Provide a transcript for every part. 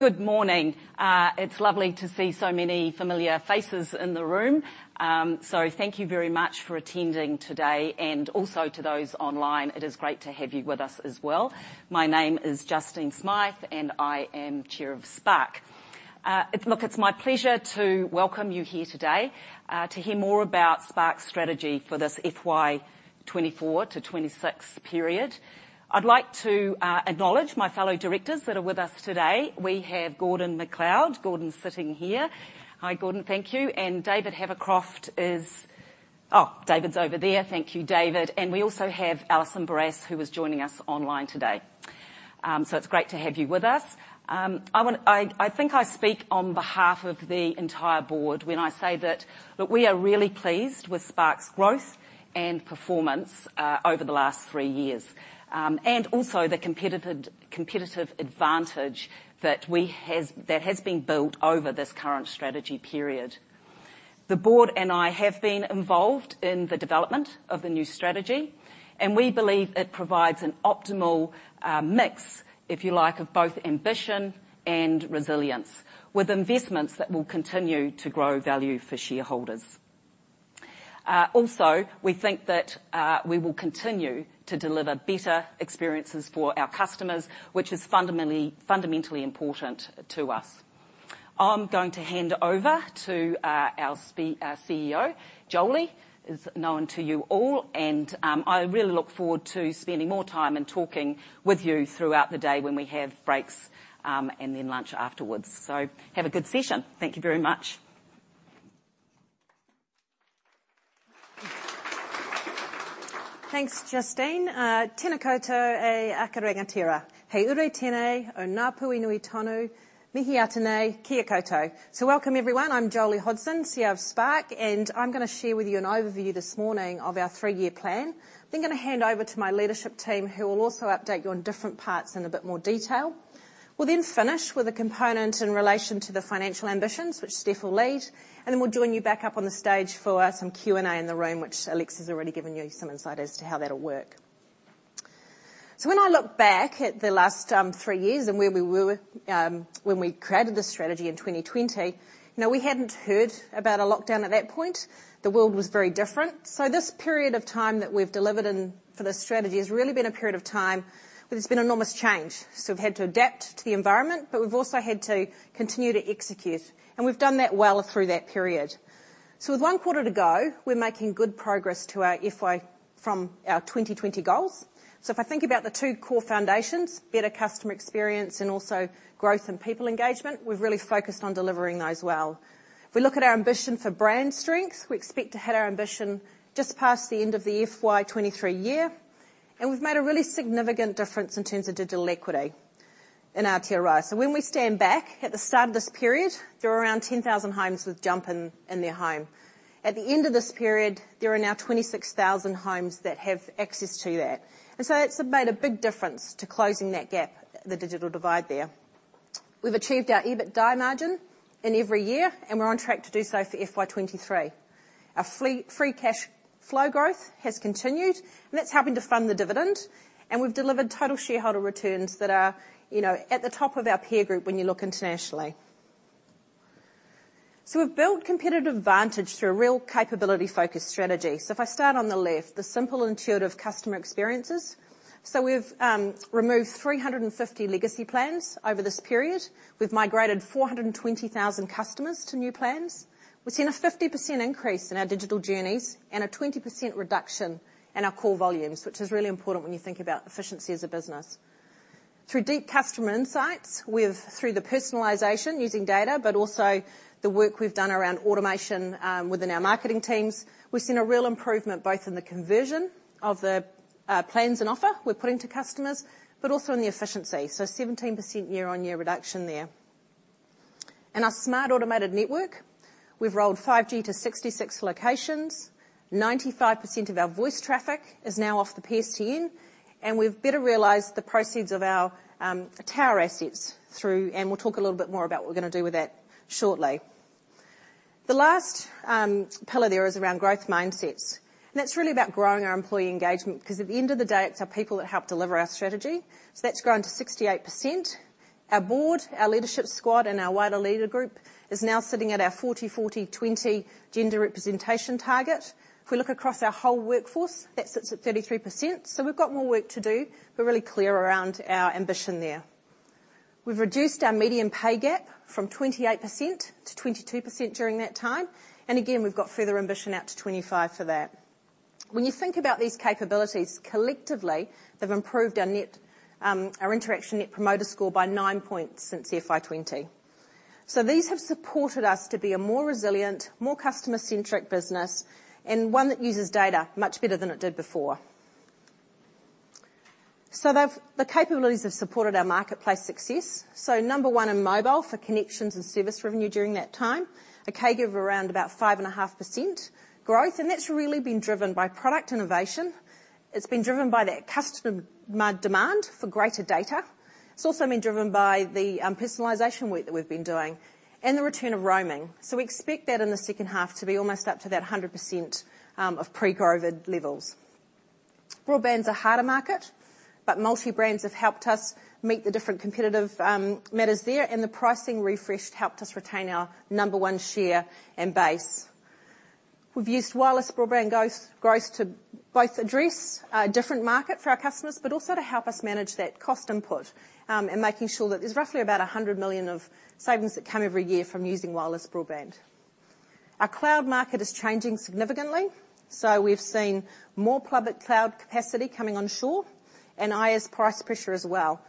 Good morning. It's lovely to see so many familiar faces in the room. Thank you very much for attending today and also to those online. It is great to have you with us as well. My name is Justine Smyth, I am Chair of Spark. Look, it's my pleasure to welcome you here today to hear more about Spark's strategy for this FY 2024-2026 period. I'd like to acknowledge my fellow directors that are with us today. We have Gordon MacLeod. Gordon's sitting here. Hi, Gordon. Thank you. David Havercroft. Oh, David's over there. Thank you, David. We also have Alison Barrass, who is joining us online today. It's great to have you with us. I think I speak on behalf of the entire board when I say that we are really pleased with Spark's growth and performance over the last three years, and also the competitive advantage that has been built over this current strategy period. The board and I have been involved in the development of the new strategy, we believe it provides an optimal mix, if you like, of both ambition and resilience, with investments that will continue to grow value for shareholders. Also, we think that we will continue to deliver better experiences for our customers, which is fundamentally important to us. I'm going to hand over to our CEO. Jolie is known to you all. I really look forward to spending more time and talking with you throughout the day when we have breaks, and then lunch afterwards. Have a good session. Thank you very much. Thanks, Justine. Tēnā koutou e akaringatira, hei uru tene o Ngā Puawhenui tonu. Mihi ata nei. Kia koutou. Welcome, everyone. I'm Jolie Hodson, CEO of Spark, and I'm gonna share with you an overview this morning of our three-year plan. Gonna hand over to my leadership team, who will also update you on different parts in a bit more detail. We'll finish with a component in relation to the financial ambitions which Stef will lead. We'll join you back up on the stage for some Q&A in the room, which Alex has already given you some insight as to how that'll work. When I look back at the last three years and where we were when we created this strategy in 2020, you know, we hadn't heard about a lockdown at that point. The world was very different. This period of time that we've delivered in for this strategy has really been a period of time where there's been enormous change. We've had to adapt to the environment, but we've also had to continue to execute, and we've done that well through that period. With one quarter to go, we're making good progress to our FY from our 2020 goals. If I think about the two core foundations, better customer experience and also growth and people engagement, we've really focused on delivering those well. If we look at our ambition for brand strength, we expect to hit our ambition just past the end of the FY 2023 year, and we've made a really significant difference in terms of digital equity in Aotearoa. When we stand back, at the start of this period, there were around 10,000 homes with Jump in their home. At the end of this period, there are now 26,000 homes that have access to that. It's made a big difference to closing that gap, the digital divide there. We've achieved our EBITDA margin in every year, and we're on track to do so for FY 2023. Our free cash flow growth has continued, and that's helping to fund the dividend, and we've delivered total shareholder returns that are, you know, at the top of our peer group when you look internationally. We've built competitive advantage through a real capability-focused strategy. If I start on the left, the simple intuitive customer experiences. We've removed 350 legacy plans over this period. We've migrated 420,000 customers to new plans. We've seen a 50% increase in our digital journeys and a 20% reduction in our core volumes, which is really important when you think about efficiency as a business. Through deep customer insights, through the personalization using data but also the work we've done around automation within our marketing teams, we've seen a real improvement both in the conversion of the plans and offer we're putting to customers but also in the efficiency. 17% year-on-year reduction there. In our smart automated network, we've rolled 5G to 66 locations. 95% of our voice traffic is now off the PSTN, and we've better realized the proceeds of our tower assets, and we'll talk a little bit more about what we're gonna do with that shortly. The last pillar there is around growth mindsets. That's really about growing our employee engagement because at the end of the day, it's our people that help deliver our strategy. That's grown to 68%. Our board, our leadership squad, and our wider leader group is now sitting at our 40-40-20 gender representation target. We look across our whole workforce, that sits at 33%. We've got more work to do. We're really clear around our ambition there. We've reduced our median pay gap from 28% to 22% during that time. Again, we've got further ambition out to 2025 for that. You think about these capabilities, collectively, they've improved our net, our interaction net promoter score by nine points since FY 2020. These have supported us to be a more resilient, more customer-centric business and one that uses data much better than it did before. The capabilities have supported our marketplace success. Number one in mobile for connections and service revenue during that time. A CAGR of around about 5.5% growth, and that's really been driven by product innovation. It's been driven by that customer demand for greater data. It's also been driven by the personalization work that we've been doing and the return of roaming. We expect that in the second half to be almost up to that 100% of pre-COVID levels. Broadband's a harder market, but multi-brands have helped us meet the different competitive matters there, and the pricing refresh helped us retain our number on share and base. We've used wireless broadband growth to both address a different market for our customers, but also to help us manage that cost input, and making sure that there's roughly about 100 million of savings that come every year from using wireless broadband. Our cloud market is changing significantly, so we've seen more public cloud capacity coming onshore and IaaS price pressure as well.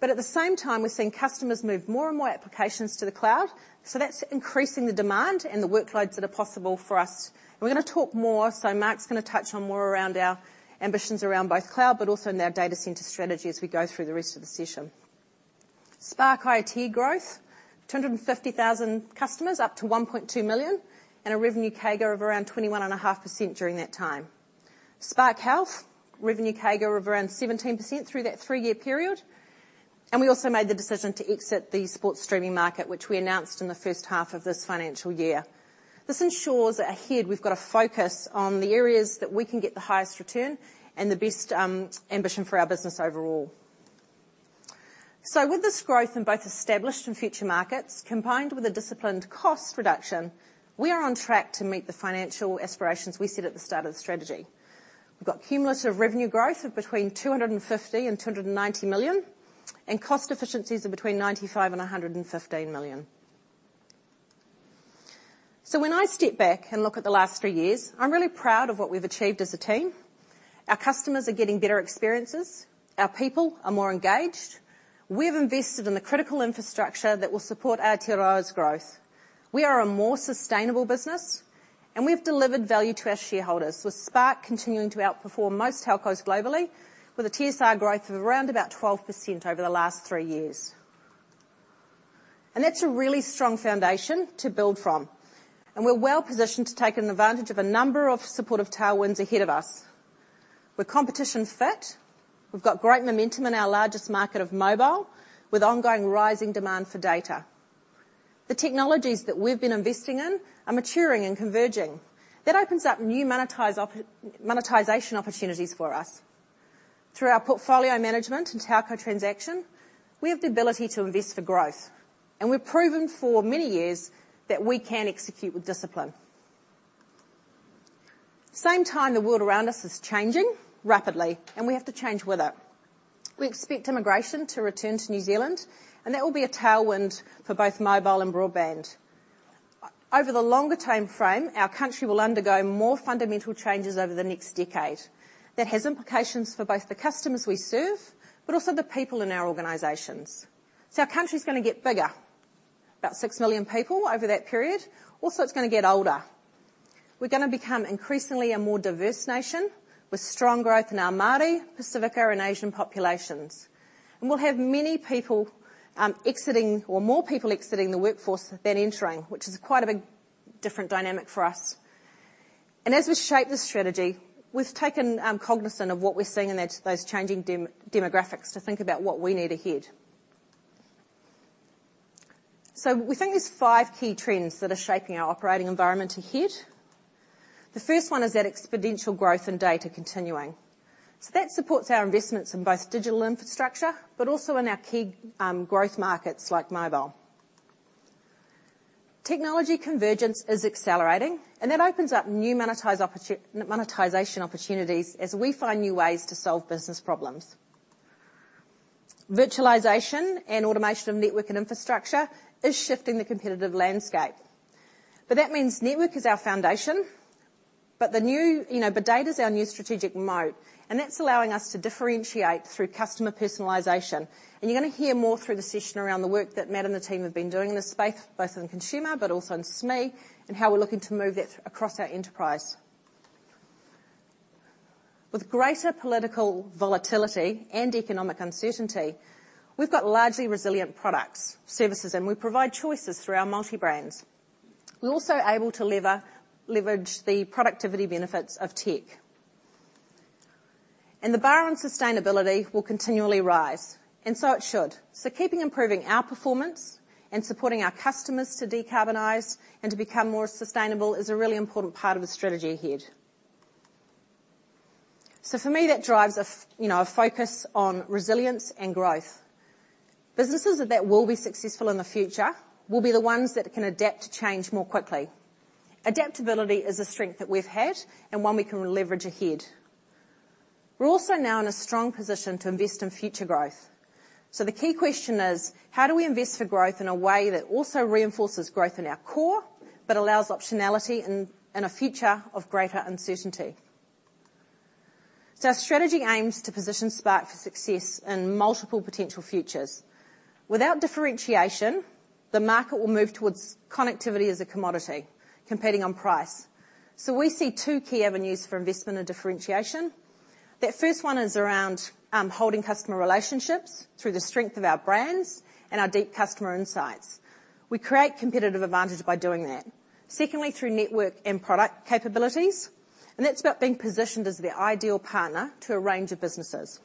At the same time, we're seeing customers move more and more applications to the cloud, so that's increasing the demand and the workloads that are possible for us. We're gonna talk more, so Mark's gonna touch on more around our ambitions around both cloud, but also in our data center strategy as we go through the rest of the session. Spark IoT growth, 250,000 customers up to 1.2 million, and a revenue CAGR of around 21.5% during that time. Spark Health, revenue CAGR of around 17% through that three-year period. We also made the decision to exit the sports streaming market, which we announced in the first half of this financial year. This ensures that ahead we've got a focus on the areas that we can get the highest return and the best ambition for our business overall. With this growth in both established and future markets, combined with a disciplined cost reduction, we are on track to meet the financial aspirations we set at the start of the strategy. We've got cumulative revenue growth of between 250 million and 290 million, and cost efficiencies of between 95 million and 115 million. When I step back and look at the last three years, I'm really proud of what we've achieved as a team. Our customers are getting better experiences. Our people are more engaged. We've invested in the critical infrastructure that will support Aotearoa's growth. We are a more sustainable business, and we've delivered value to our shareholders, with Spark continuing to outperform most telcos globally, with a TSR growth of around about 12% over the last three years. That's a really strong foundation to build from, and we're well-positioned to take an advantage of a number of supportive tailwinds ahead of us. We're competition fit. We've got great momentum in our largest market of mobile, with ongoing rising demand for data. The technologies that we've been investing in are maturing and converging. That opens up new monetization opportunities for us. Through our portfolio management and telco transaction, we have the ability to invest for growth, and we've proven for many years that we can execute with discipline. Same time, the world around us is changing rapidly, and we have to change with it. We expect immigration to return to New Zealand, and that will be a tailwind for both mobile and broadband. Over the longer timeframe, our country will undergo more fundamental changes over the next decade. That has implications for both the customers we serve, but also the people in our organizations. Our country's gonna get bigger. About 6 million people over that period. Also, it's gonna get older. We're gonna become increasingly a more diverse nation with strong growth in our Māori, Pacifica, and Asian populations. We'll have many people, more people exiting the workforce than entering, which is quite a big different dynamic for us. As we shape the strategy, we've taken cognizant of what we're seeing in those changing demographics to think about what we need ahead. We think there's five key trends that are shaping our operating environment ahead. The first one is that exponential growth in data continuing. That supports our investments in both digital infrastructure, but also in our key growth markets like mobile. Technology convergence is accelerating, and that opens up new monetization opportunities as we find new ways to solve business problems. Virtualization and automation of network and infrastructure is shifting the competitive landscape. That means network is our foundation, you know, data is our new strategic mode, and that's allowing us to differentiate through customer personalization. You're gonna hear more through the session around the work that Matt and the team have been doing in this space, both in consumer but also in SME, and how we're looking to move that across our enterprise. With greater political volatility and economic uncertainty, we've got largely resilient products, services, and we provide choices through our multi-brands. We're also able to leverage the productivity benefits of tech. The bar on sustainability will continually rise, and so it should. Keeping improving our performance and supporting our customers to decarbonize and to become more sustainable is a really important part of the strategy ahead. For me, that drives you know, a focus on resilience and growth. Businesses that will be successful in the future will be the ones that can adapt to change more quickly. Adaptability is a strength that we've had and one we can leverage ahead. We're also now in a strong position to invest in future growth. The key question is: How do we invest for growth in a way that also reinforces growth in our core but allows optionality in a future of greater uncertainty? Our strategy aims to position Spark for success in multiple potential futures. Without differentiation, the market will move towards connectivity as a commodity, competing on price. We see two key avenues for investment and differentiation. That first one is around holding customer relationships through the strength of our brands and our deep customer insights. We create competitive advantage by doing that. Secondly, through network and product capabilities, and that's about being positioned as the ideal partner to a range of businesses.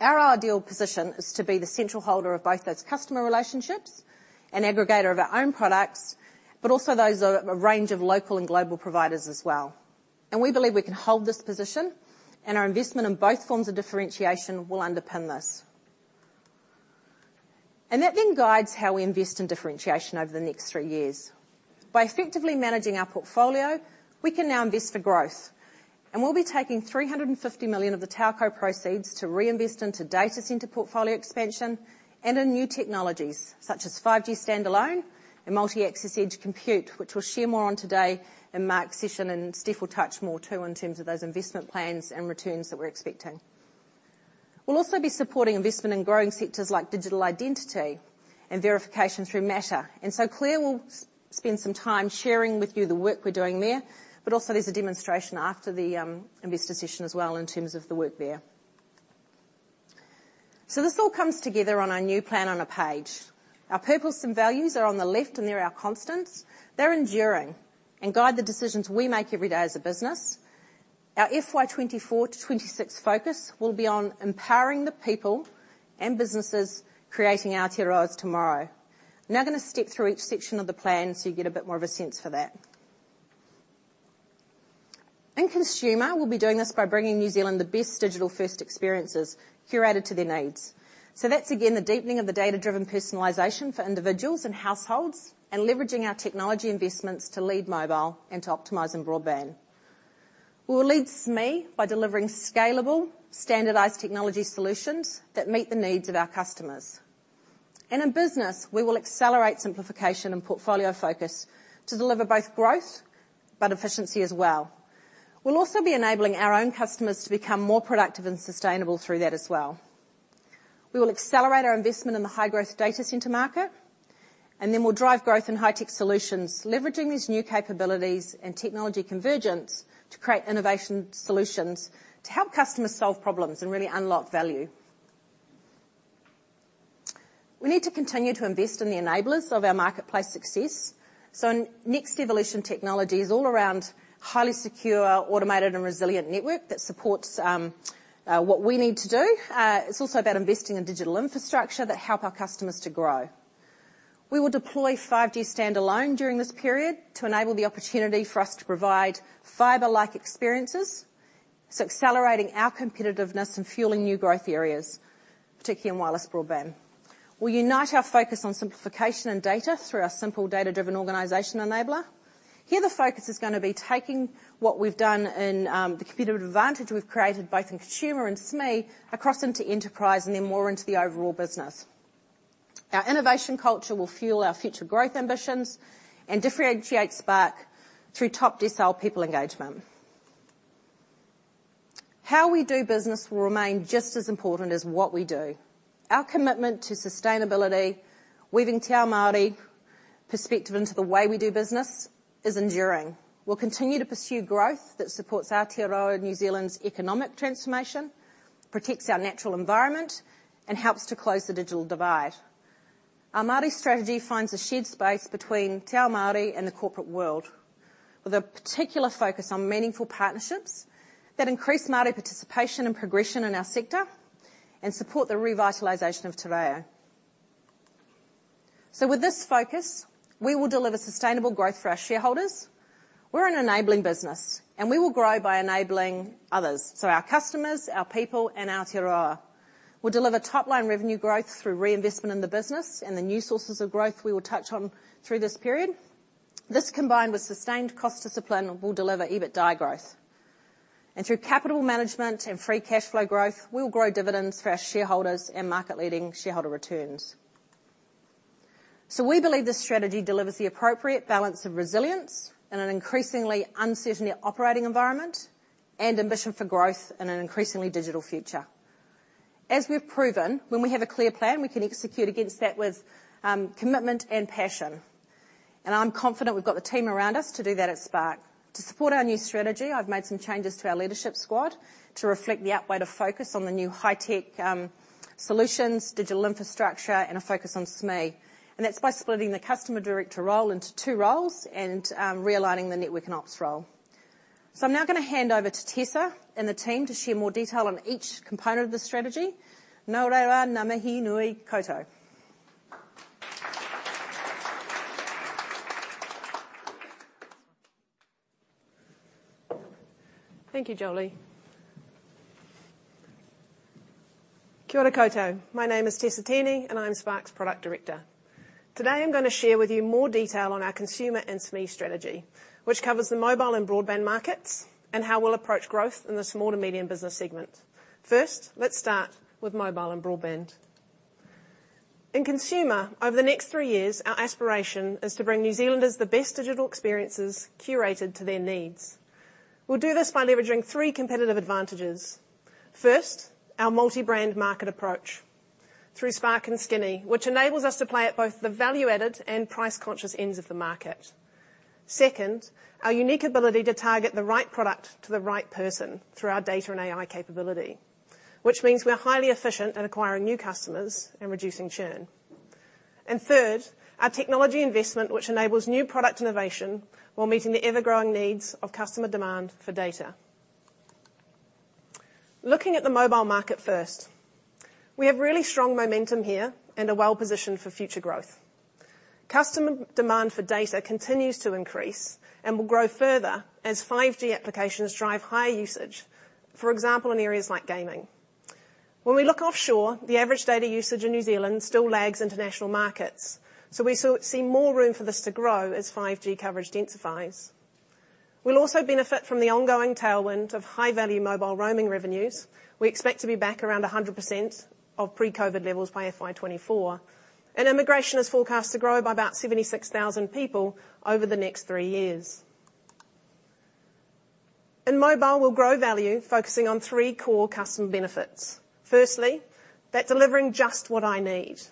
Our ideal position is to be the central holder of both those customer relationships and aggregator of our own products, but also those of a range of local and global providers as well. We believe we can hold this position, and our investment in both forms of differentiation will underpin this. That then guides how we invest in differentiation over the next three years. By effectively managing our portfolio, we can now invest for growth. We'll be taking 350 million of the Telco proceeds to reinvest into data center portfolio expansion and in new technologies, such as 5G standalone and Multi-access Edge compute, which we'll share more on today in Mark's session, and Steve will touch more too in terms of those investment plans and returns that we're expecting. We'll also be supporting investment in growing sectors like digital identity and verification through MATTR. Claire will spend some time sharing with you the work we're doing there, but also there's a demonstration after the investor session as well in terms of the work there. This all comes together on our new plan on a page. Our purpose and values are on the left, and they're our constants. They're enduring and guide the decisions we make every day as a business. Our FY 2024-2026 focus will be on empowering the people and businesses creating Aotearoa's tomorrow. I'm gonna step through each section of the plan, so you get a bit more of a sense for that. In consumer, we'll be doing this by bringing New Zealand the best digital-first experiences curated to their needs. That's again the deepening of the data-driven personalization for individuals and households and leveraging our technology investments to lead mobile and to optimize in broadband. We will lead SME by delivering scalable, standardized technology solutions that meet the needs of our customers. In business, we will accelerate simplification and portfolio focus to deliver both growth but efficiency as well. We'll also be enabling our own customers to become more productive and sustainable through that as well. We will accelerate our investment in the high-growth data center market, and then we'll drive growth in high-tech solutions, leveraging these new capabilities and technology convergence to create innovation solutions to help customers solve problems and really unlock value. We need to continue to invest in the enablers of our marketplace success. Next evolution technology is all around highly secure, automated, and resilient network that supports what we need to do. It's also about investing in digital infrastructure that help our customers to grow. We will deploy 5G standalone during this period to enable the opportunity for us to provide fiber-like experiences, so accelerating our competitiveness and fueling new growth areas, particularly in wireless broadband. We'll unite our focus on simplification and data through our simple data-driven organization enabler. Here the focus is gonna be taking what we've done and the competitive advantage we've created both in consumer and SME across into enterprise and then more into the overall business. Our innovation culture will fuel our future growth ambitions and differentiate Spark through top decile people engagement. How we do business will remain just as important as what we do. Our commitment to sustainability, weaving te ao Māori perspective into the way we do business is enduring. We'll continue to pursue growth that supports Aotearoa New Zealand's economic transformation, protects our natural environment, and helps to close the digital divide. Our Māori strategy finds a shared space between te ao Māori and the corporate world, with a particular focus on meaningful partnerships that increase Māori participation and progression in our sector and support the revitalization of te reo. With this focus, we will deliver sustainable growth for our shareholders. We're an enabling business, and we will grow by enabling others, so our customers, our people, and our Aotearoa. We'll deliver top-line revenue growth through reinvestment in the business and the new sources of growth we will touch on through this period. This combined with sustained cost discipline will deliver EBITDA growth. Through capital management and free cash flow growth, we will grow dividends for our shareholders and market-leading shareholder returns. We believe this strategy delivers the appropriate balance of resilience in an increasingly uncertain operating environment and ambition for growth in an increasingly digital future. As we've proven, when we have a clear plan, we can execute against that with commitment and passion, and I'm confident we've got the team around us to do that at Spark. To support our new strategy, I've made some changes to our leadership squad to reflect the outweigh to focus on the new high-tech solutions, digital infrastructure, and a focus on SME. That's by splitting the customer director role into two roles and realigning the network and ops role. I'm now gonna hand over to Tessa and the team to share more detail on each component of the strategy. Thank you, Jolie. My name is Tessa Tierney, and I'm Spark's product director. Today, I'm gonna share with you more detail on our consumer and SME strategy, which covers the mobile and broadband markets and how we'll approach growth in the small to medium business segment. First, let's start with mobile and broadband. In consumer, over the next three years, our aspiration is to bring New Zealanders the best digital experiences curated to their needs. We'll do this by leveraging three competitive advantages. First, our multi-brand market approach through Spark and Skinny, which enables us to play at both the value-added and price-conscious ends of the market. Second, our unique ability to target the right product to the right person through our data and AI capability, which means we're highly efficient at acquiring new customers and reducing churn. Third, our technology investment, which enables new product innovation while meeting the ever-growing needs of customer demand for data. Looking at the mobile market first, we have really strong momentum here and are well-positioned for future growth. Customer demand for data continues to increase and will grow further as 5G applications drive higher usage. For example, in areas like gaming. When we look offshore, the average data usage in New Zealand still lags international markets, so we sort see more room for this to grow as 5G coverage intensifies. We'll also benefit from the ongoing tailwind of high-value mobile roaming revenues. We expect to be back around 100% of pre-COVID levels by FY 2024. Immigration is forecast to grow by about 76,000 people over the next three years. In mobile, we'll grow value focusing on three core customer benefits. Firstly, that delivering just what I need.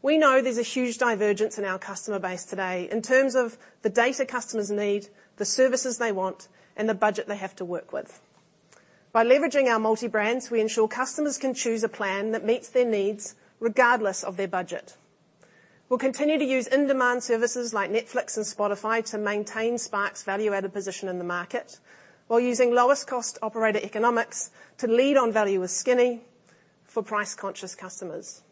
We know there's a huge divergence in our customer base today in terms of the data customers need, the services they want, and the budget they have to work with. By leveraging our multi-brands, we ensure customers can choose a plan that meets their needs regardless of their budget. We'll continue to use in-demand services like Netflix and Spotify to maintain Spark's value-added position in the market, while using lowest cost operator economics to lead on value with Skinny for price-conscious customers.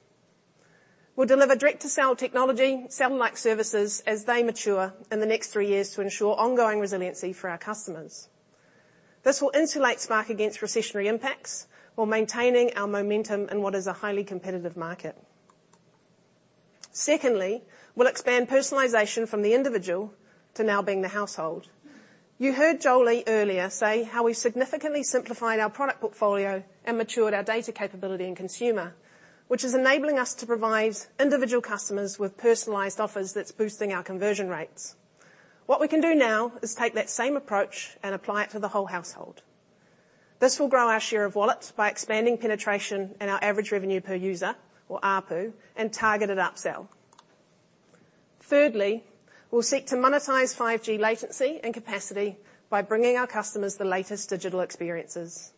We'll deliver direct-to-cell technology, satellite services as they mature in the next three years to ensure ongoing resiliency for our customers. This will insulate Spark against recessionary impacts while maintaining our momentum in what is a highly competitive market. Secondly, we'll expand personalization from the individual to now being the household. You heard Jolie earlier say how we significantly simplified our product portfolio and matured our data capability in consumer, which is enabling us to provide individual customers with personalized offers that's boosting our conversion rates. What we can do now is take that same approach and apply it to the whole household. This will grow our share of wallet by expanding penetration in our average revenue per user, or ARPU, and targeted upsell. Thirdly, we'll seek to monetize 5G latency and capacity by bringing our customers the latest digital experiences.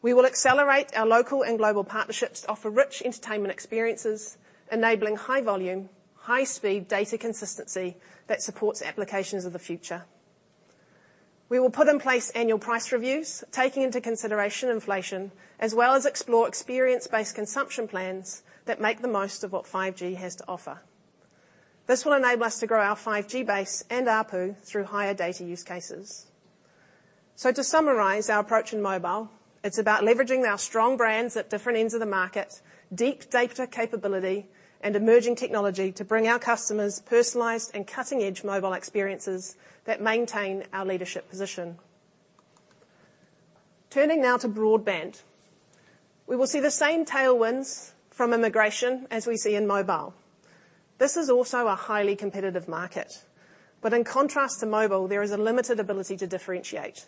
We will accelerate our local and global partnerships to offer rich entertainment experiences, enabling high-volume, high-speed data consistency that supports applications of the future. We will put in place annual price reviews, taking into consideration inflation, as well as explore experience-based consumption plans that make the most of what 5G has to offer. This will enable us to grow our 5G base and ARPU through higher data use cases. To summarize our approach in mobile, it's about leveraging our strong brands at different ends of the market, deep data capability, and emerging technology to bring our customers personalized and cutting-edge mobile experiences that maintain our leadership position. Turning now to broadband. We will see the same tailwinds from immigration as we see in mobile. This is also a highly competitive market. In contrast to mobile, there is a limited ability to differentiate.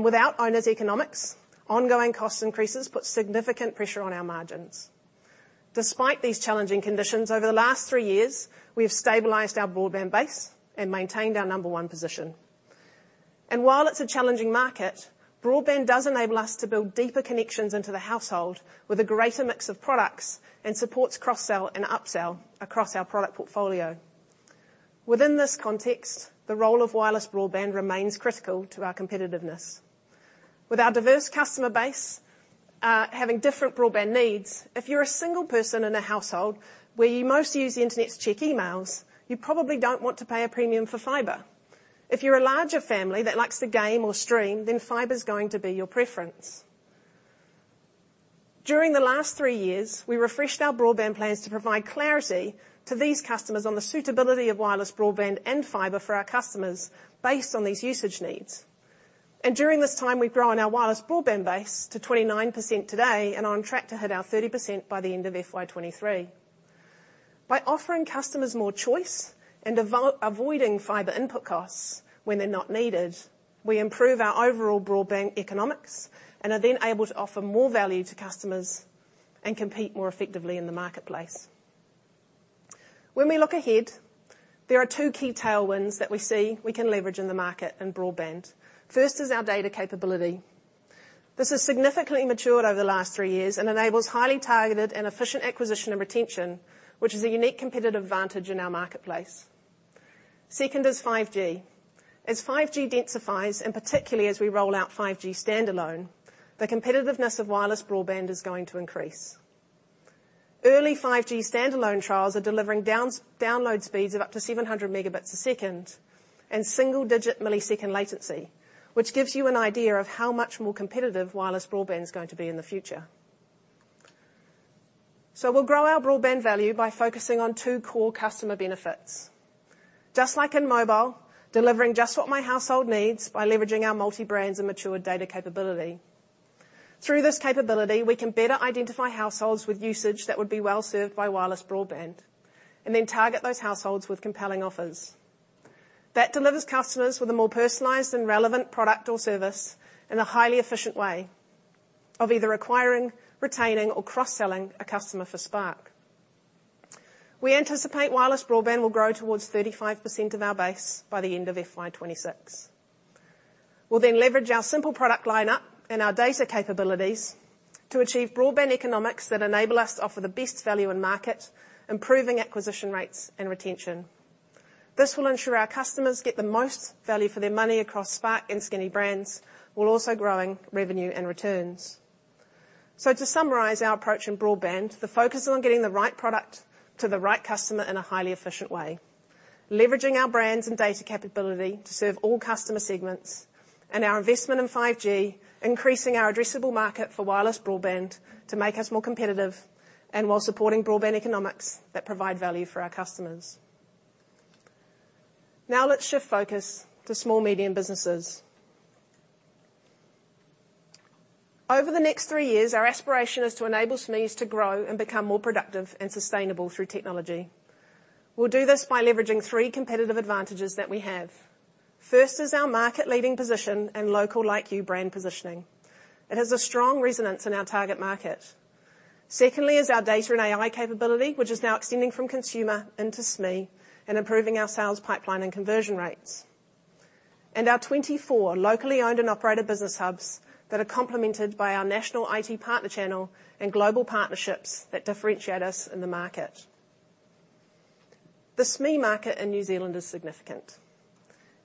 Without owner's economics, ongoing cost increases put significant pressure on our margins. Despite these challenging conditions, over the last three years, we have stabilized our broadband base and maintained our number one position. While it's a challenging market, broadband does enable us to build deeper connections into the household with a greater mix of products and supports cross-sell and upsell across our product portfolio. Within this context, the role of wireless broadband remains critical to our competitiveness. With our diverse customer base, having different broadband needs, if you're a single person in a household where you most use the internet to check emails, you probably don't want to pay a premium for fiber. If you're a larger family that likes to game or stream, fiber is going to be your preference. During the last three years, we refreshed our broadband plans to provide clarity to these customers on the suitability of wireless broadband and fiber for our customers based on these usage needs. During this time, we've grown our wireless broadband base to 29% today and are on track to hit our 30% by the end of FY 2023. By offering customers more choice and avoiding fiber input costs when they're not needed, we improve our overall broadband economics and are then able to offer more value to customers and compete more effectively in the marketplace. When we look ahead, there are two key tailwinds that we see we can leverage in the market in broadband. First is our data capability. This has significantly matured over the last three years and enables highly targeted and efficient acquisition and retention, which is a unique competitive advantage in our marketplace. Second is 5G. As 5G densifies, and particularly as we roll out 5G standalone, the competitiveness of wireless broadband is going to increase. Early 5G standalone trials are delivering download speeds of up to 700 megabits a second and single-digit millisecond latency, which gives you an idea of how much more competitive wireless broadband is going to be in the future. We'll grow our broadband value by focusing on two core customer benefits. Just like in mobile, delivering just what my household needs by leveraging our multi-brands and mature data capability. Through this capability, we can better identify households with usage that would be well served by wireless broadband, and then target those households with compelling offers. That delivers customers with a more personalized and relevant product or service in a highly efficient way of either acquiring, retaining, or cross-selling a customer for Spark. We anticipate wireless broadband will grow towards 35% of our base by the end of FY 2026. We'll then leverage our simple product line up and our data capabilities to achieve broadband economics that enable us to offer the best value in market, improving acquisition rates and retention. This will ensure our customers get the most value for their money across Spark and Skinny brands, while also growing revenue and returns. To summarize our approach in broadband, the focus on getting the right product to the right customer in a highly efficient way. Leveraging our brands and data capability to serve all customer segments, and our investment in 5G, increasing our addressable market for wireless broadband to make us more competitive, and while supporting broadband economics that provide value for our customers. Let's shift focus to small, medium businesses. Over the next three years, our aspiration is to enable SMEs to grow and become more productive and sustainable through technology. We'll do this by leveraging three competitive advantages that we have. First is our market-leading position and local Like You brand positioning. It has a strong resonance in our target market. Secondly is our data and AI capability, which is now extending from consumer into SME and improving our sales pipeline and conversion rates. Our 24 locally owned and operated business hubs that are complemented by our national IT partner channel and global partnerships that differentiate us in the market. The SME market in New Zealand is significant.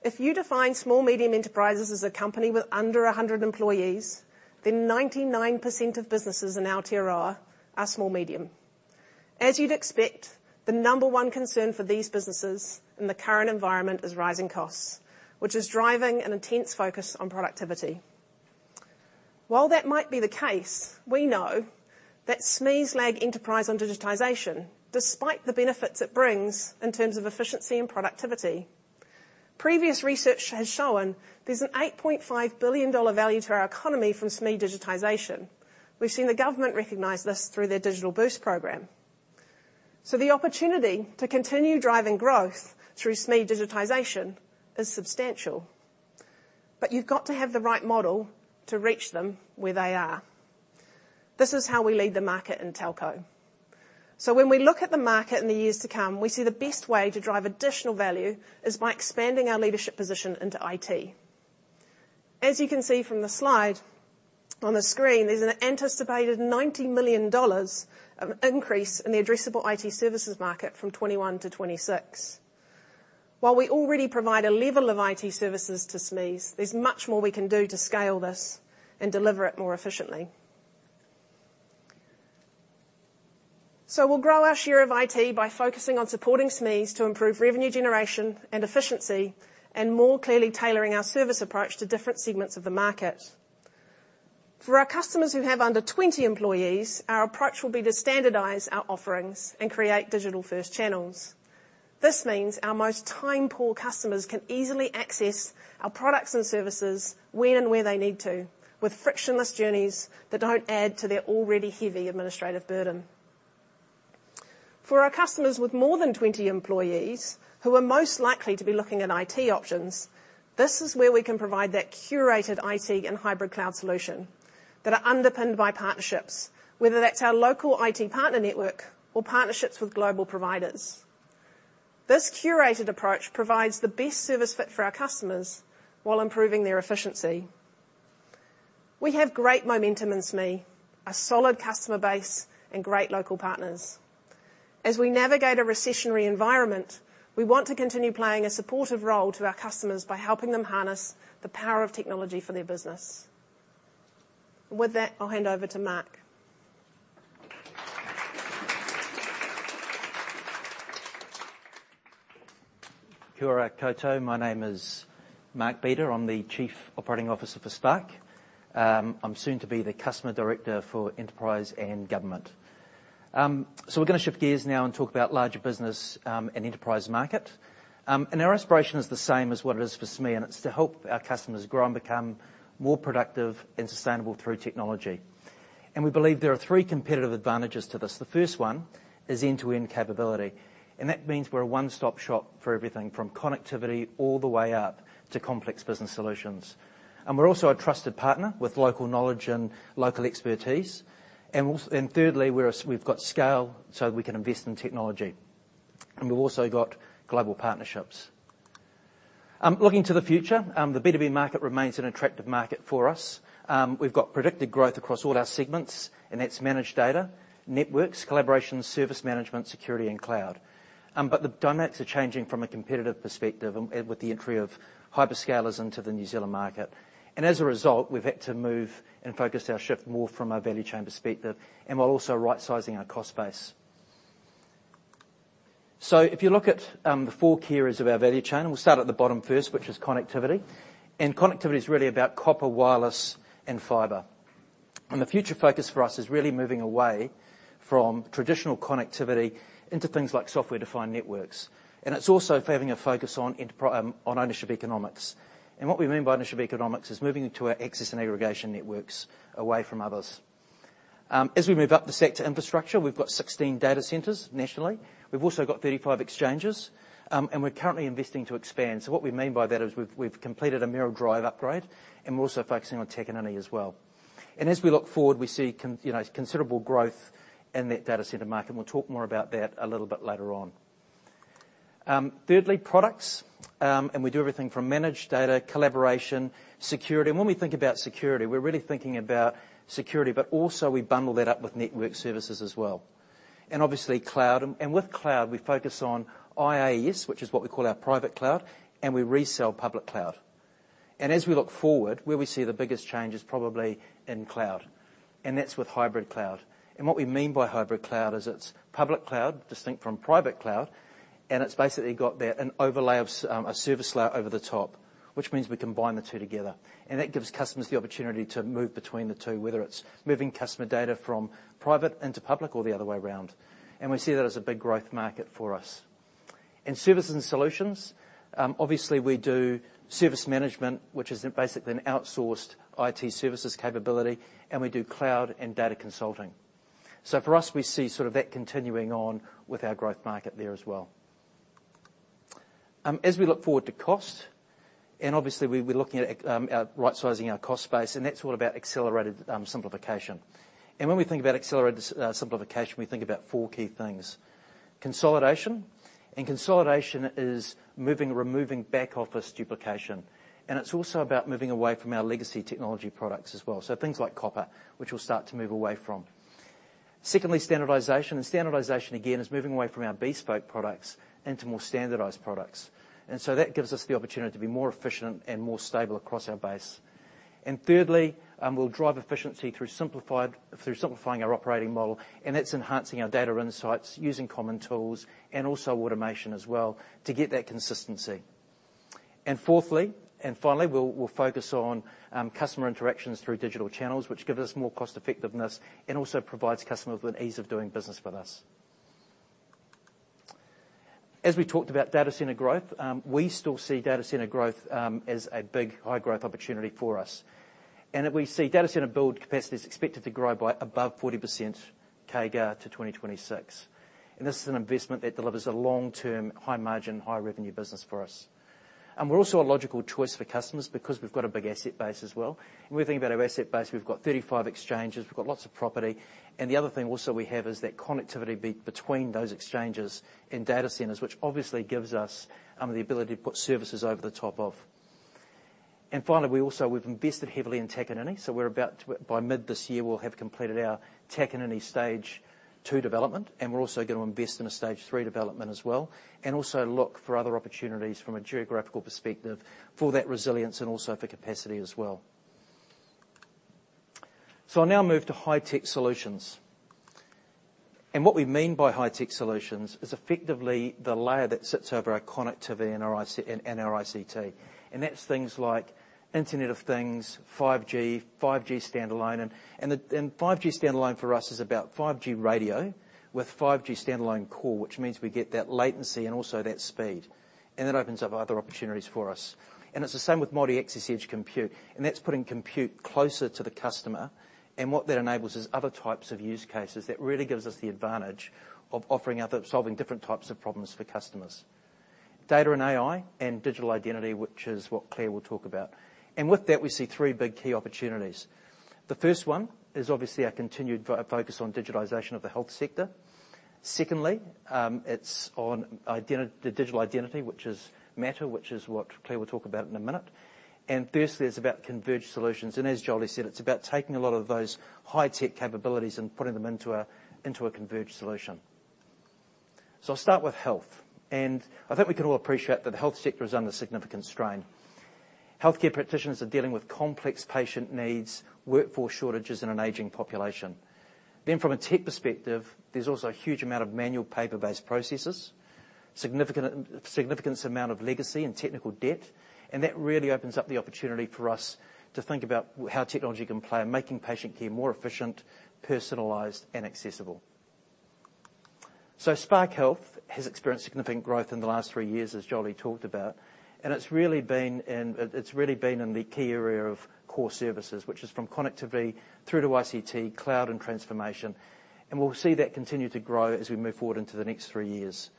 If you define small, medium enterprises as a company with under 100 employees, then 99% of businesses in Aotearoa are small, medium. As you'd expect, the number one concern for these businesses in the current environment is rising costs, which is driving an intense focus on productivity. While that might be the case, we know that SMEs lag enterprise on digitization despite the benefits it brings in terms of efficiency and productivity. Previous research has shown there's an 8.5 billion dollar value to our economy from SME digitization. We've seen the government recognize this through their Digital Boost program. The opportunity to continue driving growth through SME digitization is substantial. You've got to have the right model to reach them where they are. This is how we lead the market in telco. When we look at the market in the years to come, we see the best way to drive additional value is by expanding our leadership position into IT. As you can see from the slide on the screen, there's an anticipated 90 million dollars of increase in the addressable IT services market from 2021 to 2026. While we already provide a level of IT services to SMEs, there's much more we can do to scale this and deliver it more efficiently. We'll grow our share of IT by focusing on supporting SMEs to improve revenue generation and efficiency, and more clearly tailoring our service approach to different segments of the market. For our customers who have under 20 employees, our approach will be to standardize our offerings and create digital-first channels. This means our most time-poor customers can easily access our products and services when and where they need to, with frictionless journeys that don't add to their already heavy administrative burden. For our customers with more than 20 employees, who are most likely to be looking at IT options, this is where we can provide that curated IT and hybrid cloud solution that are underpinned by partnerships, whether that's our local IT partner network or partnerships with global providers. This curated approach provides the best service fit for our customers while improving their efficiency. We have great momentum in SME, a solid customer base, and great local partners. As we navigate a recessionary environment, we want to continue playing a supportive role to our customers by helping them harness the power of technology for their business. With that, I'll hand over to Mark. Kia ora koutou. My name is Mark Beder. I'm the Chief Operating Officer for Spark. I'm soon to be the Customer Director for Enterprise and Government. We're going to shift gears now and talk about larger business and enterprise market. Our aspiration is the same as what it is for SME, and it's to help our customers grow and become more productive and sustainable through technology. We believe there are three competitive advantages to this. The first one is end-to-end capability, and that means we're a one-stop shop for everything from connectivity all the way up to complex business solutions. We're also a trusted partner with local knowledge and local expertise. Thirdly, we've got scale so that we can invest in technology. We've also got global partnerships. Looking to the future, the B2B market remains an attractive market for us. We've got predicted growth across all our segments, and that's managed data, networks, collaboration, service management, security, and cloud. The dynamics are changing from a competitive perspective and with the entry of hyperscalers into the New Zealand market. As a result, we've had to move and focus our shift more from a value chain perspective and while also rightsizing our cost base. If you look at the four key areas of our value chain, we'll start at the bottom first, which is connectivity. Connectivity is really about copper, wireless, and fiber. The future focus for us is really moving away from traditional connectivity into things like software-defined networks, and it's also having a focus on ownership economics. What we mean by ownership economics is moving into our access and aggregation networks away from others. As we move up the sector infrastructure, we've got 16 data centers nationally. We've also got 35 exchanges, and we're currently investing to expand. What we mean by that is we've completed a Mayoral Drive upgrade, and we're also focusing on Takanini as well. As we look forward, we see you know, considerable growth in that data center market, and we'll talk more about that a little bit later on. Thirdly, products. We do everything from managed data, collaboration, security. When we think about security, we're really thinking about security, but also we bundle that up with network services as well. Obviously cloud. With cloud, we focus on IaaS, which is what we call our private cloud, and we resell public cloud. As we look forward, where we see the biggest change is probably in cloud, and that's with hybrid cloud. What we mean by hybrid cloud is it's public cloud, distinct from private cloud, and it's basically got there an overlay of a service layer over the top, which means we combine the two together. That gives customers the opportunity to move between the two, whether it's moving customer data from private into public or the other way around. We see that as a big growth market for us. In service and solutions, obviously we do service management, which is basically an outsourced IT services capability, and we do cloud and data consulting. For us, we see sort of that continuing on with our growth market there as well. As we look forward to cost, and obviously we're looking at our rightsizing our cost base, and that's all about accelerated simplification. When we think about accelerated simplification, we think about four key things. Consolidation is moving, removing back-office duplication. It's also about moving away from our legacy technology products as well. Things like copper, which we'll start to move away from. Secondly, standardization. Standardization, again, is moving away from our bespoke products into more standardized products. That gives us the opportunity to be more efficient and more stable across our base. Thirdly, we'll drive efficiency through simplifying our operating model, and it's enhancing our data insights using common tools and also automation as well to get that consistency. Fourthly, and finally, we'll focus on customer interactions through digital channels, which gives us more cost-effectiveness and also provides customers with ease of doing business with us. As we talked about data center growth, we still see data center growth as a big high-growth opportunity for us. We see data center build capacity is expected to grow by above 40% CAGR to 2026. This is an investment that delivers a long-term, high margin, high revenue business for us. We're also a logical choice for customers because we've got a big asset base as well. When we think about our asset base, we've got 35 exchanges, we've got lots of property. The other thing also we have is that connectivity between those exchanges and data centers, which obviously gives us the ability to put services over the top of. Finally, we've invested heavily in Takanini. We're about to by mid this year, we'll have completed our Takanini Stage two development, and we're also gonna invest in a Stage three development as well, and also look for other opportunities from a geographical perspective for that resilience and also for capacity as well. I'll now move to high tech solutions. What we mean by high tech solutions is effectively the layer that sits over our connectivity and our ICT. That's things like Internet of Things, 5G standalone. The 5G standalone for us is about 5G radio with 5G standalone core, which means we get that latency and also that speed. It opens up other opportunities for us. It's the same with Multi-access Edge Compute, and that's putting compute closer to the customer. What that enables is other types of use cases that really gives us the advantage of offering solving different types of problems for customers. Data and AI and digital identity, which is what Claire will talk about. With that, we see three big key opportunities. The first one is obviously our continued focus on digitalization of the health sector. Secondly, it's on the digital identity, which is MATTR, which is what Claire will talk about in a minute. Thirdly, it's about converged solutions. As Jolie said, it's about taking a lot of those high-tech capabilities and putting them into a converged solution. I'll start with health. I think we can all appreciate that the health sector is under significant strain. Healthcare practitioners are dealing with complex patient needs, workforce shortages in an aging population. From a tech perspective, there's also a huge amount of manual paper-based processes, significant amount of legacy and technical debt, and that really opens up the opportunity for us to think about how technology can play in making patient care more efficient, personalized, and accessible. Spark Health has experienced significant growth in the last three years, as Jolie talked about, and it's really been in the key area of core services, which is from connectivity through to ICT, cloud, and transformation. We'll see that continue to grow as we move forward into the next three years.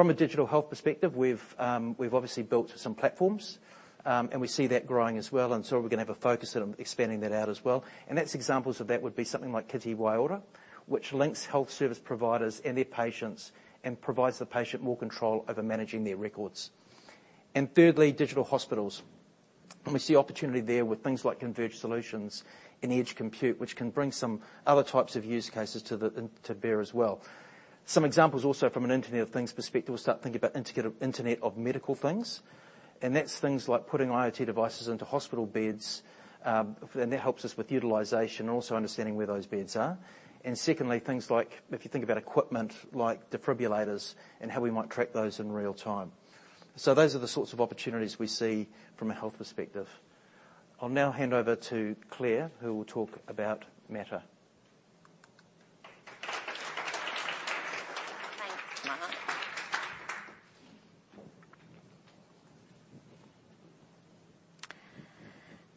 From a digital health perspective, we've obviously built some platforms, and we see that growing as well, and so we're gonna have a focus on expanding that out as well. That's examples of that would be something like Hira, which links health service providers and their patients and provides the patient more control over managing their records. Thirdly, digital hospitals. We see opportunity there with things like converged solutions and edge compute, which can bring some other types of use cases to bear as well. Some examples also from an Internet of Things perspective, we start thinking about Internet of Medical Things. That's things like putting IoT devices into hospital beds, and that helps us with utilization and also understanding where those beds are. Secondly, things like if you think about equipment like defibrillators and how we might track those in real time. Those are the sorts of opportunities we see from a health perspective. I'll now hand over to Claire, who will talk about MATTR. Thanks, Mark.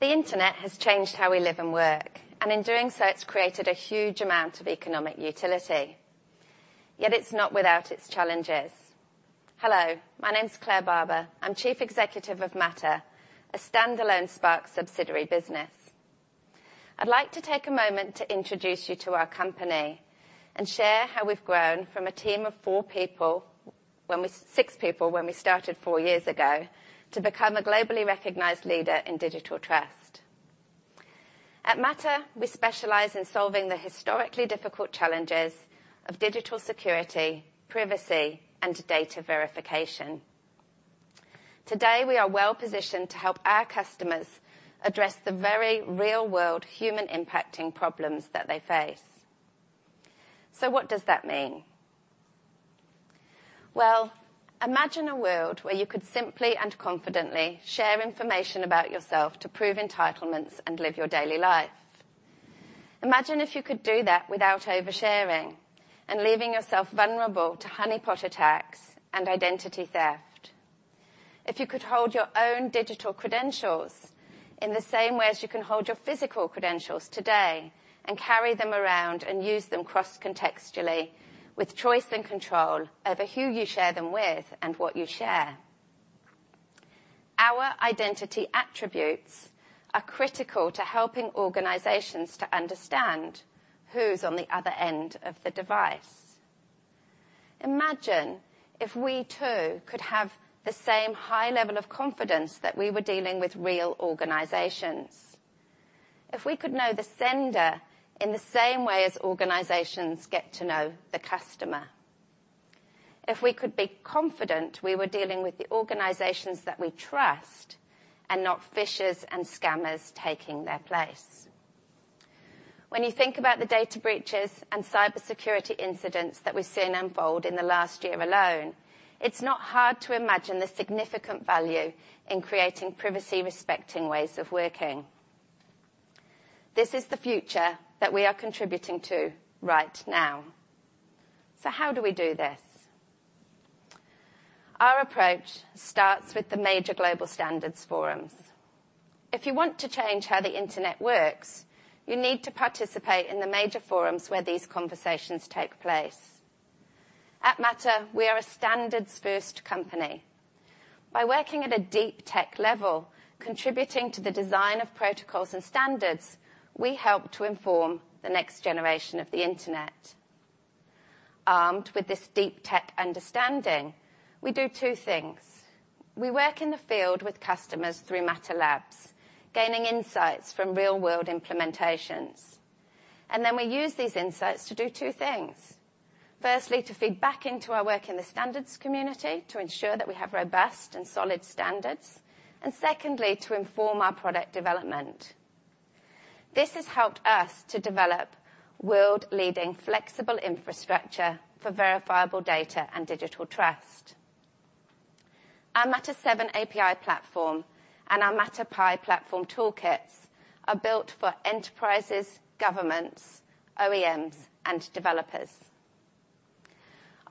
The Internet has changed how we live and work, and in doing so, it's created a huge amount of economic utility. It's not without its challenges. Hello, my name is Claire Barber. I'm chief executive of MATTR, a standalone Spark subsidiary business. I'd like to take a moment to introduce you to our company and share how we've grown from a team of four people, six people when we started four years ago, to become a globally recognized leader in digital trust. At MATTR, we specialize in solving the historically difficult challenges of digital security, privacy, and data verification. Today, we are well-positioned to help our customers address the very real-world human impacting problems that they face. What does that mean? Well, imagine a world where you could simply and confidently share information about yourself to prove entitlements and live your daily life. Imagine if you could do that without over-sharing and leaving yourself vulnerable to honeypot attacks and identity theft. If you could hold your own digital credentials in the same way as you can hold your physical credentials today and carry them around and use them cross-contextually with choice and control over who you share them with and what you share. Our identity attributes are critical to helping organizations to understand who's on the other end of the device. Imagine if we too could have the same high level of confidence that we were dealing with real organizations. If we could know the sender in the same way as organizations get to know the customer. If we could be confident we were dealing with the organizations that we trust, and not phishers and scammers taking their place. When you think about the data breaches and cybersecurity incidents that we've seen unfold in the last year alone, it's not hard to imagine the significant value in creating privacy-respecting ways of working. This is the future that we are contributing to right now. How do we do this? Our approach starts with the major global standards forums. If you want to change how the Internet works, you need to participate in the major forums where these conversations take place. At MATTR, we are a standards-first company. By working at a deep tech level, contributing to the design of protocols and standards, we help to inform the next generation of the Internet. Armed with this deep tech understanding, we do two things. We work in the field with customers through MATTR Labs, gaining insights from real-world implementations. We use these insights to do two things. Firstly, to feed back into our work in the standards community to ensure that we have robust and solid standards. Secondly, to inform our product development. This has helped us to develop world-leading flexible infrastructure for verifiable data and digital trust. Our MATTR VII API platform and our MATTR Pi platform toolkits are built for enterprises, governments, OEMs, and developers.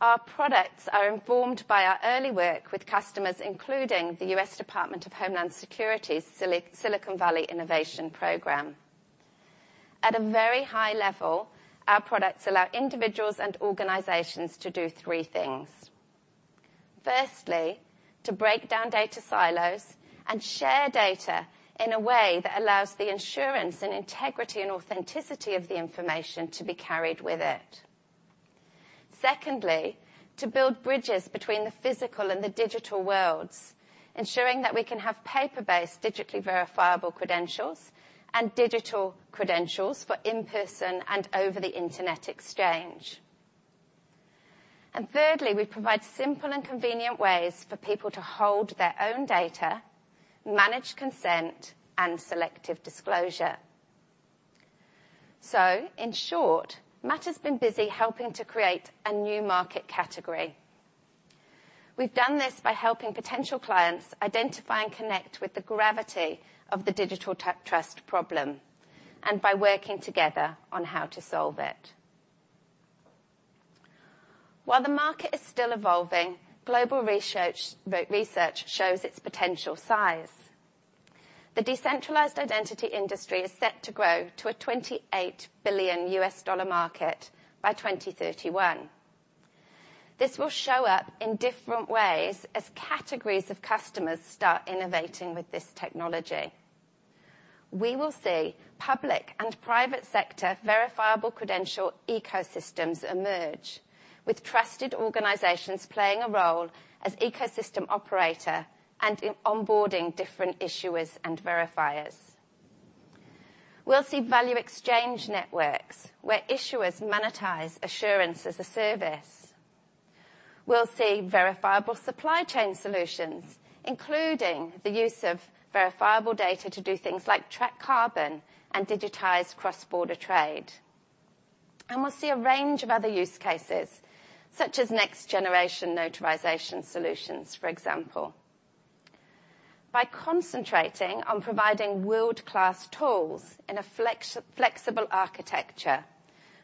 Our products are informed by our early work with customers, including the US Department of Homeland Security's Silicon Valley Innovation Program. At a very high level, our products allow individuals and organizations to do three things. Firstly, to break down data silos and share data in a way that allows the insurance and integrity and authenticity of the information to be carried with it. Secondly, to build bridges between the physical and the digital worlds, ensuring that we can have paper-based digitally verifiable credentials and digital credentials for in-person and over-the-internet exchange. Thirdly, we provide simple and convenient ways for people to hold their own data, manage consent, and selective disclosure. In short, MATTR's been busy helping to create a new market category. We've done this by helping potential clients identify and connect with the gravity of the digital trust problem, and by working together on how to solve it. While the market is still evolving, global research shows its potential size. The decentralized identity industry is set to grow to a $28 billion market by 2031. This will show up in different ways as categories of customers start innovating with this technology. We will see public and private sector verifiable credential ecosystems emerge, with trusted organizations playing a role as ecosystem operator and in onboarding different issuers and verifiers. We'll see value exchange networks where issuers monetize assurance as a service. We'll see verifiable supply chain solutions, including the use of verifiable data to do things like track carbon and digitize cross-border trade. We'll see a range of other use cases, such as next-generation notarization solutions, for example. By concentrating on providing world-class tools in a flexi-flexible architecture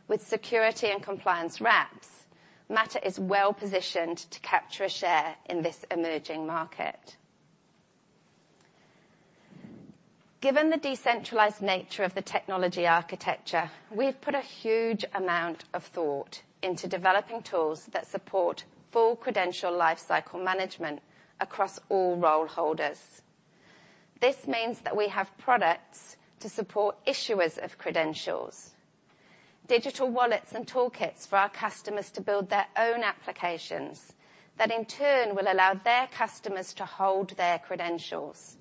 with security and compliance wraps, MATTR is well-positioned to capture a share in this emerging market. Given the decentralized nature of the technology architecture, we've put a huge amount of thought into developing tools that support full credential lifecycle management across all role holders. This means that we have products to support issuers of credentials, digital wallets and toolkits for our customers to build their own applications that in turn will allow their customers to hold their credentials,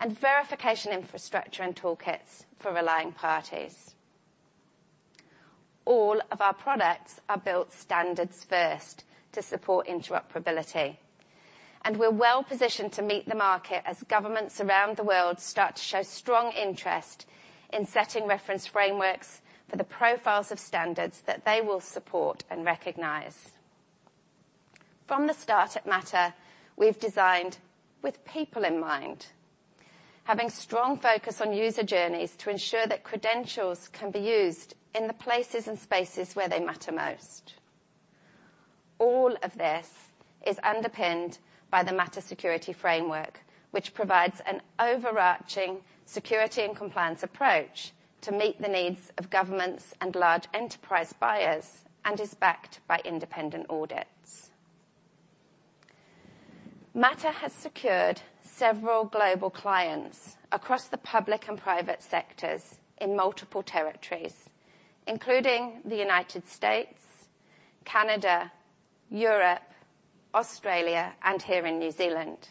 and verification infrastructure and toolkits for relying parties. All of our products are built standards first to support interoperability. We're well-positioned to meet the market as governments around the world start to show strong interest in setting reference frameworks for the profiles of standards that they will support and recognize. From the start at MATTR, we've designed with people in mind, having strong focus on user journeys to ensure that credentials can be used in the places and spaces where they matter most. All of this is underpinned by the MATTR security framework, which provides an overarching security and compliance approach to meet the needs of governments and large enterprise buyers and is backed by independent audits. MATTR has secured several global clients across the public and private sectors in multiple territories, including the United States, Canada, Europe, Australia, and here in New Zealand.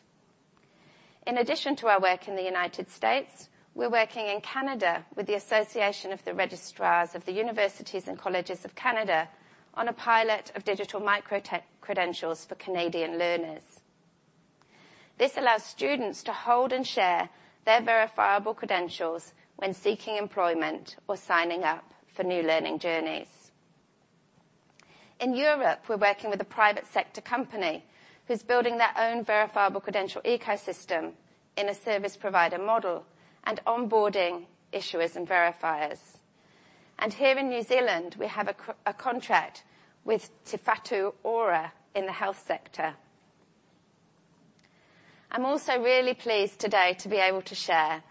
In addition to our work in the United States, we're working in Canada with the Association of Registrars of the Universities and Colleges of Canada on a pilot of digital microtech credentials for Canadian learners. This allows students to hold and share their verifiable credentials when seeking employment or signing up for new learning journeys. In Europe, we're working with a private sector company who's building their own verifiable credential ecosystem in a service provider model and onboarding issuers and verifiers. Here in New Zealand, we have a contract with Te Whatu Ora in the health sector. I'm also really pleased today to be able to share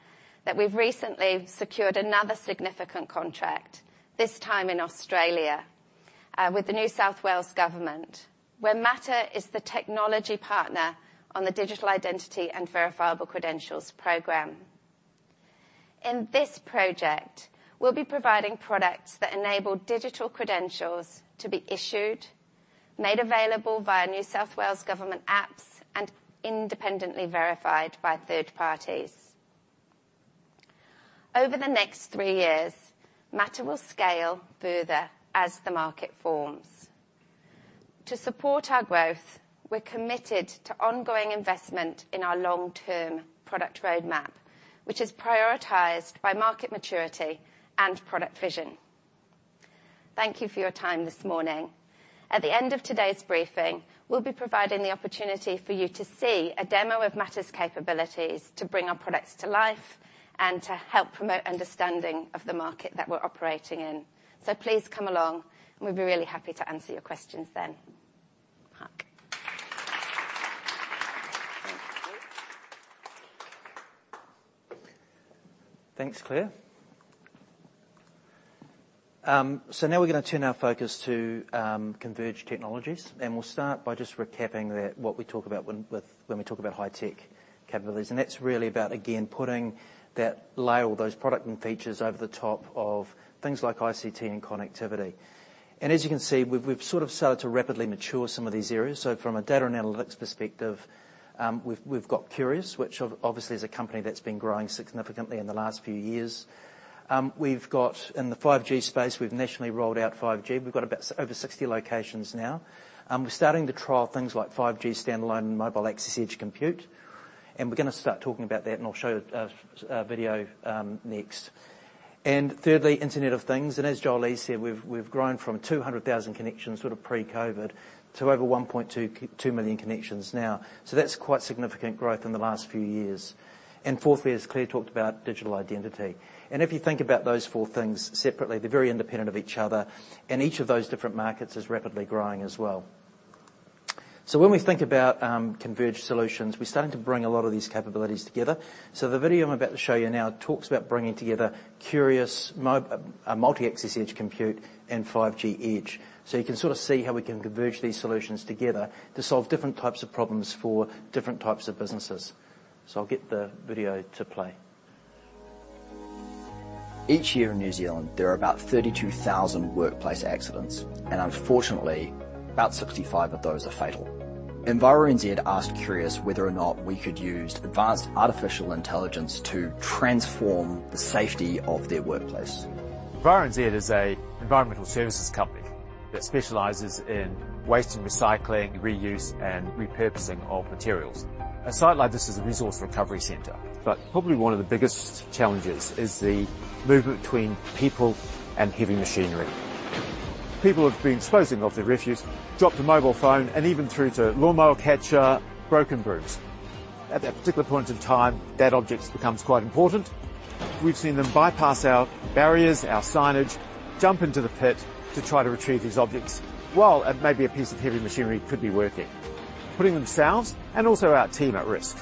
that we've recently secured another significant contract, this time in Australia, with the New South Wales Government, where MATTR is the technology partner on the digital identity and verifiable credentials program. In this project, we'll be providing products that enable digital credentials to be issued, made available via New South Wales Government apps, and independently verified by third parties. Over the next three years, MATTR will scale further as the market forms. To support our growth, we're committed to ongoing investment in our long-term product roadmap, which is prioritized by market maturity and product vision. Thank you for your time this morning. At the end of today's briefing, we'll be providing the opportunity for you to see a demo of MATTR's capabilities to bring our products to life and to help promote understanding of the market that we're operating in. Please come along, and we'd be really happy to answer your questions then. Mark. Thank you. Thanks, Claire. Now we're going to turn our focus to converged technologies, and we'll start by just recapping what we talk about when we talk about high-tech capabilities, and that's really about, again, putting that layer or those product and features over the top of things like ICT and connectivity. As you can see, we've sort of started to rapidly mature some of these areas. From a data and analytics perspective, we've got Qrious, which obviously is a company that's been growing significantly in the last few years. In the 5G space, we've nationally rolled out 5G. We've got about over 60 locations now. We're starting to trial things like 5G standalone and mobile access edge compute, and we're going to start talking about that, and I'll show a video next. Thirdly, Internet of Things. As Jolie said, we've grown from 200,000 connections sort of pre-COVID to over 1.2 million connections now. That's quite significant growth in the last few years. Fourthly, as Claire talked about, digital identity. If you think about those four things separately, they're very independent of each other, and each of those different markets is rapidly growing as well. When we think about converged solutions, we're starting to bring a lot of these capabilities together. The video I'm about to show you now talks about bringing together Qrious, multi-access edge compute, and 5G edge. You can sort of see how we can converge these solutions together to solve different types of problems for different types of businesses. I'll get the video to play. Each year in New Zealand, there are about 32,000 workplace accidents. Unfortunately, about 65 of those are fatal. EnviroNZ asked Qrious whether or not we could use advanced artificial intelligence to transform the safety of their workplace. Enviro NZ is a environmental services company that specializes in waste and recycling, reuse, and repurposing of materials. A site like this is a resource recovery center, but probably one of the biggest challenges is the movement between people and heavy machinery. People have been disposing of their refuse, dropped a mobile phone, and even through to lawnmower catcher, broken brooms. At that particular point in time, that object becomes quite important. We've seen them bypass our barriers, our signage, jump into the pit to try to retrieve these objects while maybe a piece of heavy machinery could be working, putting themselves and also our team at risk.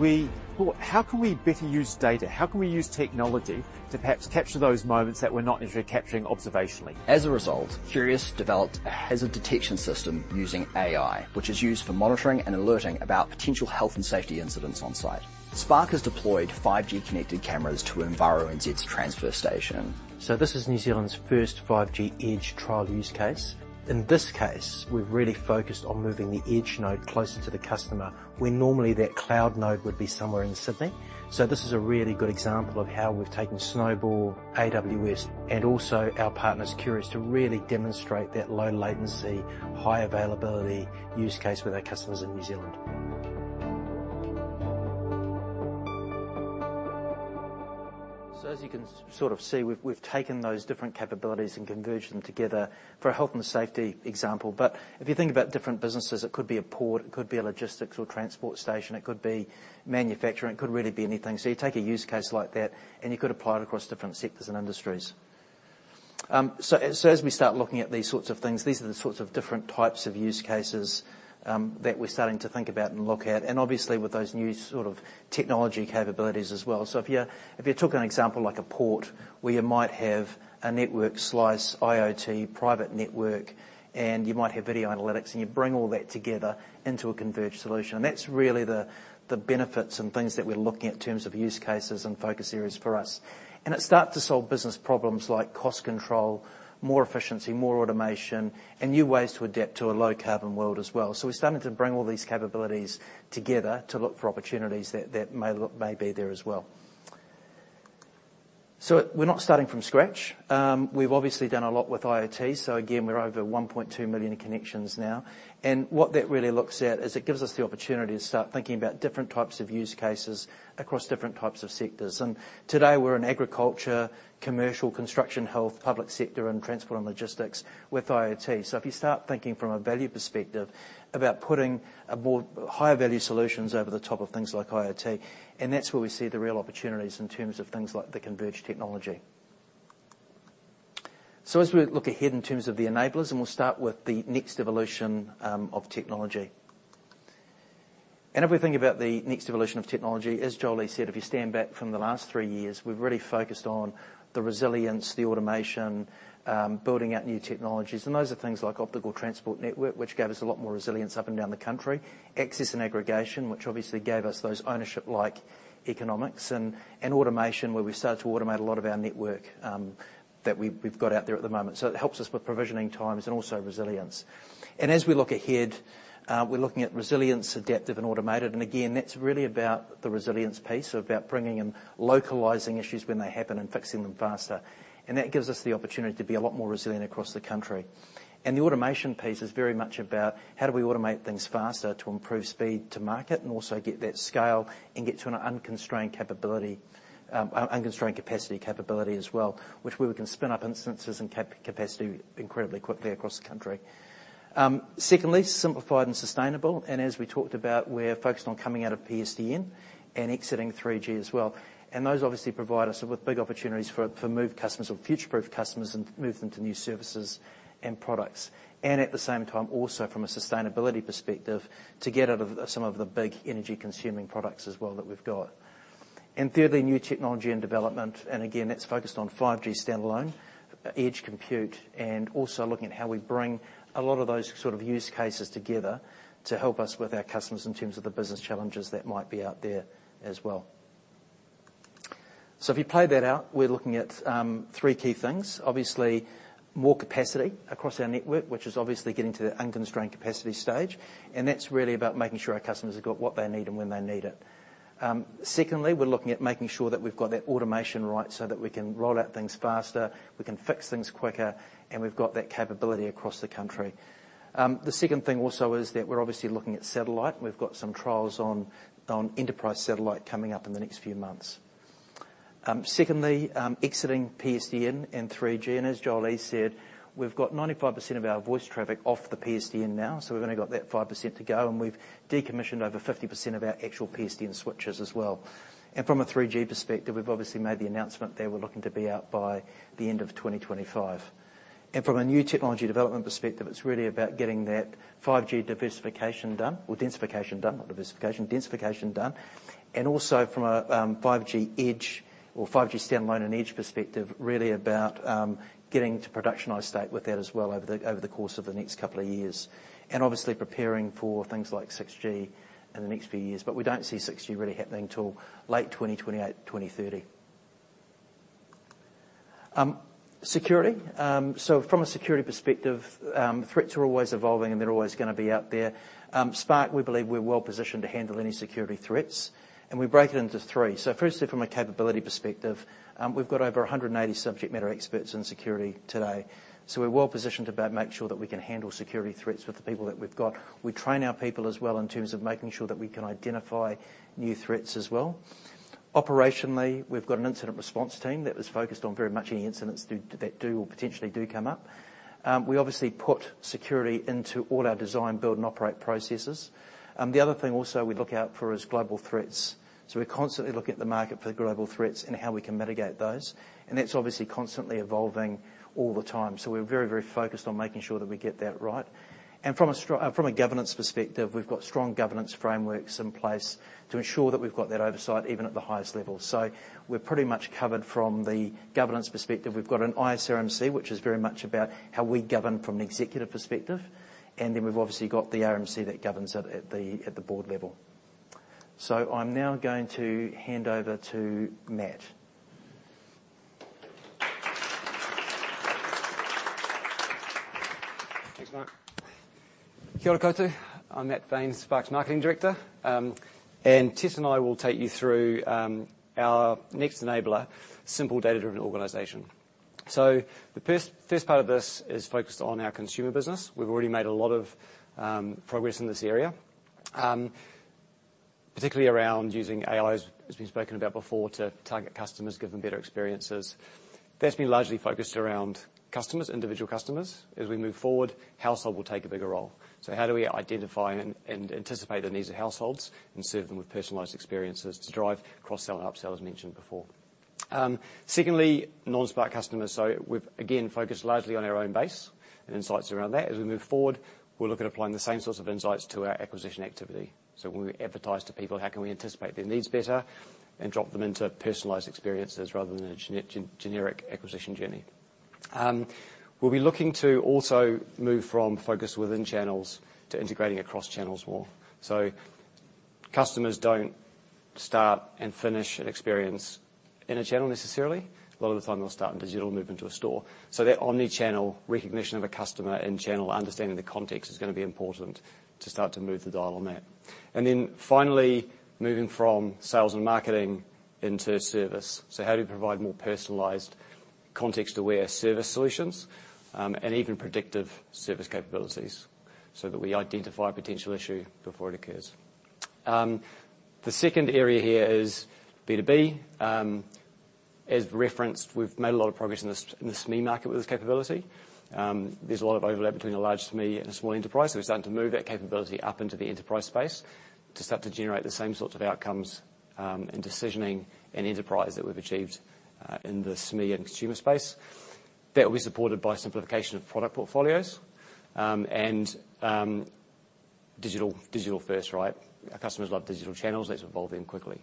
We thought, how can we better use data? How can we use technology to perhaps capture those moments that we're not necessarily capturing observationally? As a result, Qrious developed a hazard detection system using AI, which is used for monitoring and alerting about potential health and safety incidents on site. Spark has deployed 5G-connected cameras to Enviro NZ's transfer station. This is New Zealand's first 5G Edge trial use case. In this case, we've really focused on moving the Edge node closer to the customer, where normally that cloud node would be somewhere in Sydney. This is a really good example of how we've taken Snowball, AWS, and also our partners, Qrious, to really demonstrate that low latency, high availability use case with our customers in New Zealand. As you can sort of see, we've taken those different capabilities and converged them together for a health and safety example. If you think about different businesses, it could be a port, it could be a logistics or transport station, it could be manufacturing, it could really be anything. You take a use case like that, and you could apply it across different sectors and industries. As we start looking at these sorts of things, these are the sorts of different types of use cases that we're starting to think about and look at, and obviously with those new sort of technology capabilities as well. If you're talking an example like a port where you might have a network slice IoT private network, and you might have video analytics, and you bring all that together into a converged solution. That's really the benefits and things that we're looking at in terms of use cases and focus areas for us. It starts to solve business problems like cost control, more efficiency, more automation, and new ways to adapt to a low-carbon world as well. We're starting to bring all these capabilities together to look for opportunities that may be there as well. We're not starting from scratch. We've obviously done a lot with IoT, again, we're over 1.2 million connections now. What that really looks at is it gives us the opportunity to start thinking about different types of use cases across different types of sectors. Today, we're in agriculture, commercial, construction, health, public sector, and transport and logistics with IoT. If you start thinking from a value perspective about putting a more higher value solutions over the top of things like IoT, that's where we see the real opportunities in terms of things like the converged technology. As we look ahead in terms of the enablers, we'll start with the next evolution of technology. If we think about the next evolution of technology, as Jolie said, if you stand back from the last three years, we've really focused on the resilience, the automation, building out new technologies, and those are things like optical transport network, which gave us a lot more resilience up and down the country. Access and aggregation, which obviously gave us those ownership-like economics and automation, where we've started to automate a lot of our network that we've got out there at the moment. It helps us with provisioning times and also resilience. As we look ahead, we're looking at resilience, adaptive, and automated. Again, that's really about the resilience piece, so about bringing and localizing issues when they happen and fixing them faster. That gives us the opportunity to be a lot more resilient across the country. The automation piece is very much about how do we automate things faster to improve speed to market and also get that scale and get to an unconstrained capability, unconstrained capacity capability as well, which we can spin up instances and capacity incredibly quickly across the country. Secondly, simplified and sustainable. As we talked about, we're focused on coming out of PSTN and exiting 3G as well. Those obviously provide us with big opportunities for move customers or future-proof customers and move them to new services and products. At the same time, also from a sustainability perspective, to get out of some of the big energy-consuming products as well that we've got. Thirdly, new technology and development. Again, that's focused on 5G standalone, edge compute, and also looking at how we bring a lot of those sort of use cases together to help us with our customers in terms of the business challenges that might be out there as well. If you play that out, we're looking at three key things. Obviously, more capacity across our network, which is obviously getting to the unconstrained capacity stage. That's really about making sure our customers have got what they need and when they need it. Secondly, we're looking at making sure that we've got that automation right so that we can roll out things faster, we can fix things quicker, and we've got that capability across the country. The second thing also is that we're obviously looking at satellite, and we've got some trials on enterprise satellite coming up in the next few months. Secondly, exiting PSTN and 3G. As Jolie said, we've got 95% of our voice traffic off the PSTN now, so we've only got that 5% to go, and we've decommissioned over 50% of our actual PSTN switches as well. From a 3G perspective, we've obviously made the announcement there. We're looking to be out by the end of 2025. From a new technology development perspective, it's really about getting that 5G diversification done or densification done, not diversification, densification done. Also from a 5G edge or 5G standalone and edge perspective, really about getting to productionized state with that as well over the course of the next two years. Obviously preparing for things like 6G in the next few years. We don't see 6G really happening till late 2028, 2030. Security. From a security perspective, threats are always evolving, and they're always gonna be out there. Spark, we believe we're well-positioned to handle any security threats, and we break it into three. Firstly, from a capability perspective, we've got over 180 subject matter experts in security today. We're well-positioned to about make sure that we can handle security threats with the people that we've got. We train our people as well in terms of making sure that we can identify new threats as well. Operationally, we've got an incident response team that is focused on very much any incidents that do or potentially do come up. We obviously put security into all our design, build, and operate processes. The other thing also we look out for is global threats. We're constantly looking at the market for global threats and how we can mitigate those. That's obviously constantly evolving all the time. We're very, very focused on making sure that we get that right. From a governance perspective, we've got strong governance frameworks in place to ensure that we've got that oversight even at the highest level. We're pretty much covered from the governance perspective. We've got an ISRMC, which is very much about how we govern from an executive perspective, and then we've obviously got the RMC that governs it at the board level. I'm now going to hand over to Matt. Thanks, Mark. Kia ora koutou. I'm Matt Bain, Spark's Marketing Director. Tess and I will take you through our next enabler: simple data-driven organization. The first part of this is focused on our consumer business. We've already made a lot of progress in this area, particularly around using AIs, as we've spoken about before, to target customers, give them better experiences. That's been largely focused around customers, individual customers. As we move forward, household will take a bigger role. How do we identify and anticipate the needs of households and serve them with personalized experiences to drive cross-sell and upsell, as mentioned before? Secondly, non-Spark customers. We've again, focused largely on our own base and insights around that. As we move forward, we'll look at applying the same sorts of insights to our acquisition activity. When we advertise to people, how can we anticipate their needs better and drop them into personalized experiences rather than a generic acquisition journey? We'll be looking to also move from focus within channels to integrating across channels more. Customers don't start and finish an experience in a channel necessarily. A lot of the time, they'll start in digital and move into a store. That omni-channel recognition of a customer and channel understanding the context is gonna be important to start to move the dial on that. Finally, moving from sales and marketing into service. How do we provide more personalized context-aware service solutions, and even predictive service capabilities so that we identify a potential issue before it occurs? The second area here is B2B. As referenced, we've made a lot of progress in the SME market with this capability. There's a lot of overlap between a large SME and a small enterprise, so we're starting to move that capability up into the enterprise space to start to generate the same sorts of outcomes, and decisioning and enterprise that we've achieved in the SME and consumer space. That will be supported by simplification of product portfolios, and digital first, right? Our customers love digital channels. Let's evolve them quickly.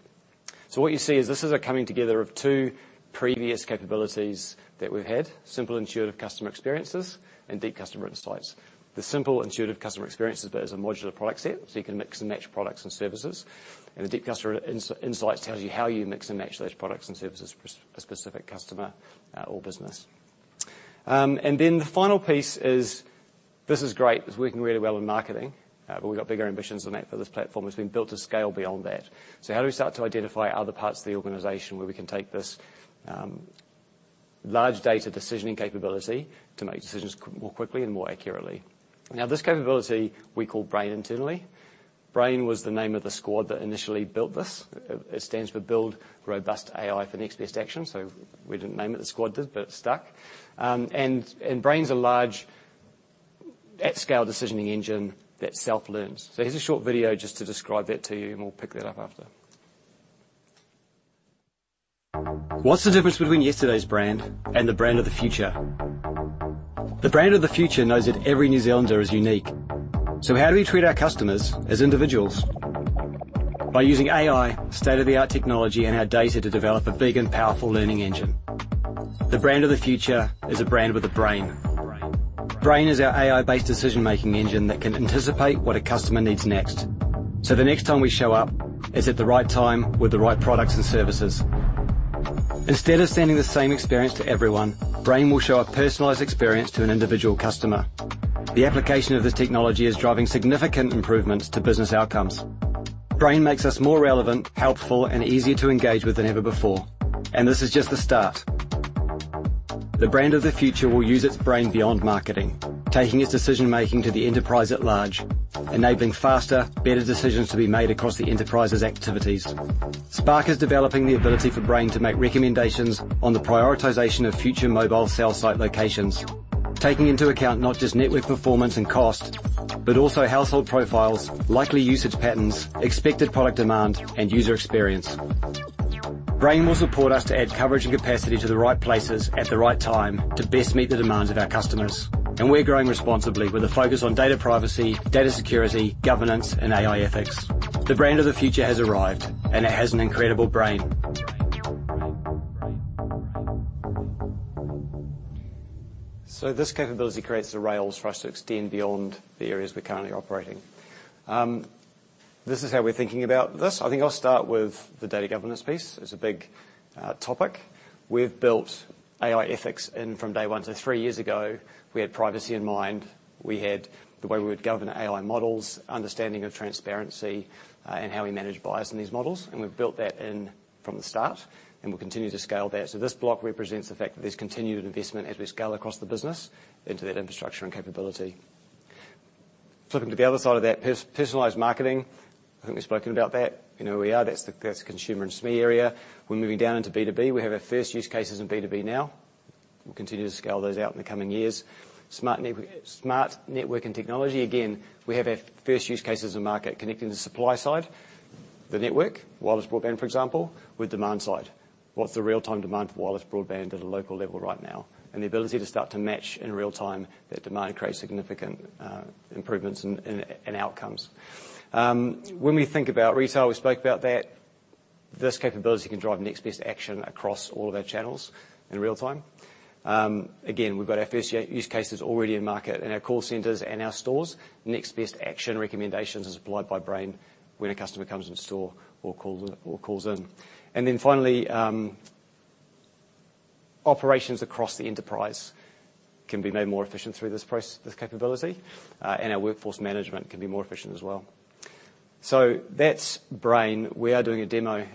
What you see is this is a coming together of two previous capabilities that we've had: simple, intuitive customer experiences and deep customer insights. The simple intuitive customer experiences, but as a modular product set, so you can mix and match products and services. The deep customer insights tells you how you mix and match those products and services for a specific customer, or business. The final piece is this is great. It's working really well in marketing, but we've got bigger ambitions than that for this platform. It's been built to scale beyond that. How do we start to identify other parts of the organization where we can take this large data decisioning capability to make decisions more quickly and more accurately? This capability we call BRAIN internally. BRAIN was the name of the squad that initially built this. It stands for Build Robust AI for Next Best Action. We didn't name it, the squad did, but it stuck. And BRAIN's a large at-scale decisioning engine that self-learns. Here's a short video just to describe that to you, and we'll pick that up after. What's the difference between yesterday's brand and the brand of the future? The brand of the future knows that every New Zealander is unique. How do we treat our customers as individuals? By using AI, state-of-the-art technology, and our data to develop a big and powerful learning engine. The brand of the future is a brand with a BRAIN. BRAIN is our AI-based decision-making engine that can anticipate what a customer needs next, so the next time we show up is at the right time with the right products and services. Instead of sending the same experience to everyone, BRAIN will show a personalized experience to an individual customer. The application of this technology is driving significant improvements to business outcomes. BRAIN makes us more relevant, helpful, and easy to engage with than ever before. This is just the start. The brand of the future will use its BRAIN beyond marketing, taking its decision-making to the enterprise at large, enabling faster, better decisions to be made across the enterprise's activities. Spark is developing the ability for BRAIN to make recommendations on the prioritization of future mobile cell site locations, taking into account not just network performance and cost, but also household profiles, likely usage patterns, expected product demand, and user experience. BRAIN will support us to add coverage and capacity to the right places at the right time to best meet the demands of our customers. We're growing responsibly with a focus on data privacy, data security, governance, and AI ethics. The brand of the future has arrived, and it has an incredible brain. This capability creates the rails for us to extend beyond the areas we're currently operating. This is how we're thinking about this. I think I'll start with the data governance piece. It's a big topic. We've built AI ethics in from day one. Three years ago, we had privacy in mind. We had the way we would govern AI models, understanding of transparency, and how we manage bias in these models, and we've built that in from the start, and we'll continue to scale that. This block represents the fact that there's continued investment as we scale across the business into that infrastructure and capability. Flipping to the other side of that, personalized marketing. I think we've spoken about that. You know who we are. That's the consumer and SME area. We're moving down into B2B. We have our first use cases in B2B now. We'll continue to scale those out in the coming years. Smart network and technology. Again, we have our first use cases in market connecting the supply side. The network, wireless broadband, for example, with demand side. What's the real-time demand for wireless broadband at a local level right now? The ability to start to match in real time that demand creates significant improvements and outcomes. When we think about retail, we spoke about that this capability can drive next best action across all of our channels in real time. Again, we've got our first use cases already in market. In our call centers and our stores, next best action recommendations as applied by BRAIN when a customer comes in store or calls in. Finally, operations across the enterprise can be made more efficient through this capability. Our workforce management can be more efficient as well. That's BRAIN. We are doing a demo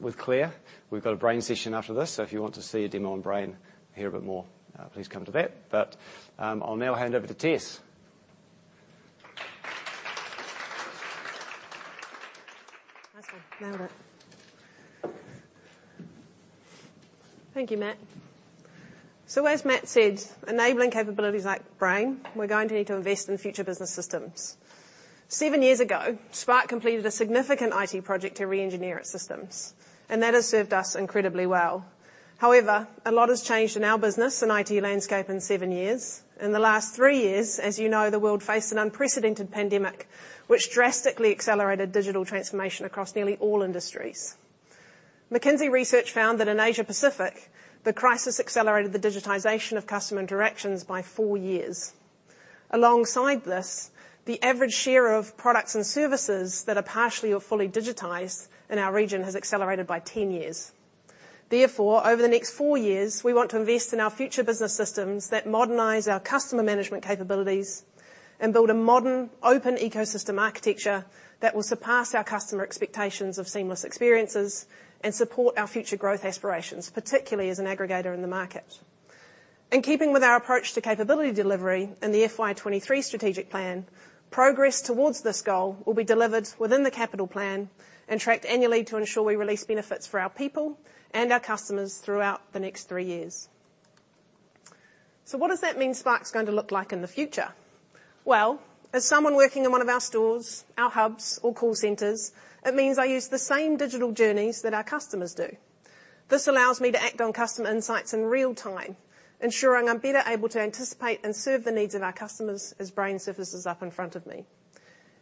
with Claire. We've got a BRAIN session after this. If you want to see a demo on BRAIN, hear a bit more, please come to that. I'll now hand over to Tess. Nice one. Nailed it. Thank you, Matt. As Matt said, enabling capabilities like BRAIN, we're going to need to invest in future business systems. seven years ago, Spark completed a significant IT project to reengineer its systems, that has served us incredibly well. A lot has changed in our business and IT landscape in seven years. In the last three years, as you know, the world faced an unprecedented pandemic, which drastically accelerated digital transformation across nearly all industries. McKinsey research found that in Asia Pacific, the crisis accelerated the digitization of customer interactions by four years. Alongside this, the average share of products and services that are partially or fully digitized in our region has accelerated by 10 years. Over the next four years, we want to invest in our future business systems that modernize our customer management capabilities and build a modern, open ecosystem architecture that will surpass our customer expectations of seamless experiences and support our future growth aspirations, particularly as an aggregator in the market. In keeping with our approach to capability delivery in the FY23 strategic plan, progress towards this goal will be delivered within the capital plan and tracked annually to ensure we release benefits for our people and our customers throughout the next three years. What does that mean Spark's going to look like in the future? As someone working in one of our stores, our hubs, or call centers, it means I use the same digital journeys that our customers do. This allows me to act on customer insights in real time, ensuring I'm better able to anticipate and serve the needs of our customers as BRAIN surfaces up in front of me.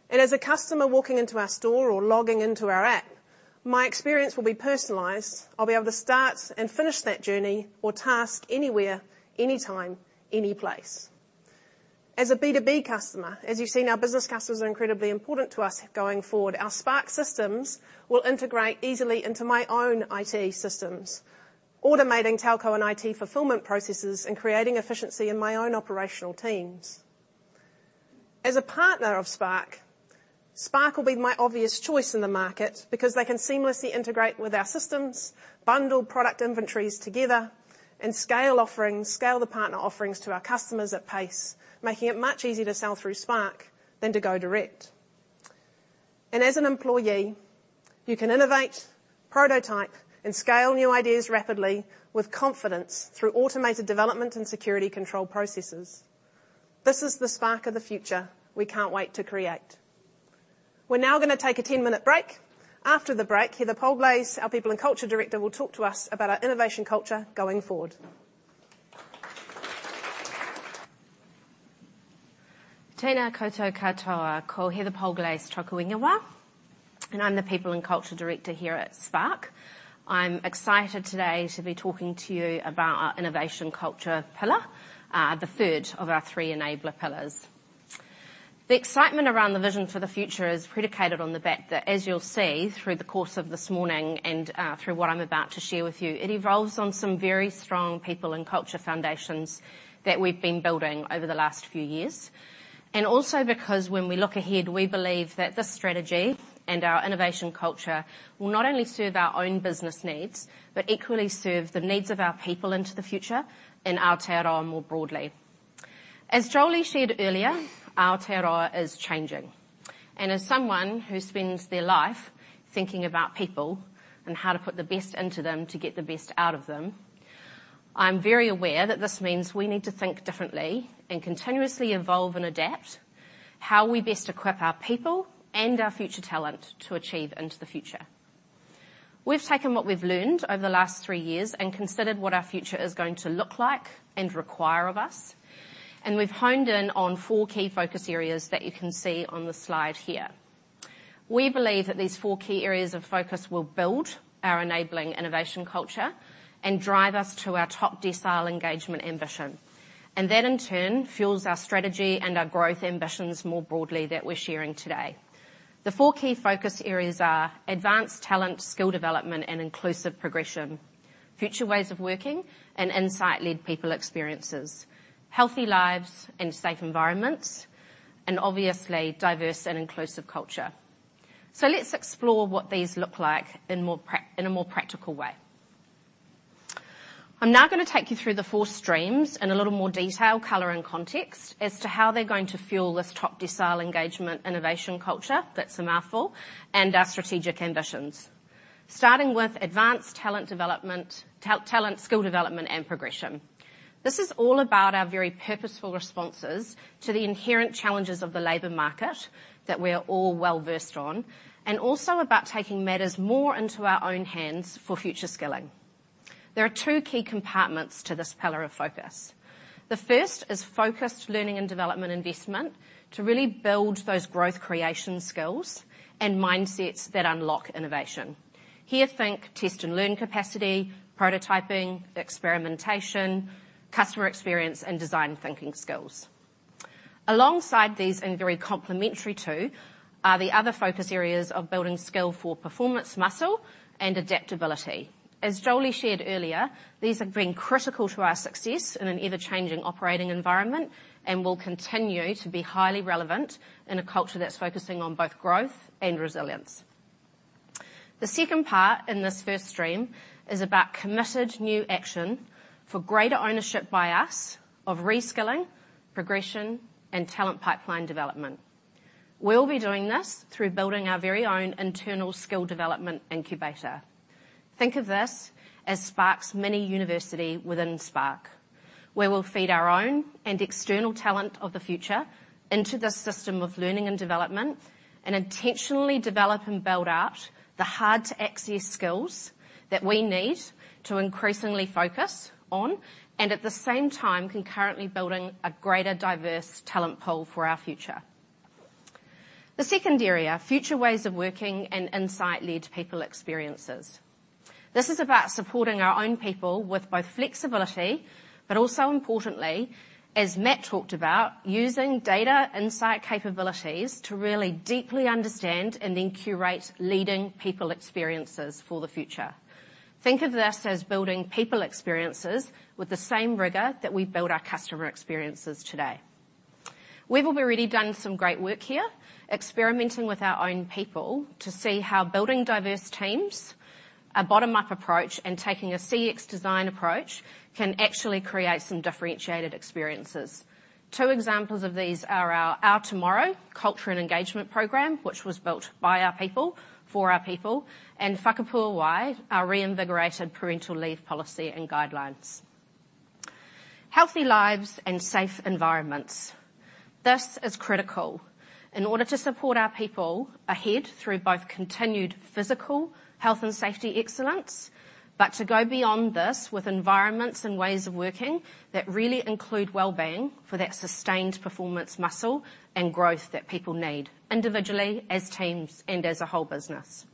As a customer walking into our store or logging into our app, my experience will be personalized. I'll be able to start and finish that journey or task anywhere, anytime, any place. As a B2B customer, as you've seen, our business customers are incredibly important to us going forward. Our Spark systems will integrate easily into my own IT systems, automating telco and IT fulfillment processes, and creating efficiency in my own operational teams. As a partner of Spark will be my obvious choice in the market because they can seamlessly integrate with our systems, bundle product inventories together, and scale offerings, scale the partner offerings to our customers at pace, making it much easier to sell through Spark than to go direct. As an employee, you can innovate, prototype, and scale new ideas rapidly with confidence through automated development and security control processes. This is the Spark of the future we can't wait to create. We're now gonna take a 10-minute break. After the break, Heather Polglase, our People and Culture Director, will talk to us about our innovation culture going forward. Tena koutou katoa. Ko Heather Polglase toku ingoa. I'm the People and Culture Director here at Spark. I'm excited today to be talking to you about our innovation culture pillar, the third of our three enabler pillars. The excitement around the vision for the future is predicated on the bet that as you'll see through the course of this morning and through what I'm about to share with you, it evolves on some very strong people and culture foundations that we've been building over the last few years. Also because when we look ahead, we believe that this strategy and our innovation culture will not only serve our own business needs, but equally serve the needs of our people into the future in Aotearoa more broadly. As Jolie shared earlier, Aotearoa is changing. As someone who spends their life thinking about people and how to put the best into them to get the best out of them, I'm very aware that this means we need to think differently and continuously evolve and adapt how we best equip our people and our future talent to achieve into the future. We've taken what we've learned over the last three years and considered what our future is going to look like and require of us, and we've honed in on four key focus areas that you can see on the slide here. We believe that these four key areas of focus will build our enabling innovation culture and drive us to our top decile engagement ambition. That, in turn, fuels our strategy and our growth ambitions more broadly that we're sharing today. The four key focus areas are advanced talent, skill development, and inclusive progression, future ways of working and insight-led people experiences, healthy lives and safe environments, and obviously, diverse and inclusive culture. Let's explore what these look like in a more practical way. I'm now gonna take you through the four streams in a little more detail, color, and context as to how they're going to fuel this top decile engagement innovation culture, that's a mouthful, and our strategic ambitions. Starting with advanced talent development, talent, skill development and progression. This is all about our very purposeful responses to the inherent challenges of the labor market that we're all well-versed on, and also about taking matters more into our own hands for future skilling. There are two key compartments to this pillar of focus. The first is focused learning and development investment to really build those growth creation skills and mindsets that unlock innovation. Here, think test and learn capacity, prototyping, experimentation, customer experience, and design thinking skills. Alongside these and very complementary too, are the other focus areas of building skill for performance muscle and adaptability. As Jolie shared earlier, these have been critical to our success in an ever-changing operating environment and will continue to be highly relevant in a culture that's focusing on both growth and resilience. The second part in this first stream is about committed new action for greater ownership by us of reskilling, progression, and talent pipeline development. We'll be doing this through building our very own internal skill development incubator. Think of this as Spark's mini university within Spark, where we'll feed our own and external talent of the future into the system of learning and development and intentionally develop and build out the hard-to-access skills that we need to increasingly focus on, and at the same time concurrently building a greater diverse talent pool for our future. The second area: future ways of working and insight-led people experiences. This is about supporting our own people with both flexibility, but also importantly, as Matt talked about, using data insight capabilities to really deeply understand and then curate leading people experiences for the future. Think of this as building people experiences with the same rigor that we build our customer experiences today. We've already done some great work here, experimenting with our own people to see how building diverse teams, a bottom-up approach, and taking a CX design approach can actually create some differentiated experiences. Two examples of these are our Our Tomorrow culture and engagement program, which was built by our people for our people, and Whakapuāwai, our reinvigorated parental leave policy and guidelines. Healthy lives and safe environments. This is critical in order to support our people ahead through both continued physical health and safety excellence, but to go beyond this with environments and ways of working that really include well-being for that sustained performance muscle and growth that people need individually, as teams, and as a whole business.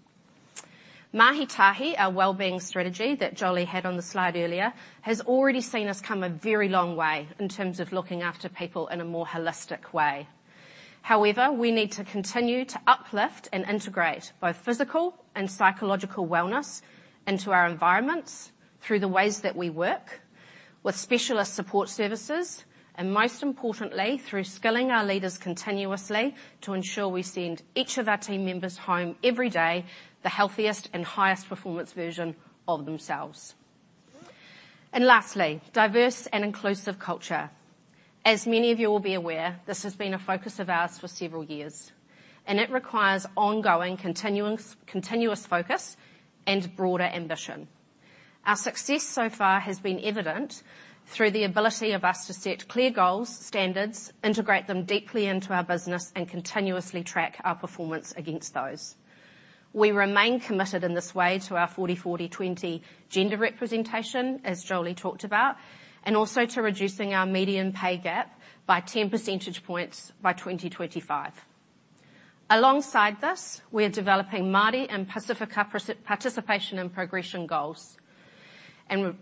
Mahi Tahi, our wellbeing strategy that Jolie had on the slide earlier, has already seen us come a very long way in terms of looking after people in a more holistic way. However, we need to continue to uplift and integrate both physical and psychological wellness into our environments through the ways that we work with specialist support services, and most importantly, through skilling our leaders continuously to ensure we send each of our team members home every day the healthiest and highest performance version of themselves. Lastly, diverse and inclusive culture. As many of you will be aware, this has been a focus of ours for several years, and it requires ongoing continuous focus and broader ambition. Our success so far has been evident through the ability of us to set clear goals, standards, integrate them deeply into our business, and continuously track our performance against those. We remain committed in this way to our 40/40/20 gender representation, as Jolie talked about, and also to reducing our median pay gap by 10 percentage points by 2025. Alongside this, we are developing Māori and Pasifika participation and progression goals, and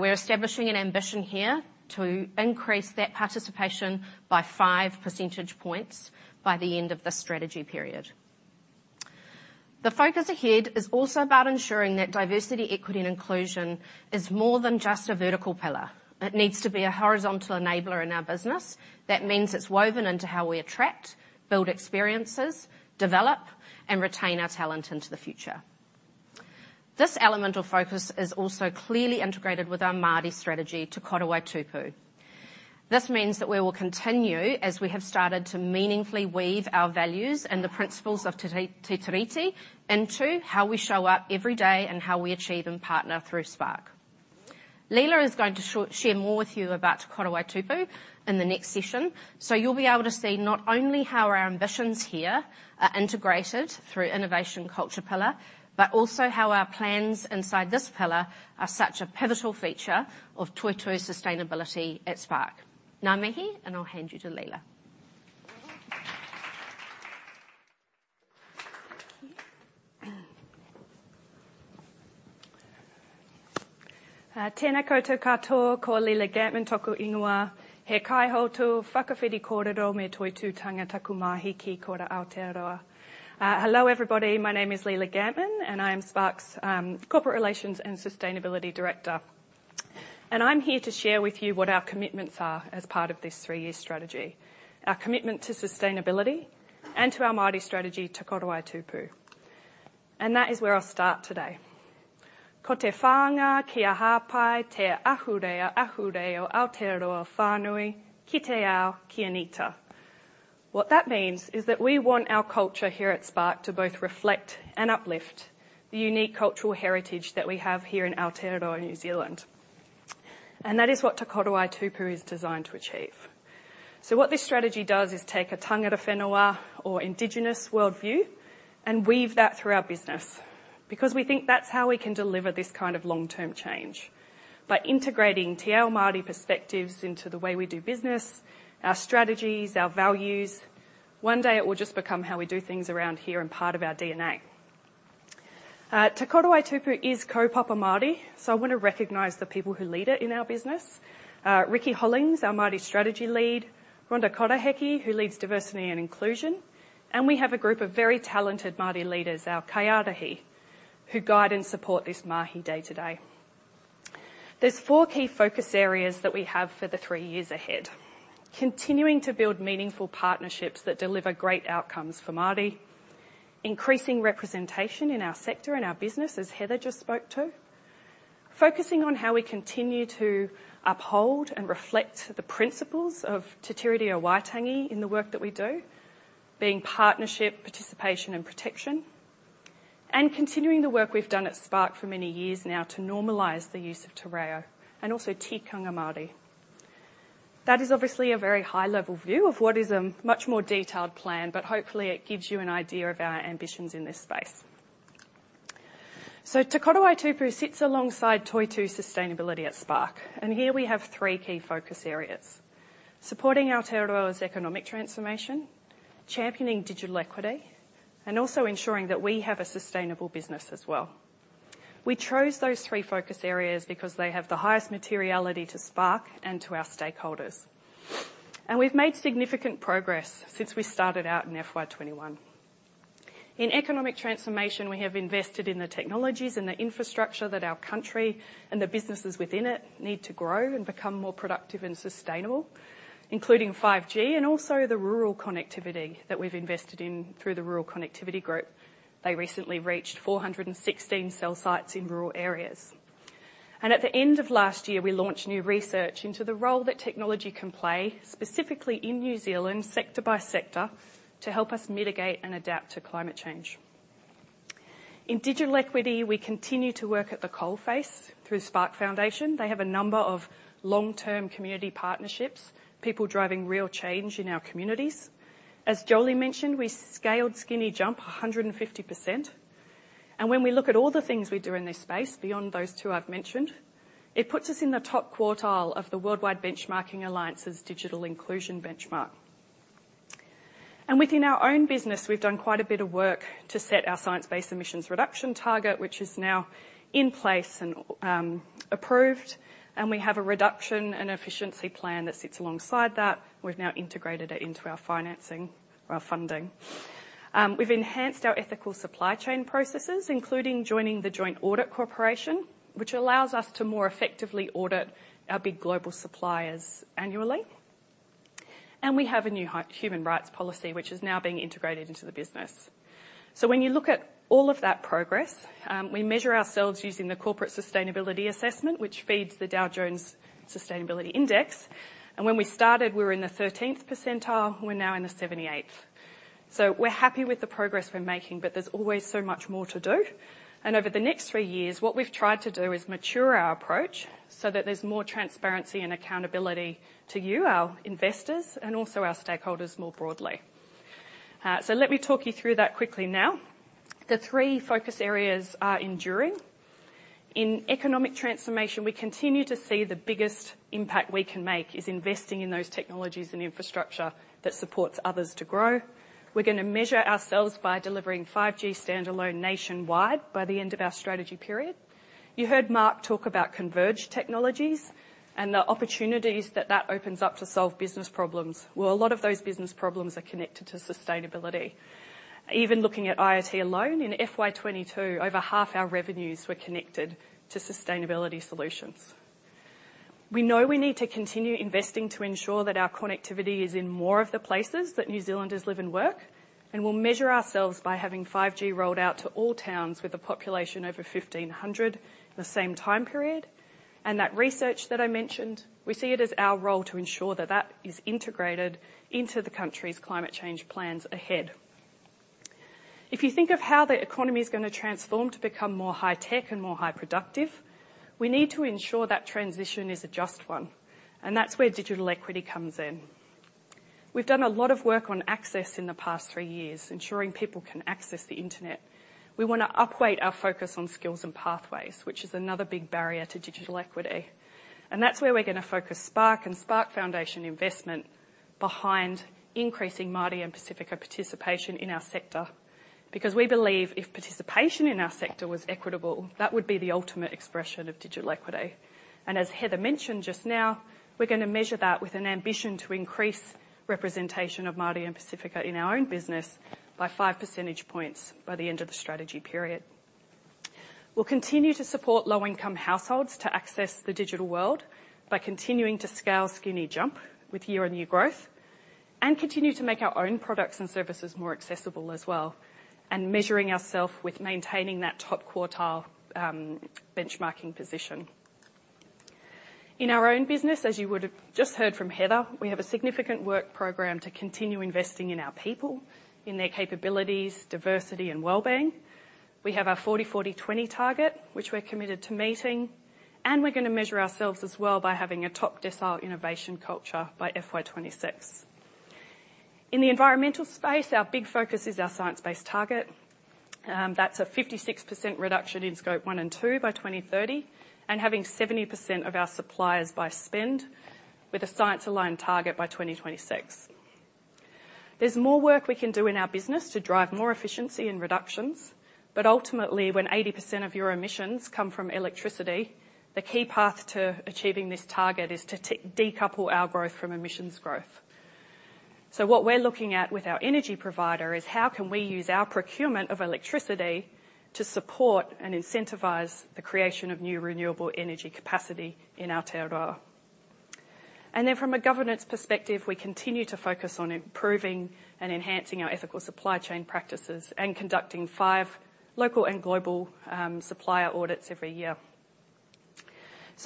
we're establishing an ambition here to increase that participation by 5 percentage points by the end of the strategy period. The focus ahead is also about ensuring that diversity, equity, and inclusion is more than just a vertical pillar. It needs to be a horizontal enabler in our business. That means it's woven into how we attract, build experiences, develop, and retain our talent into the future. This elemental focus is also clearly integrated with our Māori strategy, Te Kōtuitu. This means that we will continue, as we have started, to meaningfully weave our values and the principles of Te Tiriti into how we show up every day and how we achieve and partner through Spark. Leela is going to share more with you about Te Kōtuitu in the next session, so you'll be able to see not only how our ambitions here are integrated through innovation culture pillar, but also how our plans inside this pillar are such a pivotal feature of Toitū sustainability at Spark. Ngā mihi. I'll hand you to Leela. Tēnā koutou katoa. Ko Leela Gantman tōku ingoa. He kaihautū Whakawhiti Kōrero me Toitūtanga taku mahi ki Spark Aotearoa. Hello, everybody. My name is Leela Gantman, I am Spark's Corporate Relations and Sustainability Director. I'm here to share with you what our commitments are as part of this three-year strategy. Our commitment to sustainability and to our Māori strategy, Te Kōtuitu. That is where I'll start today. Ko te whāngai kia hāpai te ahurea ahurei o Aotearoa Whānui, ki te ao, ki anita. What that means is that we want our culture here at Spark to both reflect and uplift the unique cultural heritage that we have here in Aotearoa, New Zealand. That is what Te Koro Wai Tupu is designed to achieve. What this strategy does is take a Tangata Whenua or indigenous worldview and weave that through our business, because we think that's how we can deliver this kind of long-term change. By integrating te ao Māori perspectives into the way we do business, our strategies, our values. One day it will just become how we do things around here and part of our DNA. Te Koro Wai Tupu is kaupapa Māori, so I wanna recognize the people who lead it in our business. Rikki Hollings, our Māori strategy lead. Rhonda Koroheke, who leads diversity and inclusion. We have a group of very talented Māori leaders, our kaiārahi, who guide and support this mahi day to day. There's four key focus areas that we have for the three years ahead. Continuing to build meaningful partnerships that deliver great outcomes for Māori. Increasing representation in our sector and our business, as Heather just spoke to. Focusing on how we continue to uphold and reflect the principles of Te Tiriti o Waitangi in the work that we do, being partnership, participation and protection. Continuing the work we've done at Spark for many years now to normalize the use of te reo and also tikanga Māori. That is obviously a very high-level view of what is a much more detailed plan, but hopefully it gives you an idea of our ambitions in this space. Te Koro Wai Tupu sits alongside Toitū sustainability at Spark, and here we have three key focus areas: supporting Aotearoa's economic transformation, championing digital equity, and also ensuring that we have a sustainable business as well. We chose those three focus areas because they have the highest materiality to Spark and to our stakeholders. We've made significant progress since we started out in FY 21. In economic transformation, we have invested in the technologies and the infrastructure that our country and the businesses within it need to grow and become more productive and sustainable, including 5G and also the rural connectivity that we've invested in through the Rural Connectivity Group. They recently reached 416 cell sites in rural areas. At the end of last year, we launched new research into the role that technology can play, specifically in New Zealand, sector by sector, to help us mitigate and adapt to climate change. In digital equity, we continue to work at the coalface through Spark Foundation. They have a number of long-term community partnerships, people driving real change in our communities. As Jolie mentioned, we scaled Skinny Jump 150%. When we look at all the things we do in this space beyond those two I've mentioned, it puts us in the top quartile of the World Benchmarking Alliance's Digital Inclusion Benchmark. Within our own business, we've done quite a bit of work to set our science-based emissions reduction target, which is now in place and approved, and we have a reduction and efficiency plan that sits alongside that. We've now integrated it into our financing, our funding. We've enhanced our ethical supply chain processes, including joining the Joint Audit Corporation, which allows us to more effectively audit our big global suppliers annually. We have a new human rights policy, which is now being integrated into the business. When you look at all of that progress, we measure ourselves using the Corporate Sustainability Assessment, which feeds the Dow Jones Sustainability Indices. When we started, we were in the 13th percentile, we're now in the 78th. We're happy with the progress we're making, but there's always so much more to do. Over the next three years, what we've tried to do is mature our approach so that there's more transparency and accountability to you, our investors, and also our stakeholders more broadly. Let me talk you through that quickly now. The three focus areas are enduring. In economic transformation, we continue to see the biggest impact we can make is investing in those technologies and infrastructure that supports others to grow. We're gonna measure ourselves by delivering 5G standalone nationwide by the end of our strategy period. You heard Mark talk about converge technologies and the opportunities that that opens up to solve business problems. A lot of those business problems are connected to sustainability. Even looking at IoT alone, in FY 2022, over half our revenues were connected to sustainability solutions. We know we need to continue investing to ensure that our connectivity is in more of the places that New Zealanders live and work, and we'll measure ourselves by having 5G rolled out to all towns with a population over 1,500 in the same time period. That research that I mentioned, we see it as our role to ensure that that is integrated into the country's climate change plans ahead. If you think of how the economy's gonna transform to become more high-tech and more high-productive, we need to ensure that transition is a just one. That's where digital equity comes in. We've done a lot of work on access in the past three years, ensuring people can access the internet. We wanna up-weight our focus on skills and pathways, which is another big barrier to digital equity. That's where we're gonna focus Spark and Spark Foundation investment behind increasing Māori and Pasifika participation in our sector, because we believe if participation in our sector was equitable, that would be the ultimate expression of digital equity. As Heather mentioned just now, we're gonna measure that with an ambition to increase representation of Māori and Pasifika in our own business by five percentage points by the end of the strategy period. We'll continue to support low-income households to access the digital world by continuing to scale Skinny Jump with year-on-year growth. Continue to make our own products and services more accessible as well, and measuring ourself with maintaining that top quartile, benchmarking position. In our own business, as you would've just heard from Heather, we have a significant work program to continue investing in our people, in their capabilities, diversity, and wellbeing. We have our 40/40/20 target, which we're committed to meeting, and we're gonna measure ourselves as well by having a top decile innovation culture by FY 2026. In the environmental space, our big focus is our science-based target. That's a 56% reduction in Scope one and two by 2030, and having 70% of our suppliers by spend with a science-aligned target by 2026. There's more work we can do in our business to drive more efficiency and reductions. Ultimately, when 80% of your emissions come from electricity, the key path to achieving this target is to decouple our growth from emissions growth. What we're looking at with our energy provider is how can we use our procurement of electricity to support and incentivize the creation of new renewable energy capacity in Aotearoa. From a governance perspective, we continue to focus on improving and enhancing our ethical supply chain practices and conducting five local and global supplier audits every year.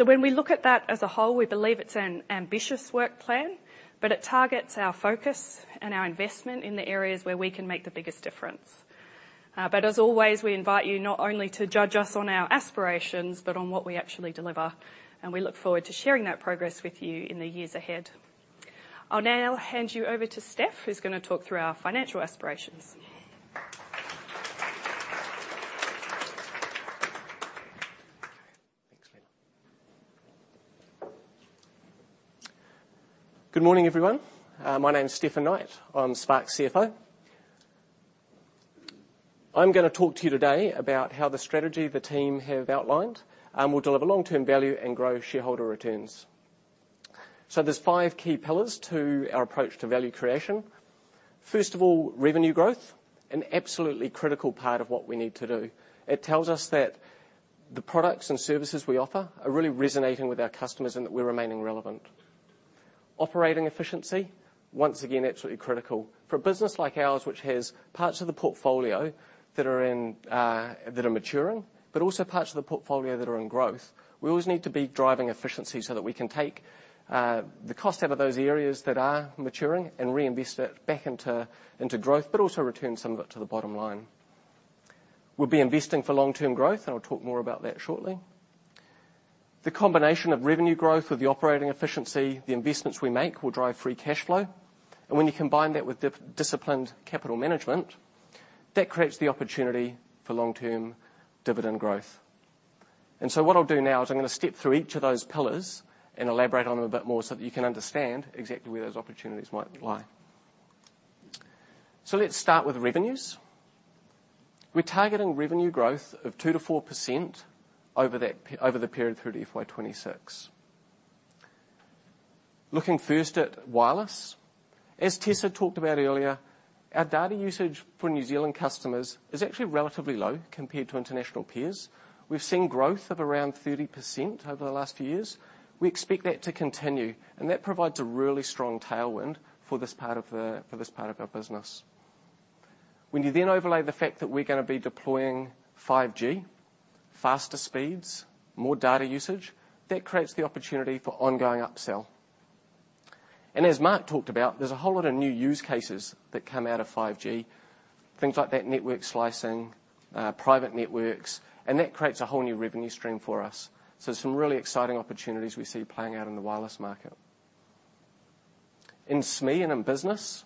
When we look at that as a whole, we believe it's an ambitious work plan, but it targets our focus and our investment in the areas where we can make the biggest difference. As always, we invite you not only to judge us on our aspirations, but on what we actually deliver. We look forward to sharing that progress with you in the years ahead. I'll now hand you over to Stef, who's gonna talk through our financial aspirations. Thanks, Leela. Good morning, everyone. my name's Stefan Knight. I'm Spark's CFO. I'm gonna talk to you today about how the strategy the team have outlined, will deliver long-term value and grow shareholder returns. There's five key pillars to our approach to value creation. First of all, revenue growth, an absolutely critical part of what we need to do. It tells us that the products and services we offer are really resonating with our customers and that we're remaining relevant. Operating efficiency, once again, absolutely critical. For a business like ours, which has parts of the portfolio that are in, that are maturing, but also parts of the portfolio that are in growth, we always need to be driving efficiency so that we can take the cost out of those areas that are maturing and reinvest it back into growth, but also return some of it to the bottom line. We'll be investing for long-term growth, and I'll talk more about that shortly. The combination of revenue growth with the operating efficiency, the investments we make will drive free cash flow. When you combine that with disciplined capital management, that creates the opportunity for long-term dividend growth. What I'll do now is I'm gonna step through each of those pillars and elaborate on them a bit more so that you can understand exactly where those opportunities might lie. Let's start with revenues. We're targeting revenue growth of 2%-4% over the period through to FY 2026. Looking first at wireless. As Tessa talked about earlier, our data usage for New Zealand customers is actually relatively low compared to international peers. We've seen growth of around 30% over the last few years. We expect that to continue, and that provides a really strong tailwind for this part of, for this part of our business. When you then overlay the fact that we're gonna be deploying 5G, faster speeds, more data usage, that creates the opportunity for ongoing upsell. As Mark talked about, there's a whole lot of new use cases that come out of 5G, things like that network slicing, private networks, and that creates a whole new revenue stream for us. Some really exciting opportunities we see playing out in the wireless market. In SME and in business,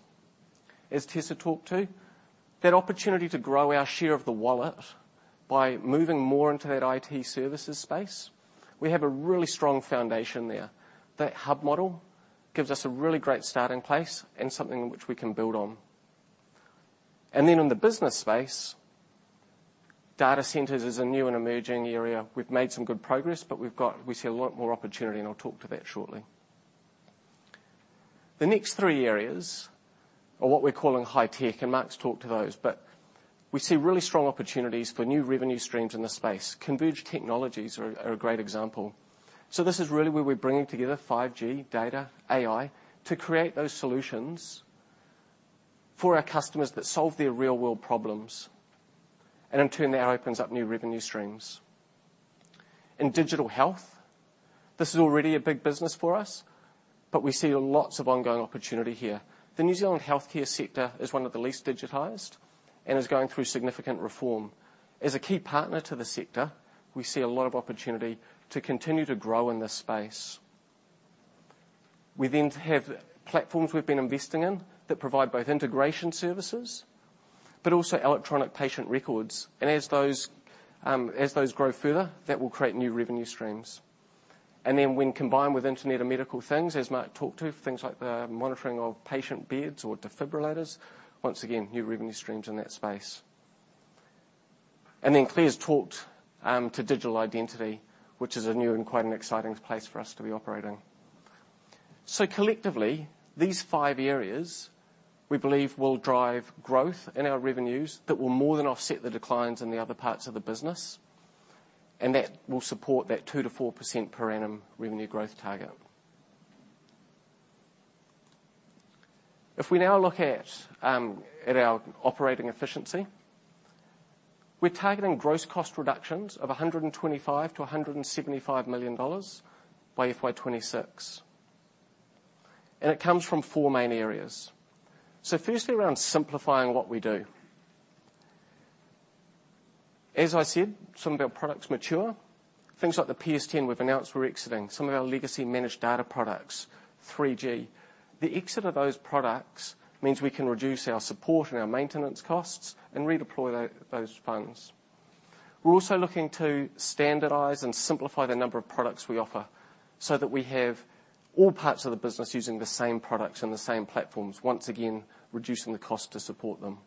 as Tessa talked to, that opportunity to grow our share of the wallet by moving more into that IT services space, we have a really strong foundation there. That hub model gives us a really great starting place and something which we can build on. In the business space, data centers is a new and emerging area. We've made some good progress, but we see a lot more opportunity, and I'll talk to that shortly. The next three areas are what we're calling high-tech, and Mark's talked to those. We see really strong opportunities for new revenue streams in this space. Converged technologies are a great example. This is really where we're bringing together 5G, data, AI to create those solutions for our customers that solve their real-world problems, and in turn, that opens up new revenue streams. In digital health, this is already a big business for us, but we see lots of ongoing opportunity here. The New Zealand healthcare sector is one of the least digitized and is going through significant reform. As a key partner to the sector, we see a lot of opportunity to continue to grow in this space. We then have platforms we've been investing in that provide both integration services but also electronic patient records. As those, as those grow further, that will create new revenue streams. When combined with Internet of Medical Things, as Mark talked to, things like the monitoring of patient beds or defibrillators, once again, new revenue streams in that space. Claire's talked to digital identity, which is a new and quite an exciting place for us to be operating. Collectively, these five areas, we believe, will drive growth in our revenues that will more than offset the declines in the other parts of the business. That will support that 2%-4% per annum revenue growth target. If we now look at our operating efficiency, we're targeting gross cost reductions of 125 million-175 million dollars by FY 2026. It comes from four main areas. Firstly, around simplifying what we do. As I said, some of our products mature, things like the PSTN we've announced we're exiting, some of our legacy managed data products, 3G. The exit of those products means we can reduce our support and our maintenance costs and redeploy those funds. We're also looking to standardize and simplify the number of products we offer, so that we have all parts of the business using the same products and the same platforms, once again, reducing the cost to support them.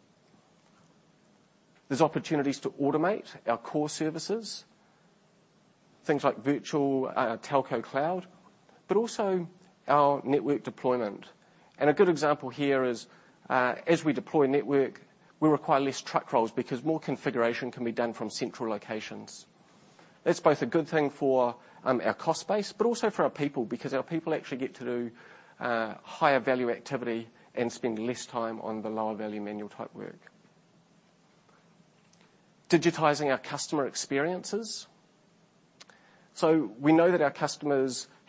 There's opportunities to automate our core services, things like virtual, telco cloud, but also our network deployment. A good example here is, as we deploy network, we require less truck rolls because more configuration can be done from central locations. That's both a good thing for our cost base, but also for our people, because our people actually get to do higher value activity and spend less time on the lower value manual type work. Digitizing our customer experiences. We know that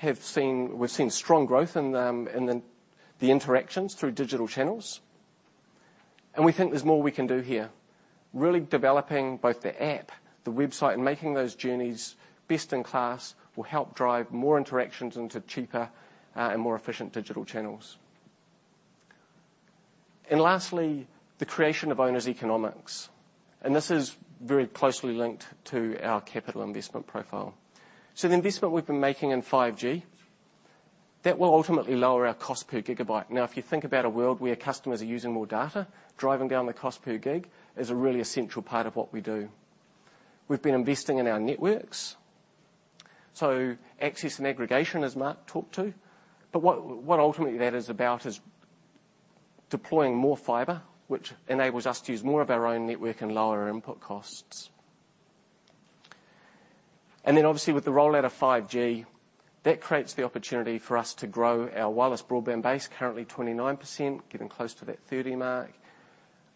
We've seen strong growth in the interactions through digital channels, and we think there's more we can do here. Really developing both the app, the website, and making those journeys best in class will help drive more interactions into cheaper, and more efficient digital channels. Lastly, the creation of owners' economics. This is very closely linked to our capital investment profile. The investment we've been making in 5G, that will ultimately lower our cost per gigabyte. Now, if you think about a world where customers are using more data, driving down the cost per gig is a really essential part of what we do. We've been investing in our networks, so access and aggregation as Mark talked to. What ultimately that is about is deploying more fiber, which enables us to use more of our own network and lower our input costs. Then obviously with the rollout of 5G, that creates the opportunity for us to grow our wireless broadband base, currently 29%, getting close to that 30 mark,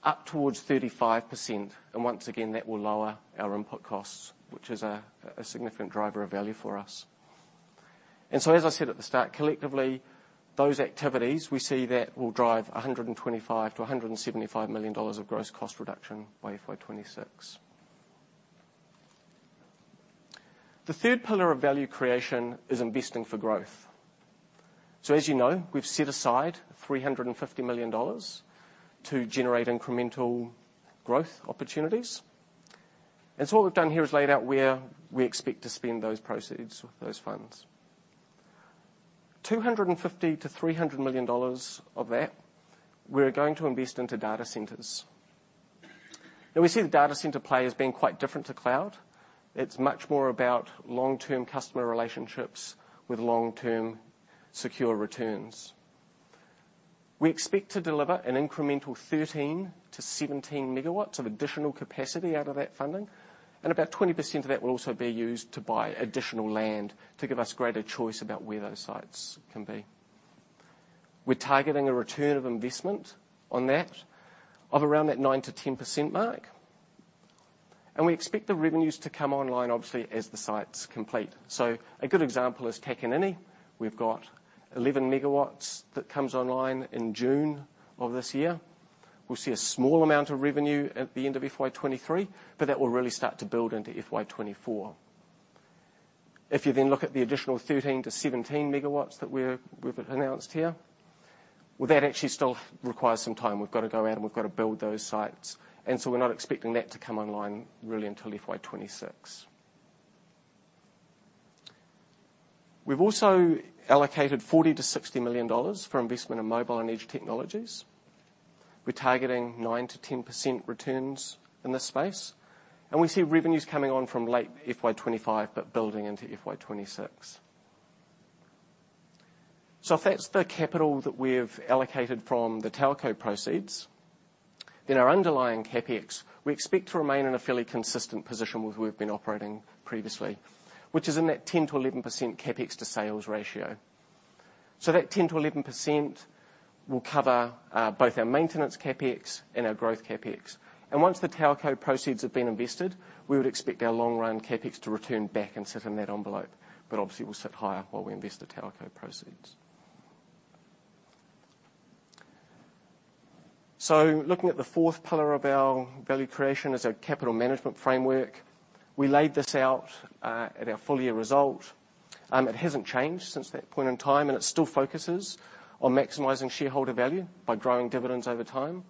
up towards 35%. Once again, that will lower our input costs, which is a significant driver of value for us. As I said at the start, collectively, those activities, we see that will drive 125 million-175 million dollars of gross cost reduction by FY26. The third pillar of value creation is investing for growth. As you know, we've set aside 350 million dollars to generate incremental growth opportunities. What we've done here is laid out where we expect to spend those proceeds with those funds. 250 million-300 million dollars of that, we're going to invest into data centers. We see the data center play as being quite different to cloud. It's much more about long-term customer relationships with long-term secure returns. We expect to deliver an incremental 13-17 megawatts of additional capacity out of that funding, and about 20% of that will also be used to buy additional land to give us greater choice about where those sites can be. We're targeting a return of investment on that of around that 9%-10% mark, and we expect the revenues to come online, obviously, as the sites complete. A good example is Takanini. We've got 11 megawatts that comes online in June of this year. We'll see a small amount of revenue at the end of FY 2023, but that will really start to build into FY 2024. If you look at the additional 13-17 megawatts that we've announced here, well, that actually still requires some time. We've got to go out and we've got to build those sites. We're not expecting that to come online really until FY 2026. We've also allocated 40 million-60 million dollars for investment in mobile and edge technologies. We're targeting 9%-10% returns in this space, and we see revenues coming on from late FY 2025, but building into FY 2026. If that's the capital that we've allocated from the telco proceeds, then our underlying CapEx, we expect to remain in a fairly consistent position with we've been operating previously, which is in that 10%-11% CapEx to sales ratio. That 10%-11% will cover both our maintenance CapEx and our growth CapEx. Once the telco proceeds have been invested, we would expect our long run CapEx to return back and sit in that envelope. Obviously, we'll sit higher while we invest the telco proceeds. Looking at the fourth pillar of our value creation is our capital management framework. We laid this out at our full year result. It hasn't changed since that point in time, and it still focuses on maximizing shareholder value by growing dividends over time,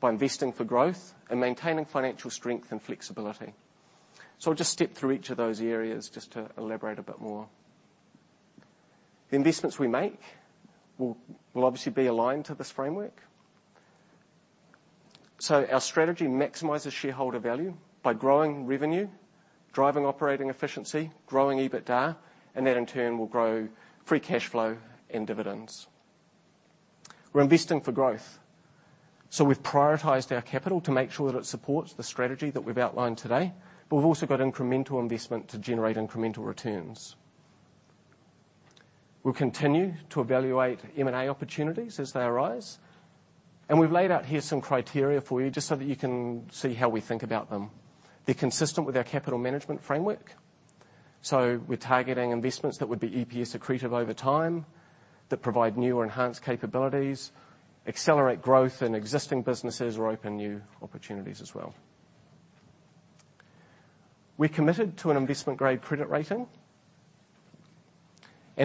by investing for growth and maintaining financial strength and flexibility. I'll just step through each of those areas just to elaborate a bit more. The investments we make will obviously be aligned to this framework. Our strategy maximizes shareholder value by growing revenue, driving operating efficiency, growing EBITDA, and that in turn, will grow free cash flow and dividends. We're investing for growth. We've prioritized our capital to make sure that it supports the strategy that we've outlined today, but we've also got incremental investment to generate incremental returns. We'll continue to evaluate M&A opportunities as they arise. We've laid out here some criteria for you just so that you can see how we think about them. They're consistent with our capital management framework. We're targeting investments that would be EPS accretive over time, that provide new or enhanced capabilities, accelerate growth in existing businesses or open new opportunities as well. We're committed to an investment-grade credit rating.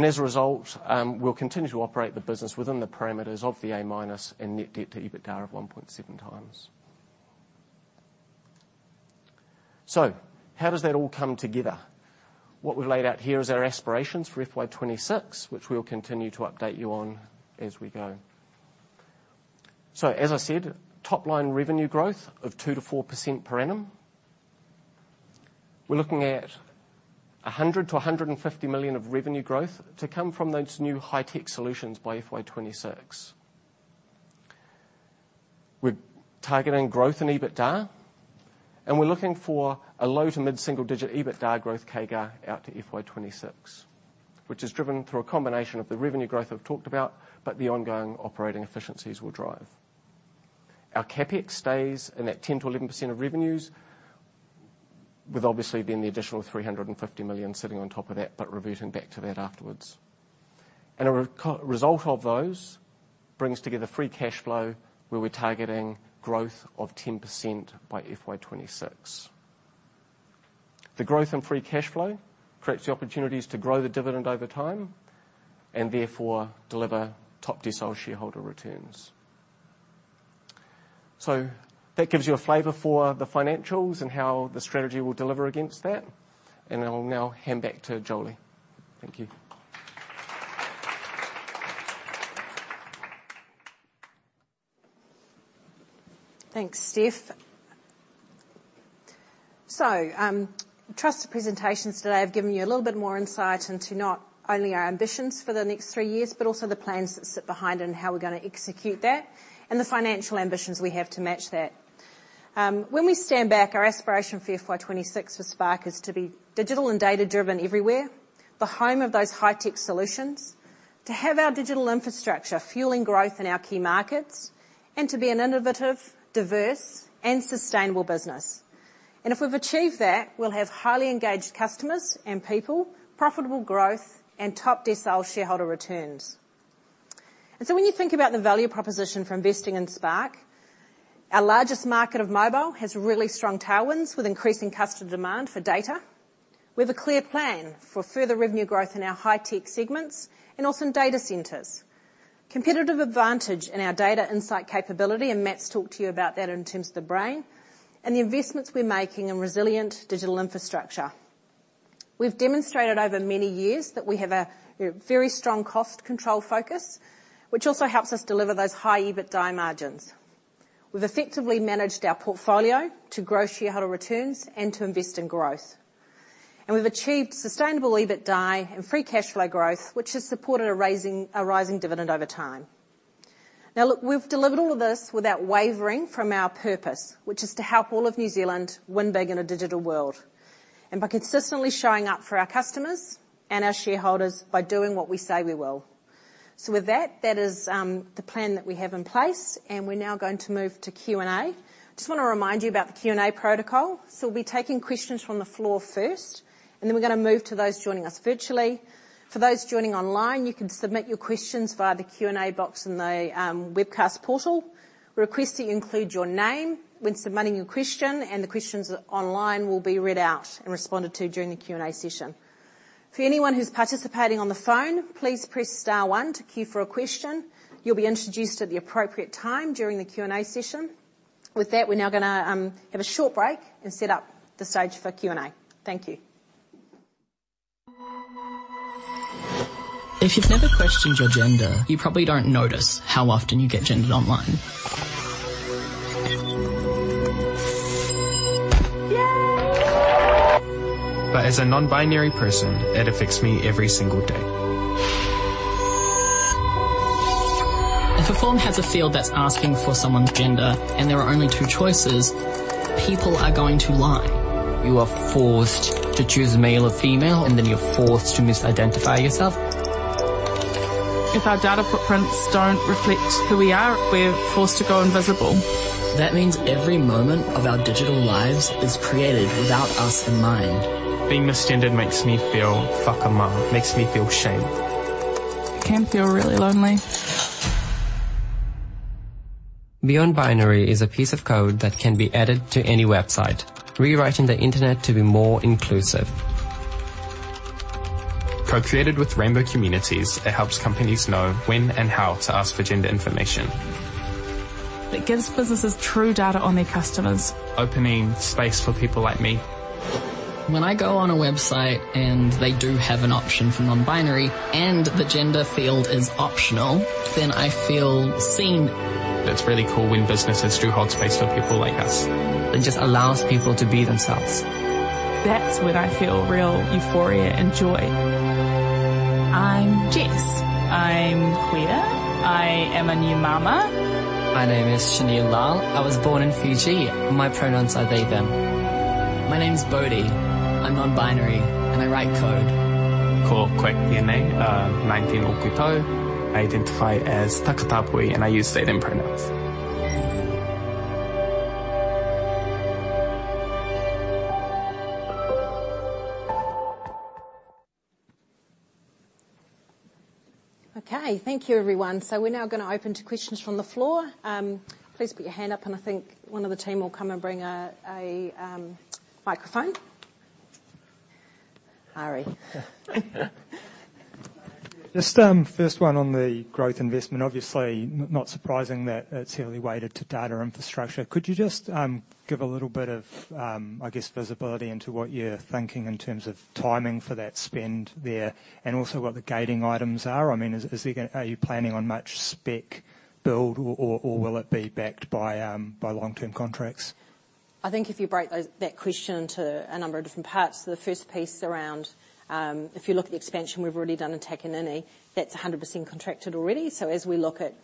As a result, we'll continue to operate the business within the parameters of the A- and net debt to EBITDA of 1.7 times. How does that all come together? What we've laid out here is our aspirations for FY 2026, which we'll continue to update you on as we go. As I said, top-line revenue growth of 2%-4% per annum. We're looking at 100 million-150 million of revenue growth to come from those new high-tech solutions by FY 2026. We're targeting growth in EBITDA, and we're looking for a low- to mid-single-digit EBITDA growth CAGR out to FY 2026, which is driven through a combination of the revenue growth I've talked about, but the ongoing operating efficiencies we'll drive. Our CapEx stays in that 10%-11% of revenues with obviously then the additional 350 million sitting on top of that, but reverting back to that afterwards. A result of those brings together free cash flow, where we're targeting growth of 10% by FY 2026. The growth in free cash flow creates the opportunities to grow the dividend over time and therefore deliver top-decile shareholder returns. That gives you a flavor for the financials and how the strategy will deliver against that, and I'll now hand back to Jolie. Thank you. Thanks, Steph. Trust the presentations today have given you a little bit more insight into not only our ambitions for the next three years, but also the plans that sit behind and how we're gonna execute that, and the financial ambitions we have to match that. When we stand back, our aspiration for FY 26 for Spark is to be digital and data-driven everywhere, the home of those high-tech solutions, to have our digital infrastructure fueling growth in our key markets, and to be an innovative, diverse, and sustainable business. If we've achieved that, we'll have highly engaged customers and people, profitable growth, and top-decile shareholder returns. When you think about the value proposition for investing in Spark, our largest market of mobile has really strong tailwinds with increasing customer demand for data. We have a clear plan for further revenue growth in our high-tech segments and also in data centers. Competitive advantage in our data insight capability, and Matt's talked to you about that in terms of the BRAIN, and the investments we're making in resilient digital infrastructure. We've demonstrated over many years that we have a very strong cost control focus, which also helps us deliver those high EBITDA margins. We've effectively managed our portfolio to grow shareholder returns and to invest in growth. We've achieved sustainable EBITDA and free cash flow growth, which has supported a rising dividend over time. Now, look, we've delivered all of this without wavering from our purpose, which is to help all of New Zealand win big in a digital world, and by consistently showing up for our customers and our shareholders by doing what we say we will. With that is the plan that we have in place, and we're now going to move to Q&A. Just wanna remind you about the Q&A protocol. We'll be taking questions from the floor first, and then we're gonna move to those joining us virtually. For those joining online, you can submit your questions via the Q&A box in the webcast portal. We request that you include your name when submitting your question, and the questions online will be read out and responded to during the Q&A session. For anyone who's participating on the phone, please press star one to queue for a question. You'll be introduced at the appropriate time during the Q&A session. With that, we're now gonna have a short break and set up the stage for Q&A. Thank you. Okay, thank you, everyone. We're now gonna open to questions from the floor. Please put your hand up, and I think one of the team will come and bring a microphone. Harry. Just, first one on the growth investment. Obviously not surprising that it's heavily weighted to data infrastructure. Could you just give a little bit of, I guess, visibility into what you're thinking in terms of timing for that spend there, and also what the gating items are? I mean, Are you planning on much spec build or will it be backed by long-term contracts? I think if you break that question to a number of different parts, the first piece around, if you look at the expansion we've already done in Takanini, that's 100% contracted already. As we look at,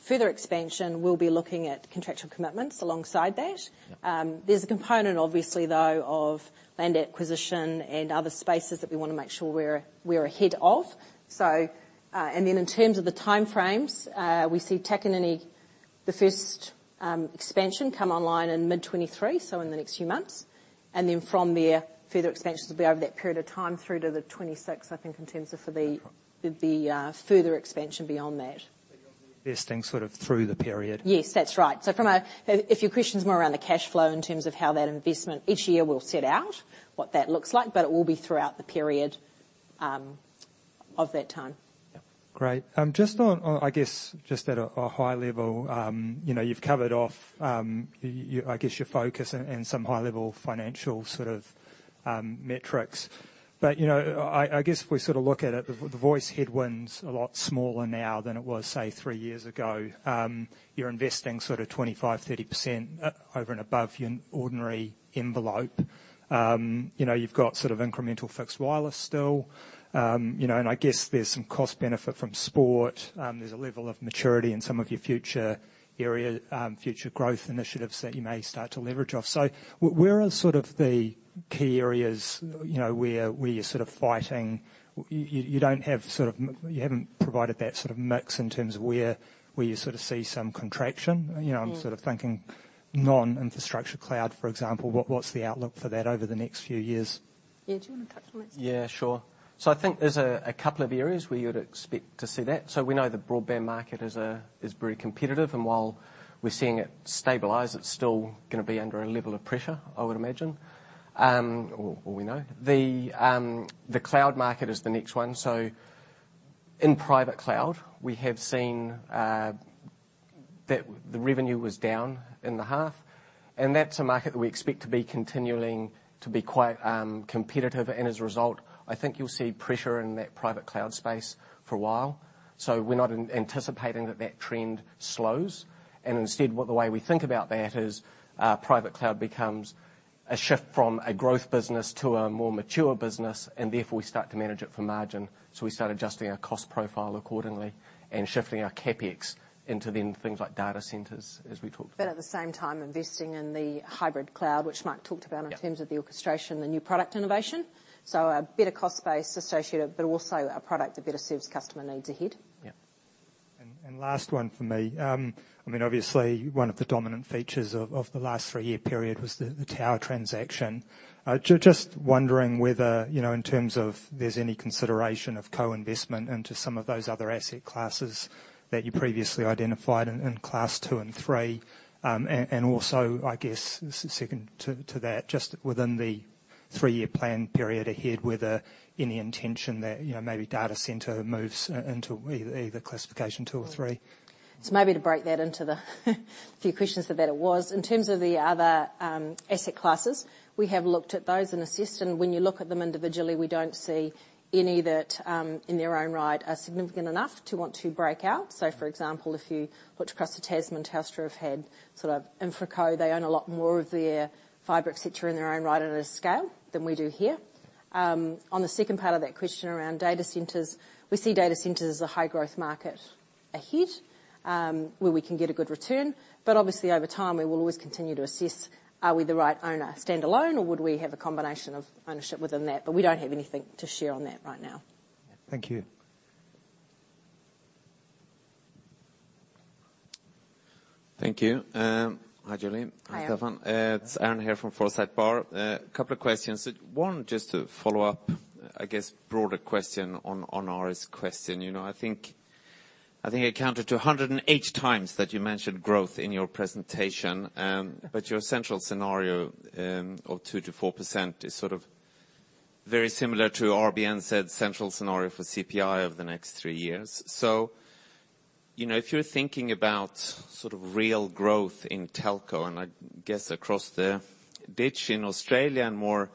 further expansion, we'll be looking at contractual commitments alongside that. Yep. there's a component obviously though of land acquisition and other spaces that we wanna make sure we're ahead of. In terms of the timeframes, we see Takanini, the first, expansion come online in mid 2023, so in the next few months. From there, further expansions will be over that period of time through to 2026, I think. Okay. The, further expansion beyond that. You're investing sort of through the period? Yes, that's right. If your question's more around the cash flow in terms of how that investment each year will set out, what that looks like, but it will be throughout the period of that time. Yeah. Great. Just on, I guess, just at a high level, you know, you've covered off, I guess your focus and some high-level financial sort of, metrics. You know, I guess if we sort of look at it, the voice headwinds a lot smaller now than it was, say, three years ago. You're investing sort of 25%-30% over and above your ordinary envelope. You know, you've got sort of incremental fixed wireless still. You know, I guess there's some cost benefit from Spark. There's a level of maturity in some of your future area, future growth initiatives that you may start to leverage off. Where are sort of the key areas, you know, where you're sort of fighting? You haven't provided that sort of mix in terms of where you sort of see some contraction. You know. Yeah. I'm sort of thinking non-infrastructure cloud, for example. What's the outlook for that over the next few years? Yeah. Do you wanna touch on this? Yeah, sure. I think there's a couple of areas where you would expect to see that. We know the broadband market is very competitive, and while we're seeing it stabilize, it's still gonna be under a level of pressure, I would imagine, or we know. The cloud market is the next one. In private cloud, we have seen that the revenue was down in the half, and that's a market that we expect to be continuing to be quite competitive. As a result, I think you'll see pressure in that private cloud space for a while. We're not anticipating that that trend slows. Instead, what the way we think about that is, private cloud becomes a shift from a growth business to a more mature business, and therefore we start to manage it for margin. We start adjusting our cost profile accordingly and shifting our CapEx into then things like data centers, as we talked about. At the same time, investing in the hybrid cloud, which Mark talked about. Yeah. -in terms of the orchestration, the new product innovation. So a better cost base associated, but also a product that better serves customer needs ahead. Yeah. Last one from me. I mean, obviously one of the dominant features of the last three-year period was the tower transaction. Just wondering whether, you know, in terms of there's any consideration of co-investment into some of those other asset classes that you previously identified in Class two and three. Also, I guess, second to that, just within the three-year plan period ahead, whether any intention that, you know, maybe data center moves into either Classification two or three. Maybe to break that into the few questions that it was. In terms of the other asset classes, we have looked at those and assessed. When you look at them individually, we don't see any that in their own right are significant enough to want to break out. For example, if you look across the Tasman, Telstra have had sort of InfraCo. They own a lot more of their fiber, et cetera, in their own right on a scale than we do here. On the second part of that question around data centers, we see data centers as a high-growth market ahead, where we can get a good return. Obviously, over time, we will always continue to assess, are we the right owner standalone, or would we have a combination of ownership within that? We don't have anything to share on that right now. Thank you. Thank you. Hi, Julie. Hi, Aaron. Hi, Stefan. It's Aaron here from Forsyth Barr. A couple of questions. One, just to follow up, I guess broader question on Arie's question. You know, I think it counted to 108 times that you mentioned growth in your presentation. Your essential scenario of 2%-4% is sort of very similar to RBNZ's central scenario for CPI over the next three years. You know, if you're thinking about sort of real growth in telco, and I guess across the ditch in Australia and more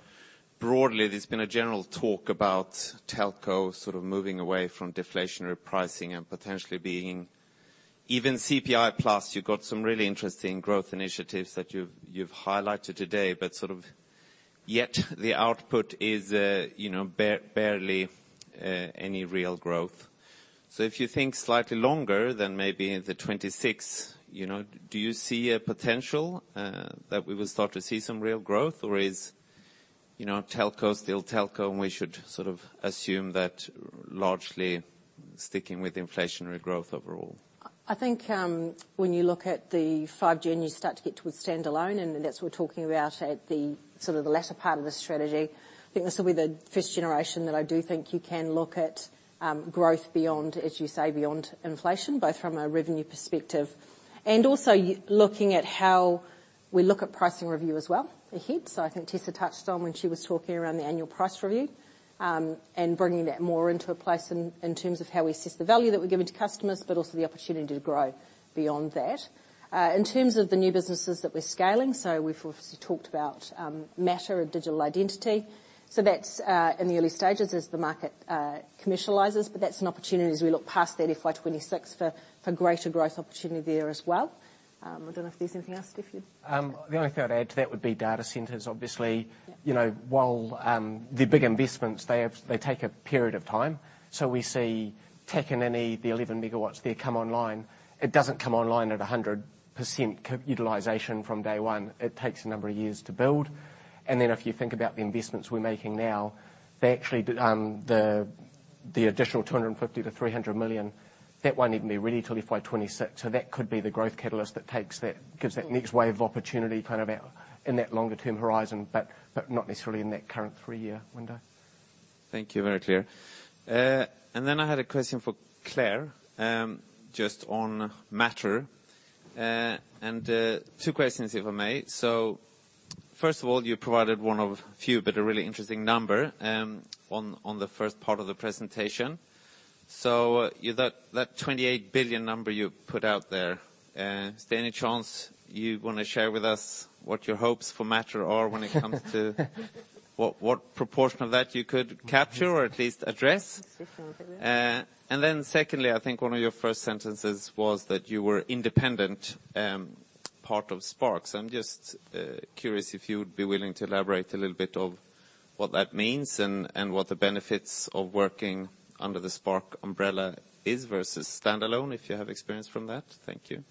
broadly, there's been a general talk about telco sort of moving away from deflationary pricing and potentially being even CPI plus, you've got some really interesting growth initiatives that you've highlighted today, but sort of yet the output is, you know, barely any real growth. If you think slightly longer than maybe in the 26, you know, do you see a potential that we will start to see some real growth? Or is, you know, telco still telco, and we should sort of assume that largely sticking with inflationary growth overall? I think, when you look at the 5G, you start to get towards standalone, and that's what we're talking about at the sort of the latter part of the strategy. I think this will be the first generation that I do think you can look at growth beyond, as you say, beyond inflation, both from a revenue perspective and also looking at how we look at pricing review as well ahead. I think Tessa touched on when she was talking around the annual price review, and bringing that more into a place in terms of how we assess the value that we're giving to customers, but also the opportunity to grow beyond that. In terms of the new businesses that we're scaling, we've obviously talked about MATTR and digital identity. That's in the early stages as the market commercializes, but that's an opportunity as we look past that FY 2026 for greater growth opportunity there as well. I don't know if there's anything else. The only thing I'd add to that would be data centers, obviously. Yeah. You know, while the big investments, they take a period of time. We see Takanini, the 11 MW there come online. It doesn't come online at 100% utilization from day one. It takes a number of years to build. If you think about the investments we're making now, they actually the additional 250 million-300 million, that won't even be ready till FY 2026. That could be the growth catalyst that gives that next wave opportunity kind of out in that longer term horizon, but not necessarily in that current three-year window. Thank you. Very clear. I had a question for Claire, just on MATTR. Two questions, if I may. First of all, you provided one of few, but a really interesting number, on the first part of the presentation. That $28 billion number you put out there, is there any chance you wanna share with us what your hopes for MATTR are when it comes to what proportion of that you could capture or at least address? Secondly, I think one of your first sentences was that you were independent, part of Spark. I'm just curious if you'd be willing to elaborate a little bit of what that means and what the benefits of working under the Spark umbrella is versus standalone, if you have experience from that. Thank you.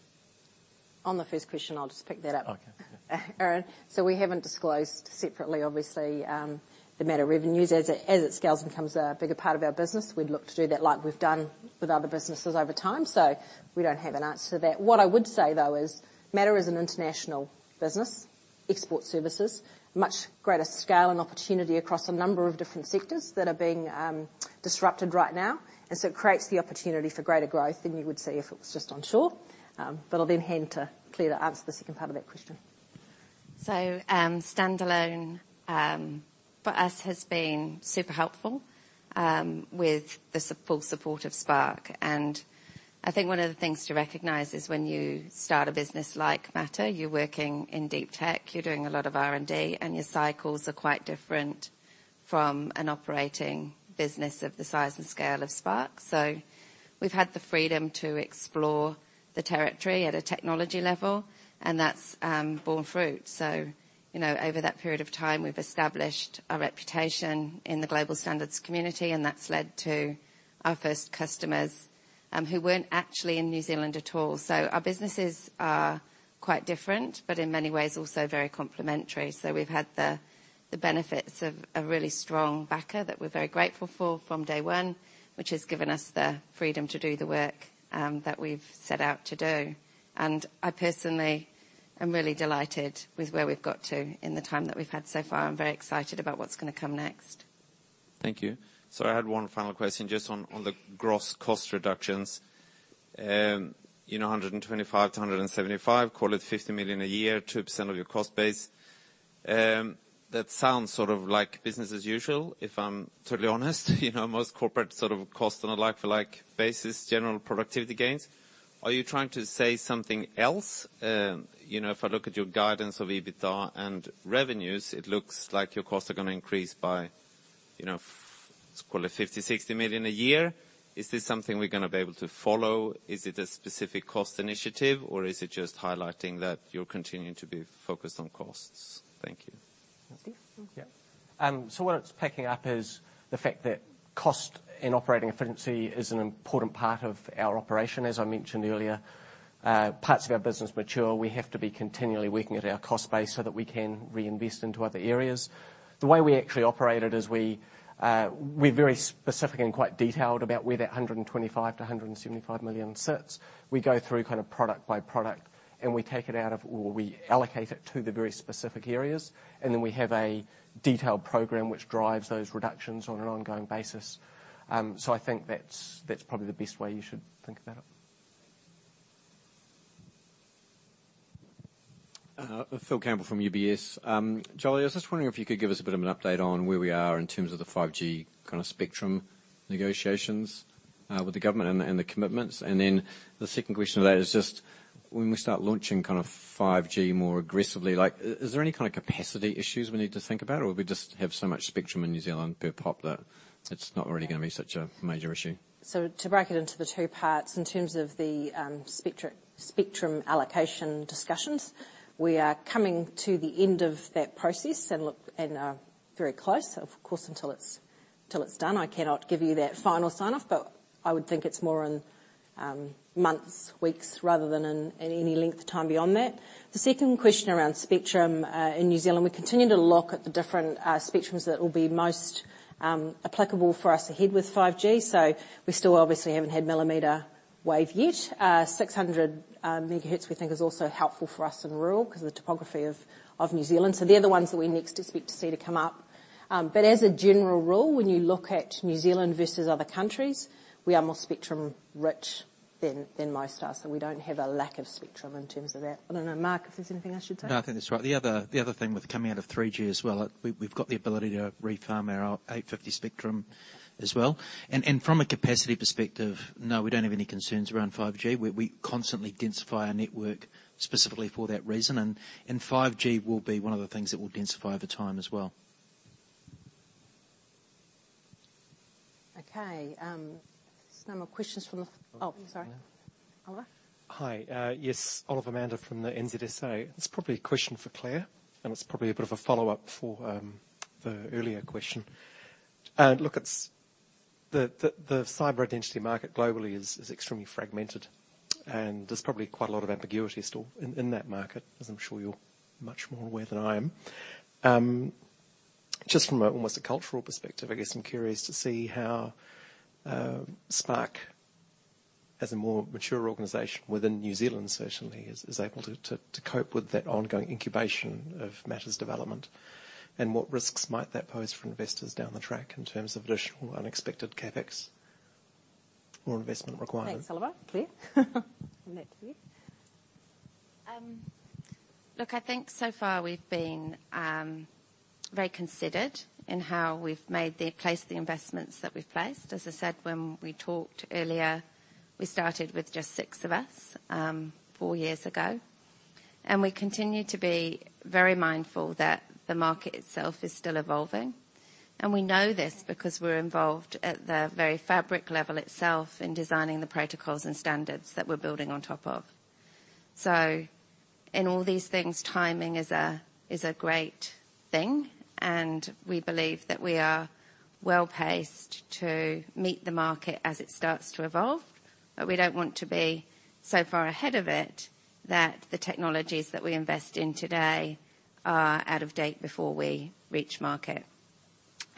On the first question, I'll just pick that up. Okay. We haven't disclosed separately, obviously, the MATTR revenues. As it scales and becomes a bigger part of our business, we'd look to do that like we've done with other businesses over time. We don't have an answer to that. What I would say, though, is MATTR is an international business, export services, much greater scale and opportunity across a number of different sectors that are being disrupted right now. It creates the opportunity for greater growth than you would see if it was just onshore. But I'll then hand to Claire to answer the second part of that question. Standalone for us has been super helpful with the full support of Spark. I think one of the things to recognize is when you start a business like MATTR, you're working in deep tech, you're doing a lot of R&D, and your cycles are quite different from an operating business of the size and scale of Spark. We've had the freedom to explore the territory at a technology level, and that's borne fruit. You know, over that period of time, we've established a reputation in the global standards community, and that's led to our first customers, who weren't actually in New Zealand at all. Our businesses are quite different, but in many ways also very complementary. We've had the benefits of a really strong backer that we're very grateful for from day one, which has given us the freedom to do the work that we've set out to do. I personally am really delighted with where we've got to in the time that we've had so far. I'm very excited about what's gonna come next. Thank you. I had one final question just on the gross cost reductions. You know, 125 million-175 million, call it 50 million a year, 2% of your cost base. That sounds sort of like business as usual, if I'm totally honest. You know, most corporate sort of cost on a like-for-like basis, general productivity gains. Are you trying to say something else? You know, if I look at your guidance of EBITDA and revenues, it looks like your costs are gonna increase by, you know, let's call it 50 million-60 million a year. Is this something we're gonna be able to follow? Is it a specific cost initiative, or is it just highlighting that you're continuing to be focused on costs? Thank you. Steve. Yeah. What it's picking up is the fact that cost and operating efficiency is an important part of our operation, as I mentioned earlier. Parts of our business mature. We have to be continually working at our cost base so that we can reinvest into other areas. The way we actually operate it is we're very specific and quite detailed about where that 125 million-175 million sits. We go through kind of product by product, we take it out of or we allocate it to the very specific areas. We have a detailed program which drives those reductions on an ongoing basis. I think that's probably the best way you should think about it. Thanks. Phil Campbell from UBS. Jolie, I was just wondering if you could give us a bit of an update on where we are in terms of the 5G kind of spectrum negotiations with the government and the, and the commitments. The second question to that is just when we start launching kind of 5G more aggressively, like is there any kind of capacity issues we need to think about, or we just have so much spectrum in New Zealand per pop that it's not really gonna be such a major issue? To break it into the two parts, in terms of the spectrum allocation discussions, we are coming to the end of that process and are very close. Of course, until it's, till it's done, I cannot give you that final sign-off, but I would think it's more in months, weeks, rather than in any length of time beyond that. The second question around spectrum in New Zealand, we continue to look at the different spectrums that will be most applicable for us ahead with 5G. We still obviously haven't had millimeter wave yet. 600 megahertz we think is also helpful for us in rural 'cause of the topography of New Zealand. They're the ones that we next expect to see to come up. As a general rule, when you look at New Zealand versus other countries, we are more spectrum rich than most are, we don't have a lack of spectrum in terms of that. I don't know, Mark, if there's anything else you'd say. No, I think that's right. The other thing with coming out of 3G as well, we've got the ability to refarm our 850 spectrum as well. From a capacity perspective, no, we don't have any concerns around 5G. We constantly densify our network specifically for that reason, and 5G will be one of the things that we'll densify over time as well. Okay, there's no more questions from the... Oh, sorry. Oliver. Hi. Yes, Oliver Mander from the NZSA. It's probably a question for Claire, and it's probably a bit of a follow-up for the earlier question. Look, it's the, the cyber identity market globally is extremely fragmented, and there's probably quite a lot of ambiguity still in that market, as I'm sure you're much more aware than I am. Just from almost a cultural perspective, I guess I'm curious to see how Spark, as a more mature organization within New Zealand certainly is able to cope with that ongoing incubation of MATTR's development, what risks might that pose for investors down the track in terms of additional unexpected CapEx or investment requirements? Thanks, Oliver. Claire I'll leave that to you. Look, I think so far we've been very considered in how we've placed the investments that we've placed. As I said when we talked earlier, we started with just six of us, four years ago. We continue to be very mindful that the market itself is still evolving. We know this because we're involved at the very fabric level itself in designing the protocols and standards that we're building on top of. In all these things, timing is a great thing, and we believe that we are well-paced to meet the market as it starts to evolve. We don't want to be so far ahead of it that the technologies that we invest in today are out of date before we reach market.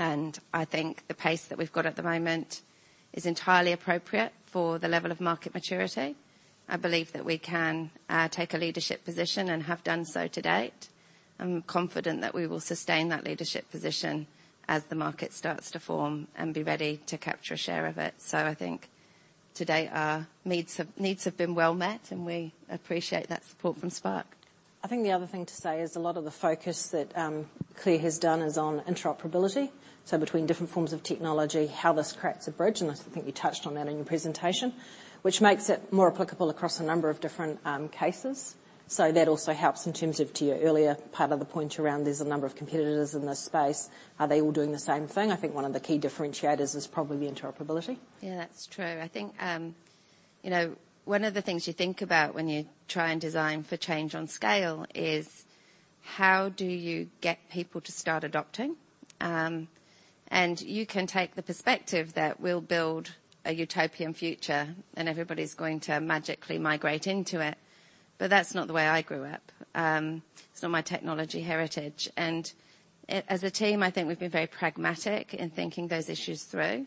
I think the pace that we've got at the moment is entirely appropriate for the level of market maturity. I believe that we can take a leadership position and have done so to date. I'm confident that we will sustain that leadership position as the market starts to form and be ready to capture a share of it. I think to date our needs have been well met, and we appreciate that support from Spark. I think the other thing to say is a lot of the focus that Claire has done is on interoperability, so between different forms of technology, how this creates a bridge, and I think you touched on that in your presentation. Which makes it more applicable across a number of different, cases. That also helps in terms of, to your earlier part of the point around there's a number of competitors in this space. Are they all doing the same thing? I think one of the key differentiators is probably the interoperability. Yeah, that's true. I think, you know, one of the things you think about when you try and design for change on scale is how do you get people to start adopting. You can take the perspective that we'll build a utopian future, and everybody's going to magically migrate into it. That's not the way I grew up. It's not my technology heritage. As a team, I think we've been very pragmatic in thinking those issues through.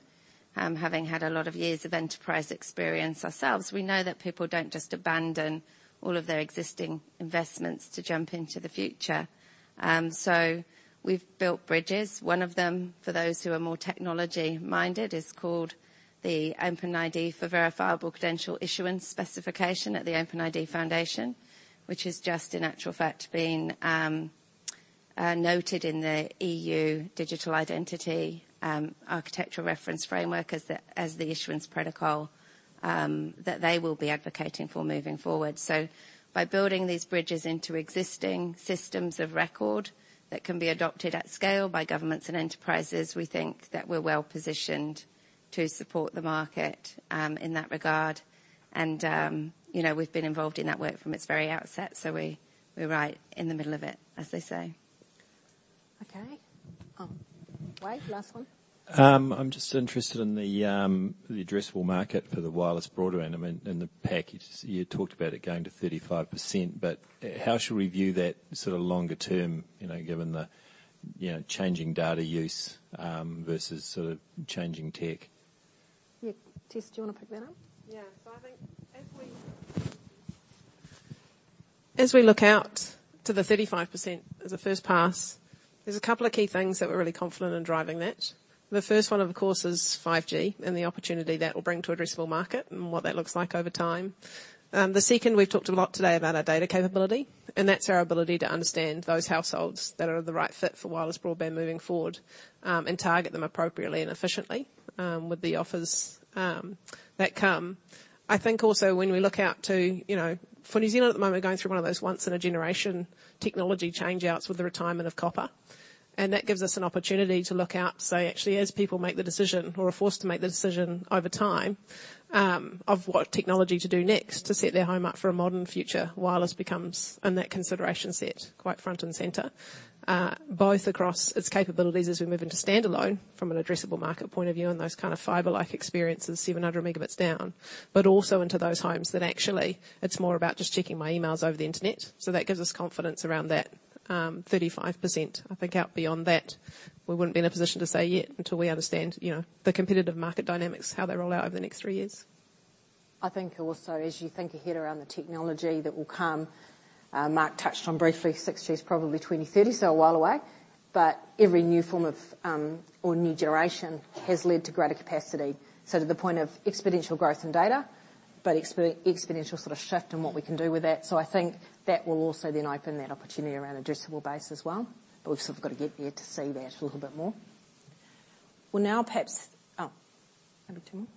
Having had a lot of years of enterprise experience ourselves, we know that people don't just abandon all of their existing investments to jump into the future. We've built bridges. One of them, for those who are more technology-minded, is called the OpenID for Verifiable Credential Issuance Specification at the OpenID Foundation, which has just in actual fact been noted in the EU Digital Identity Architectural Reference Framework as the, as the issuance protocol that they will be advocating for moving forward. By building these bridges into existing systems of record that can be adopted at scale by governments and enterprises, we think that we're well-positioned to support the market in that regard. You know, we've been involved in that work from its very outset, so we're right in the middle of it, as they say. Okay. Oh. Wade, last one. I'm just interested in the addressable market for the wireless broadband and the package. You talked about it going to 35%. How should we view that sort of longer term, you know, given the changing data use versus sort of changing tech? Yeah. Tess, do you wanna pick that up? Yeah. I think as we, as we look out to the 35% as a first pass. There's a couple of key things that we're really confident in driving that. The first one, of course, is 5G and the opportunity that will bring to addressable market and what that looks like over time. The second, we've talked a lot today about our data capability, and that's our ability to understand those households that are the right fit for wireless broadband moving forward, and target them appropriately and efficiently, with the offers that come. I think also when we look out to, you know, for New Zealand at the moment, going through one of those once in a generation technology change-outs with the retirement of copper, that gives us an opportunity to look out to say actually, as people make the decision or are forced to make the decision over time, of what technology to do next to set their home up for a modern future, wireless becomes in that consideration set quite front and center. Both across its capabilities as we move into standalone from an addressable market point of view and those kind of fiber-like experiences, 700 megabits down, also into those homes that actually it's more about just checking my emails over the internet. That gives us confidence around that, 35%. I think out beyond that, we wouldn't be in a position to say yet until we understand, you know, the competitive market dynamics, how they roll out over the next three years. I think also as you think ahead around the technology that will come, Mark touched on briefly, 6G is probably 2030, so a while away, but every new form of, or new generation has led to greater capacity. To the point of exponential growth in data, but exponential sort of shift in what we can do with that. I think that will also then open that opportunity around addressable base as well. We've sort of got to get there to see that a little bit more. We'll now perhaps. Oh, maybe two more.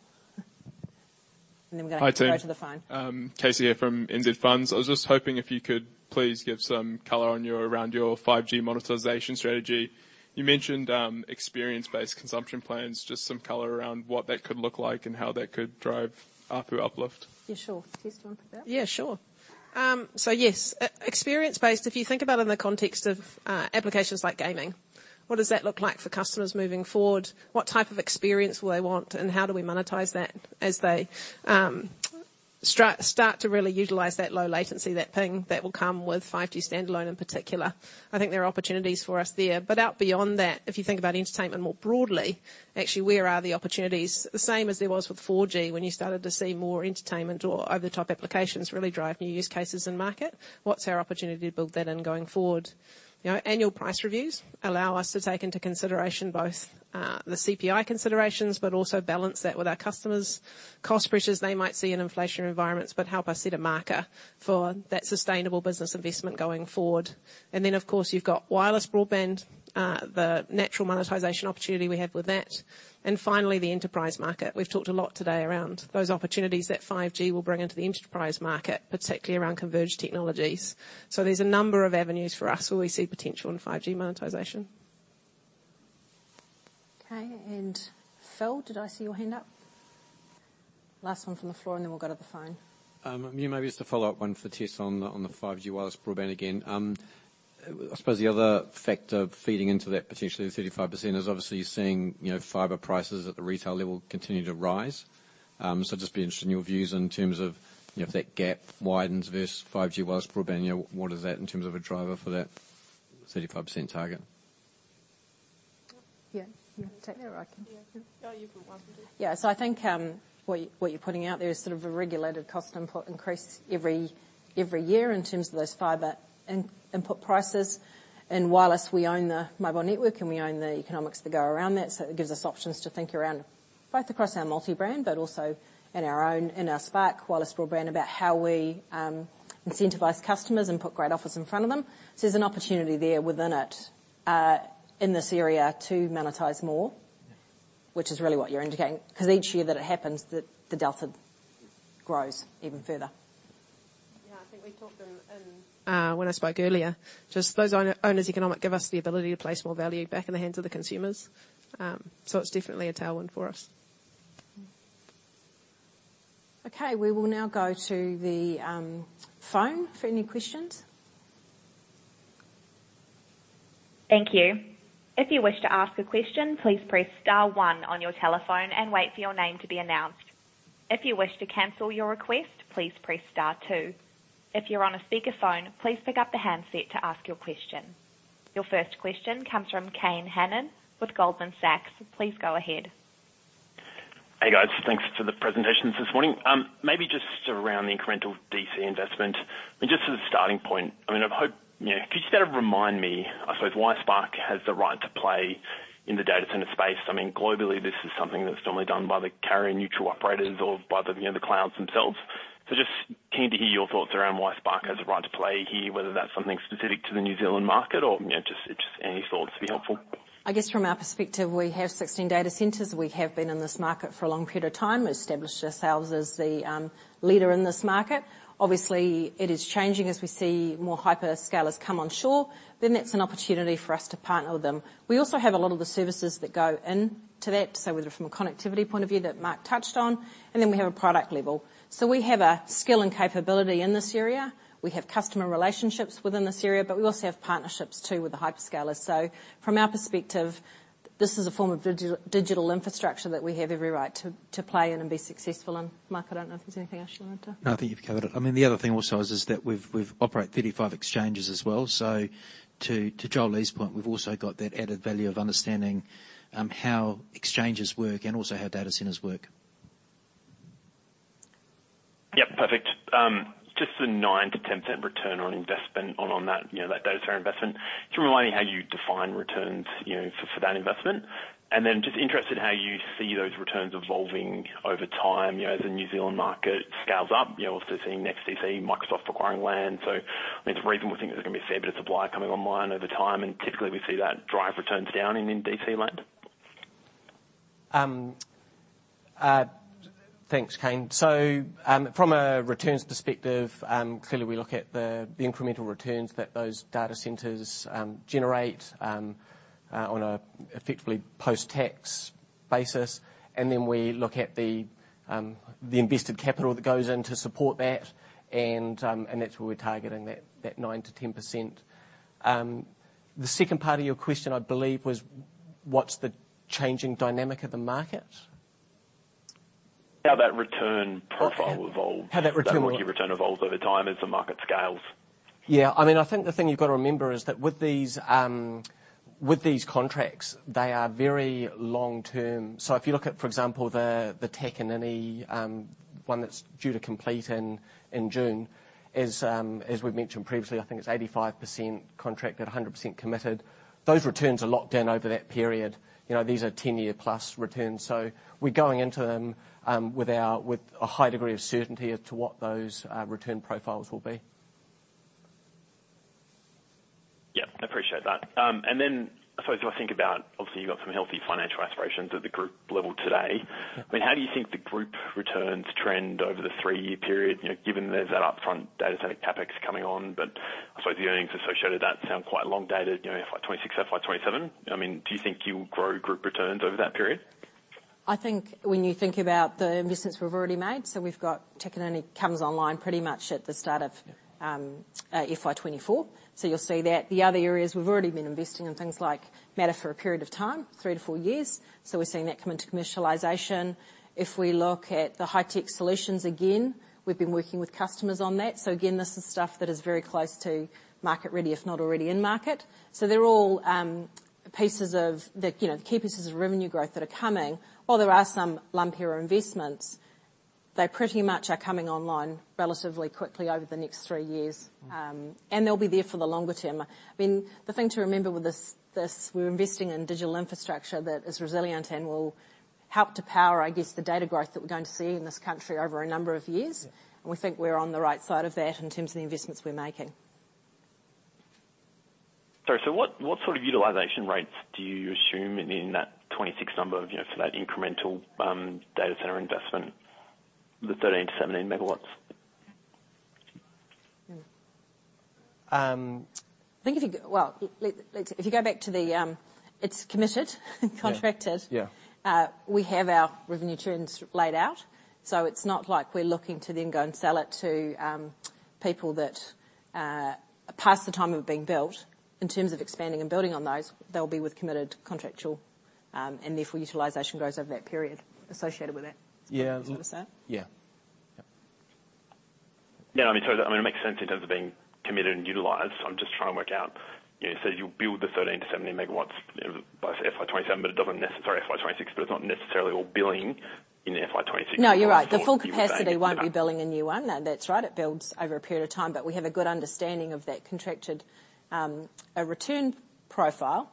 Then we're gonna- Hi, team. Go to the phone. Casey here from NZ Funds. I was just hoping if you could please give some color around your 5G monetization strategy. You mentioned experience-based consumption plans, just some color around what that could look like and how that could drive ARPU uplift. Yeah, sure. Tess, you want that? Yeah, sure. Yes, e-experience based, if you think about in the context of applications like gaming, what does that look like for customers moving forward? What type of experience will they want, and how do we monetize that as they start to really utilize that low latency, that ping that will come with 5G standalone in particular. I think there are opportunities for us there. Out beyond that, if you think about entertainment more broadly, actually, where are the opportunities? The same as there was with 4G when you started to see more entertainment or over-the-top applications really drive new use cases in market. What's our opportunity to build that in going forward? You know, annual price reviews allow us to take into consideration both the CPI considerations, but also balance that with our customers' cost pressures they might see in inflation environments, but help us set a marker for that sustainable business investment going forward. Of course, you've got wireless broadband, the natural monetization opportunity we have with that. The enterprise market. We've talked a lot today around those opportunities that 5G will bring into the enterprise market, particularly around converged technologies. There's a number of avenues for us where we see potential in 5G monetization. Okay. Phil, did I see your hand up? Last one from the floor, and then we'll go to the phone. Yeah, maybe just a follow-up one for Tess on the 5G wireless broadband again. I suppose the other factor feeding into that potentially the 35% is obviously you're seeing, you know, fiber prices at the retail level continue to rise. I'd just be interested in your views in terms of, you know, if that gap widens versus 5G wireless broadband, you know, what is that in terms of a driver for that 35% target? Yeah. You take that or I can. Yeah. Go, you go once. I think, what you're putting out there is sort of a regulated cost input increase every year in terms of those fiber input prices. In wireless, we own the mobile network, and we own the economics that go around that, so it gives us options to think around both across our multi-brand but also in our Spark wireless broadband about how we incentivize customers and put great offers in front of them. There's an opportunity there within it, in this area to monetize more- Yeah. Which is really what you're indicating. Because each year that it happens, the delta grows even further. Yeah. I think we talked in, when I spoke earlier, just those owners economic give us the ability to place more value back in the hands of the consumers. It's definitely a tailwind for us. We will now go to the phone for any questions. Thank you. If you wish to ask a question, please press star one on your telephone and wait for your name to be announced. If you wish to cancel your request, please press star two. If you're on a speakerphone, please pick up the handset to ask your question. Your first question comes from Kane Hannan with Goldman Sachs. Please go ahead. Hey, guys. Thanks for the presentations this morning. Maybe just around the incremental DC investment, I mean, just as a starting point, I mean, I hope, you know, could you sort of remind me, I suppose, why Spark has the right to play in the data center space? I mean, globally, this is something that's normally done by the carrier neutral operators or by the, you know, the clouds themselves. Just keen to hear your thoughts around why Spark has a right to play here, whether that's something specific to the New Zealand market or, you know, just any thoughts would be helpful? I guess from our perspective, we have 16 data centers. We have been in this market for a long period of time. We established ourselves as the leader in this market. Obviously, it is changing as we see more hyperscalers come onshore, that's an opportunity for us to partner with them. We also have a lot of the services that go into that, say whether from a connectivity point of view that Mark touched on, we have a product level. We have a skill and capability in this area. We have customer relationships within this area, we also have partnerships too with the hyperscalers. From our perspective, this is a form of digital infrastructure that we have every right to play in and be successful in. Mark, I don't know if there's anything else you wanted to. I think you've covered it. I mean, the other thing also is that we've operate 35 exchanges as well. To Jolie's point, we've also got that added value of understanding how exchanges work and also how data centers work. Yep, perfect. just the 9%-10% ROI on that, you know, that data center investment? Can you remind me how you define returns, you know, for that investment? Then just interested in how you see those returns evolving over time, you know, as the New Zealand market scales up. You know, also seeing NEXTDC, Microsoft acquiring land. It's reasonable to think there's gonna be a fair bit of supply coming online over time, and typically we see that drive returns down in DC land. Thanks, Kane. From a returns perspective, clearly we look at the incremental returns that those data centers generate on a effectively post-tax basis. Then we look at the invested capital that goes in to support that. And that's where we're targeting that 9%-10%. The second part of your question, I believe, was what's the changing dynamic of the market? How that return profile evolves. How that return-. How that return evolves over time as the market scales. I mean, I think the thing you've got to remember is that with these contracts, they are very long-term. If you look at, for example, the Takanini one that's due to complete in June, is as we've mentioned previously, I think it's 85% contracted, 100% committed. Those returns are locked down over that period. You know, these are 10-year plus returns. We're going into them with a high degree of certainty as to what those return profiles will be. Yeah, appreciate that. I suppose if I think about, obviously you've got some healthy financial aspirations at the group level today. Mm-hmm. I mean, how do you think the group returns trend over the three-year period, you know, given there's that upfront data center CapEx coming on, but I suppose the earnings associated with that sound quite long dated, you know, FY 2026, FY 2027. I mean, do you think you'll grow group returns over that period? I think when you think about the investments we've already made, we've got Takanini comes online pretty much at the start of FY 2024, you'll see that. The other areas we've already been investing in things like MATTR for a period of time, three-four years. We're seeing that come into commercialization. If we look at the high-tech solutions, again, we've been working with customers on that. Again, this is stuff that is very close to market ready, if not already in market. They're all pieces of the, you know, the key pieces of revenue growth that are coming. While there are some lumpier investments, they pretty much are coming online relatively quickly over the next three years. And they'll be there for the longer term. I mean, the thing to remember with this, we're investing in digital infrastructure that is resilient and will help to power, I guess, the data growth that we're going to see in this country over a number of years. Yeah. We think we're on the right side of that in terms of the investments we're making. Sorry. What, what sort of utilization rates do you assume in that 26 number, you know, for that incremental, data center investment, the 13-17 megawatts? I think if you go back to the. It's committed contracted. Yeah. Yeah. We have our revenue terms laid out, it's not like we're looking to then go and sell it to, people that, past the time of being built. In terms of expanding and building on those, they'll be with committed contractual, and therefore, utilization grows over that period associated with that. Yeah. Does that answer that? Yeah. Yeah. Yeah, I mean, so it makes sense in terms of being committed and utilized. I'm just trying to work out, you know, so you'll build the 13-17 MW by FY 2027, or FY 2026, but it's not necessarily all billing in FY 2026. No, you're right. The full capacity won't be billing in year one. No, that's right. It builds over a period of time, but we have a good understanding of that contracted return profile,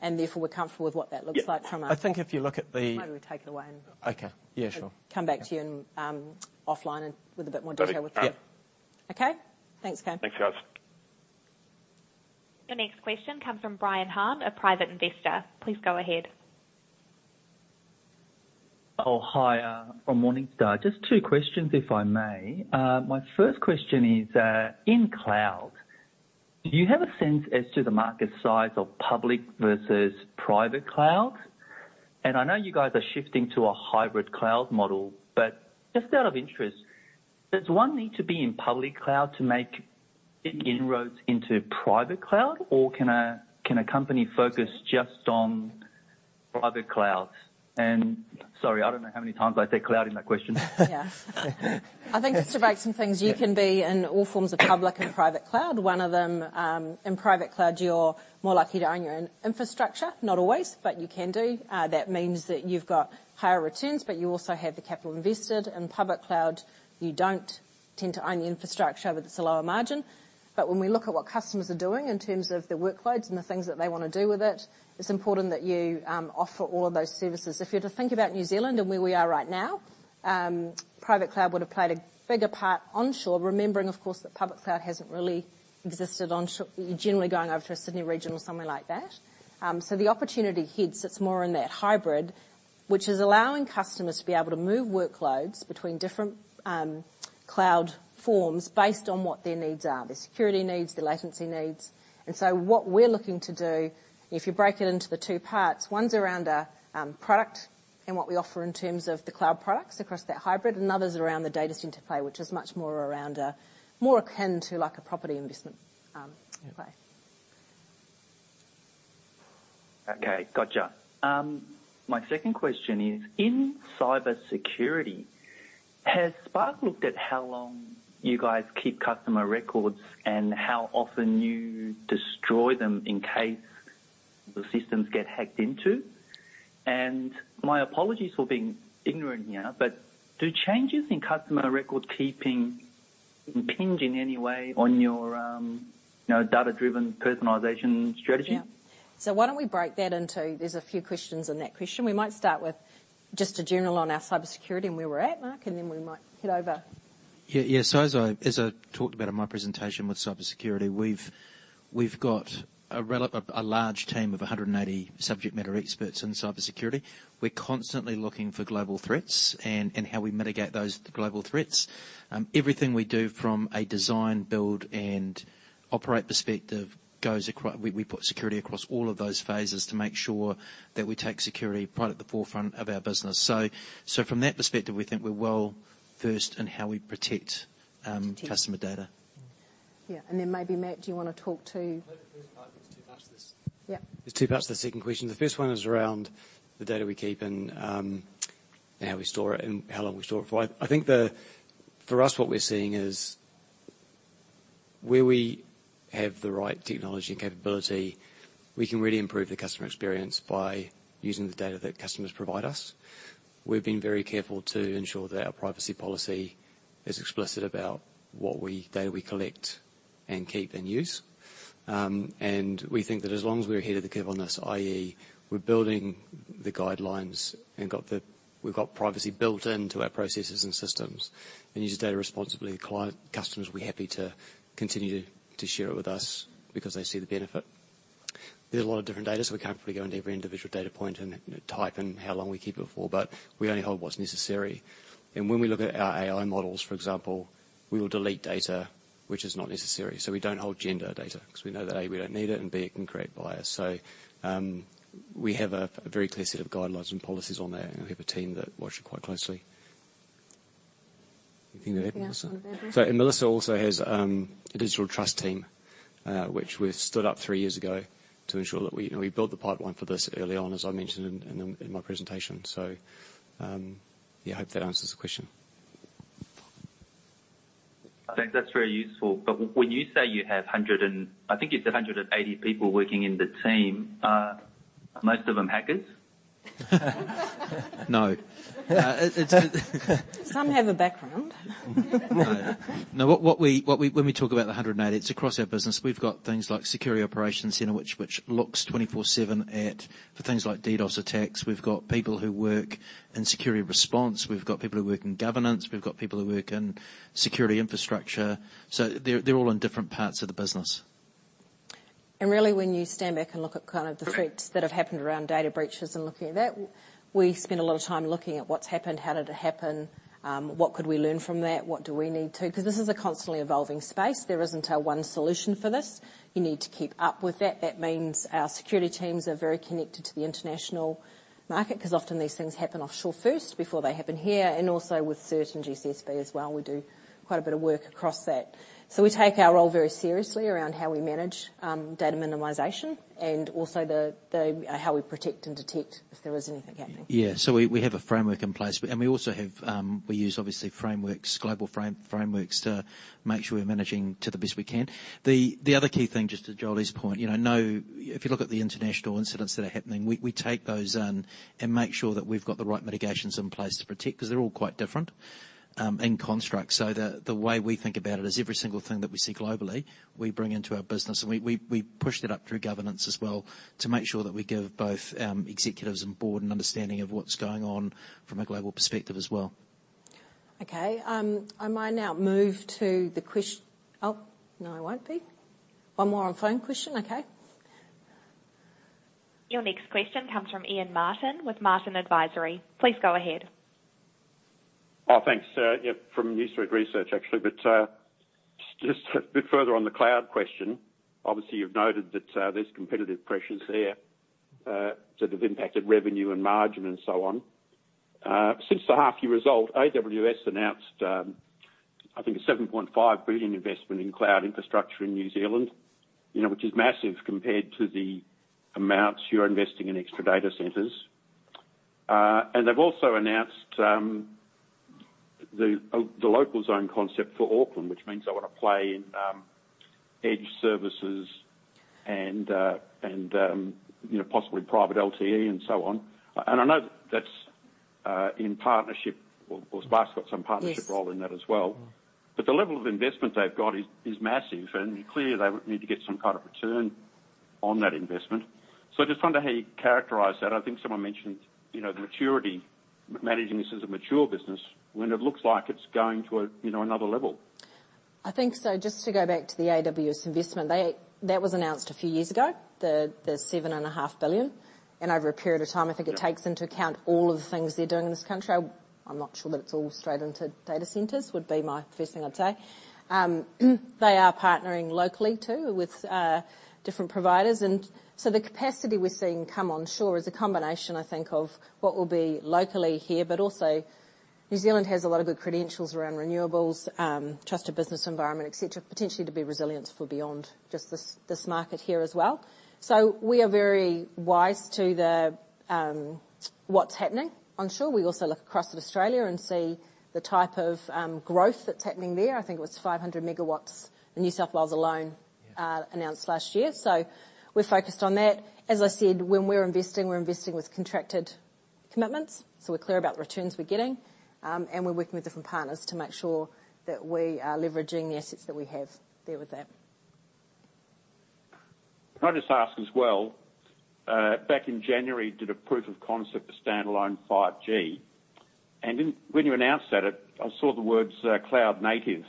and therefore we're comfortable with what that looks like from a. Yeah. I think if you look at Why don't we take it away. Okay. Yeah, sure. Come back to you and, offline and with a bit more detail with you. Got it. Okay? Thanks, Kane. Thanks, guys. The next question comes from Brian Hahn, a private investor. Please go ahead. Oh, hi. Or morning. Just two questions, if I may. My first question is, in cloud, do you have a sense as to the market size of public versus private cloud? I know you guys are shifting to a hybrid cloud model, but just out of interest, does one need to be in public cloud to make inroads into private cloud? Can a company focus just on private clouds? Sorry, I don't know how many times I said cloud in that question. Yeah. I think just to break some things, you can be in all forms of public and private cloud. One of them, in private cloud, you're more likely to own your in-infrastructure. Not always, but you can do. That means that you've got higher returns, but you also have the capital invested. In public cloud, you don't tend to own the infrastructure, but it's a lower margin. When we look at what customers are doing in terms of their workloads and the things that they wanna do with it's important that you offer all of those services. If you're to think about New Zealand and where we are right now, private cloud would have played a bigger part onshore. Remembering, of course, that public cloud hasn't really existed onshore. You're generally going over to a Sydney region or somewhere like that. The opportunity hits, it's more in that hybrid, which is allowing customers to be able to move workloads between different cloud forms based on what their needs are, their security needs, their latency needs. What we're looking to do, if you break it into the two parts, one's around our product and what we offer in terms of the cloud products across that hybrid, and the other's around the data center play, which is much more around a, more akin to like a property investment play. Okay. Gotcha. My second question is, in cybersecurity, has Spark looked at how long you guys keep customer records and how often you destroy them in case the systems get hacked into. My apologies for being ignorant here, but do changes in customer record keeping impinge in any way on your, you know, data-driven personalization strategy? Yeah. Why don't we break that into. There's a few questions in that question. We might start with just a journal on our cybersecurity and where we're at, Mark, and then we might head over. Yeah. As I talked about in my presentation with cybersecurity, we've got a large team of 180 subject matter experts in cybersecurity. We're constantly looking for global threats and how we mitigate those global threats. Everything we do from a design, build, and operate perspective goes. We put security across all of those phases to make sure that we take security right at the forefront of our business. From that perspective, we think we're well-versed in how we protect. Protect... customer data. Yeah. Maybe, Matt, do you wanna talk to- I think the first part, there's two parts to this. Yeah. There's two parts to the second question. The first one is around the data we keep and how we store it, and how long we store it for. I think for us, what we're seeing is where we have the right technology and capability, we can really improve the customer experience by using the data that customers provide us. We've been very careful to ensure that our privacy policy is explicit about what we, data we collect and keep and use. We think that as long as we're ahead of the curve on this, i.e., we're building the guidelines and we've got privacy built into our processes and systems and use the data responsibly, customers will be happy to continue to share it with us because they see the benefit. There's a lot of different data, so we can't probably go into every individual data point and type and how long we keep it for, but we only hold what's necessary. When we look at our AI models, for example, we will delete data which is not necessary. We don't hold gender data 'cause we know that, A, we don't need it, and B, it can create bias. We have a very clear set of guidelines and policies on there, and we have a team that watch it quite closely. Anything to add, Melissa? Anything to add to that, Melissa? And Melissa also has a digital trust team, which we've stood up three years ago to ensure that we, you know, we built the pipeline for this early on, as I mentioned in the, in my presentation. Yeah, hope that answers the question. I think that's very useful. when you say you have I think it's 180 people working in the team, are most of them hackers? No. it's. Some have a background. No. No. What we talk about the 180, it's across our business. We've got things like security operations center, which looks 24/7 at the things like DDoS attacks. We've got people who work in security response. We've got people who work in governance. We've got people who work in security infrastructure. They're all in different parts of the business. Really, when you stand back and look at kind of the threats that have happened around data breaches and looking at that, we spend a lot of time looking at what's happened, how did it happen, what could we learn from that. This is a constantly evolving space. There isn't a one solution for this. You need to keep up with that. That means our security teams are very connected to the international market, 'cause often these things happen offshore first before they happen here, and also with CERT and GCSB as well. We do quite a bit of work across that. We take our role very seriously around how we manage data minimization and also how we protect and detect if there is anything happening. Yeah. We have a framework in place. We also have, we use obviously frameworks, global frameworks to make sure we're managing to the best we can. The other key thing, just to Jolie's point, you know, if you look at the international incidents that are happening, we take those in and make sure that we've got the right mitigations in place to protect, 'cause they're all quite different in construct. The way we think about it is every single thing that we see globally, we bring into our business, and we push that up through governance as well to make sure that we give both executives and board an understanding of what's going on from a global perspective as well. Okay. Oh, no, I won't be. One more on phone question. Okay. Your next question comes from Ian Martin with Martin Advisory. Please go ahead. Thanks. Yeah, from New Street Research, actually. Just a bit further on the cloud question. Obviously, you've noted that there's competitive pressures there that have impacted revenue and margin and so on. Since the half year result, AWS announced, I think a $7.5 billion investment in cloud infrastructure in New Zealand, you know, which is massive compared to the amounts you're investing in extra data centers. They've also announced the local zone concept for Auckland, which means they wanna play in edge services and, you know, possibly private LTE and so on. I know that's in partnership or Spark's got some partnership role- Yes in that as well. The level of investment they've got is massive, and clearly they need to get some kind of return on that investment. I just wonder how you characterize that. I think someone mentioned, you know, the maturity, managing this as a mature business when it looks like it's going to a, you know, another level. I think so just to go back to the AWS investment, that was announced a few years ago, the 7.5 billion. over a period of time. Yeah I think it takes into account all of the things they're doing in this country. I'm not sure that it's all straight into data centers, would be my first thing I'd say. They are partnering locally too with different providers. The capacity we're seeing come onshore is a combination, I think, of what will be locally here, but also New Zealand has a lot of good credentials around renewables, trusted business environment, et cetera, potentially to be resilient for beyond just this market here as well. We are very wise to the what's happening onshore. We also look across at Australia and see the type of growth that's happening there. I think it was 500 megawatts in New South Wales alone. Yeah announced last year. We're focused on that. As I said, when we're investing, we're investing with contracted commitments. We're clear about the returns we're getting, and we're working with different partners to make sure that we are leveraging the assets that we have there with that. Can I just ask as well, back in January, you did a proof of concept for standalone 5G, and when you announced that, I saw the words, cloud native,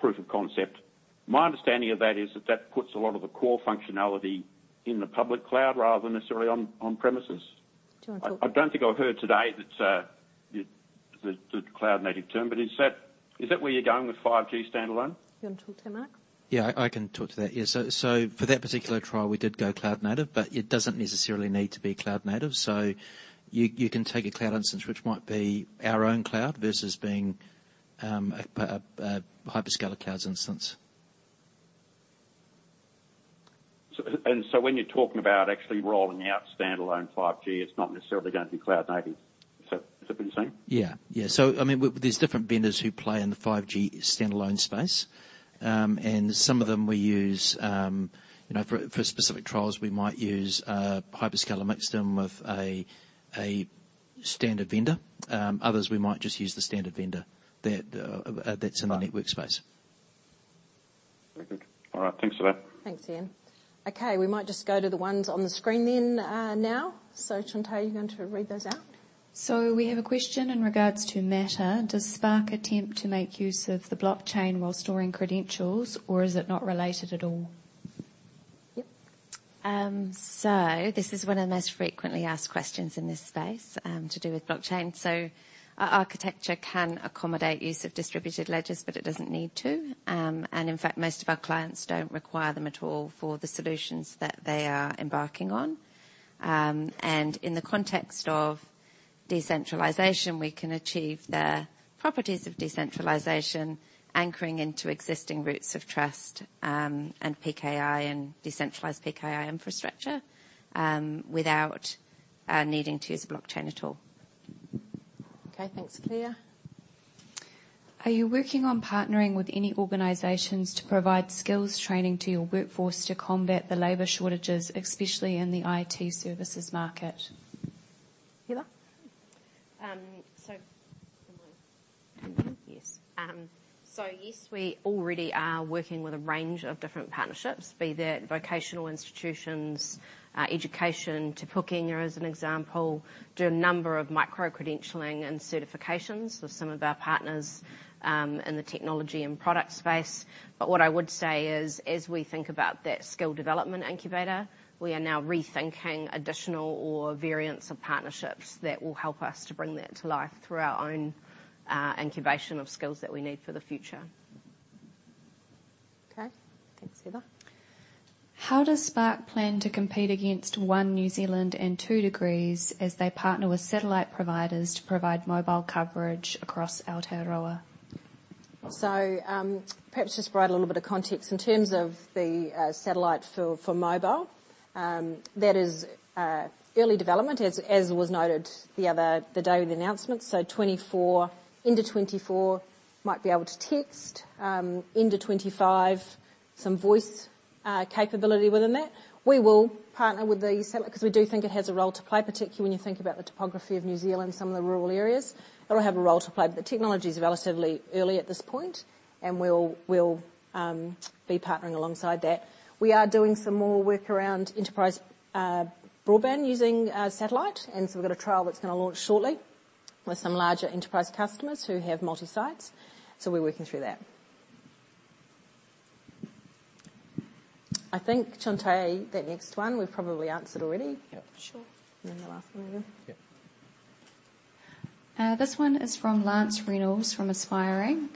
proof of concept. My understanding of that is that that puts a lot of the core functionality in the public cloud rather than necessarily on premises. Do you want to talk to that? I don't think I've heard today that the cloud native term, but is that where you're going with 5G standalone? You want to talk to that, Mark? Yeah, I can talk to that. Yeah. For that particular trial, we did go cloud native, but it doesn't necessarily need to be cloud native. You can take a cloud instance which might be our own cloud versus being a hyperscaler cloud's instance. When you're talking about actually rolling out standalone 5G, it's not necessarily going to be cloud native. Is that what you're saying? Yeah. Yeah. I mean, there's different vendors who play in the 5G standalone space. Some of them we use, you know, for specific trials, we might use, hyperscaler, mix them with a standard vendor. Others, we might just use the standard vendor. That, that's in the network space. All right. Thanks for that. Thanks, Ian. Okay, we might just go to the ones on the screen then, now. Chantai, you going to read those out? We have a question in regards to MATTR. Does Spark attempt to make use of the blockchain while storing credentials, or is it not related at all? Yep. This is one of the most frequently asked questions in this space to do with blockchain. Our architecture can accommodate use of distributed ledgers, but it doesn't need to. In fact, most of our clients don't require them at all for the solutions that they are embarking on. In the context of decentralization, we can achieve the properties of decentralization anchoring into existing roots of trust, and PKI and decentralized PKI infrastructure without needing to use blockchain at all. Okay, thanks. Claire. Are you working on partnering with any organizations to provide skills training to your workforce to combat the labor shortages, especially in the IT services market? Heather? Yes. Yes, we already are working with a range of different partnerships, be that vocational institutions, education, Te Pūkenga as an example, do a number of micro-credentialing and certifications with some of our partners, in the technology and product space. What I would say is, as we think about that skill development incubator, we are now rethinking additional or variants of partnerships that will help us to bring that to life through our own, incubation of skills that we need for the future. Okay. Thanks, Heather. How does Spark plan to compete against One New Zealand and 2degrees as they partner with satellite providers to provide mobile coverage across Aotearoa? Perhaps just provide a little bit of context in terms of the satellite for mobile. That is early development as was noted the day of the announcement. Into 2024 might be able to text, into 2025, some voice capability within that. We will partner with the satellite 'cause we do think it has a role to play, particularly when you think about the topography of New Zealand, some of the rural areas. It'll have a role to play, but the technology is relatively early at this point, and we'll be partnering alongside that. We are doing some more work around enterprise broadband using satellite, we've got a trial that's gonna launch shortly with some larger enterprise customers who have multi-sites. We're working through that. I think, Chantai, that next one we've probably answered already. Yep. Sure. The last one then. Yeah. This one is from Lance Reynolds from Aspiring.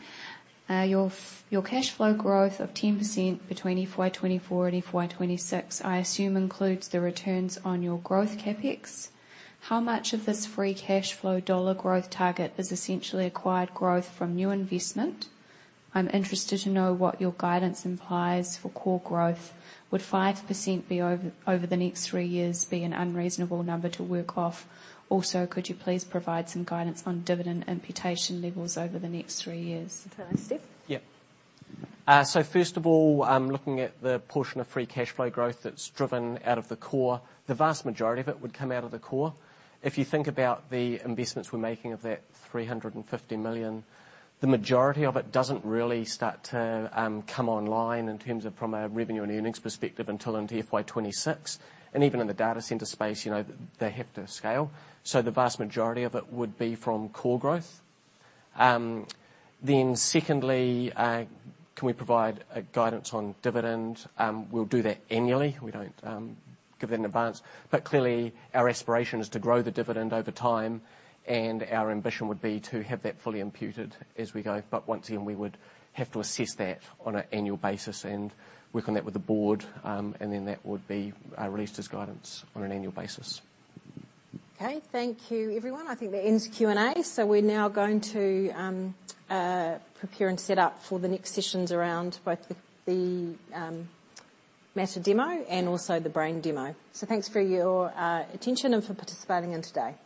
Your cash flow growth of 10% between FY 2024 and FY 2026, I assume, includes the returns on your growth CapEx. How much of this free cash flow dollar growth target is essentially acquired growth from new investment? I'm interested to know what your guidance implies for core growth. Would 5% be over the next three years be an unreasonable number to work off? Could you please provide some guidance on dividend imputation levels over the next three years? Thanks. Steve? Yeah. First of all, looking at the portion of free cash flow growth that's driven out of the core, the vast majority of it would come out of the core. If you think about the investments we're making of that 350 million, the majority of it doesn't really start to come online in terms of from a revenue and earnings perspective until into FY26. Even in the data center space, you know, they have to scale. The vast majority of it would be from core growth. Secondly, can we provide a guidance on dividend? We'll do that annually. We don't give that in advance. Clearly, our aspiration is to grow the dividend over time, and our ambition would be to have that fully imputed as we go. Once again, we would have to assess that on an annual basis and work on that with the board, and then that would be released as guidance on an annual basis. Okay. Thank you, everyone. I think that ends Q&A. We're now going to prepare and set up for the next sessions around both the MATTR demo and also the BRAIN demo. Thanks for your attention and for participating in today.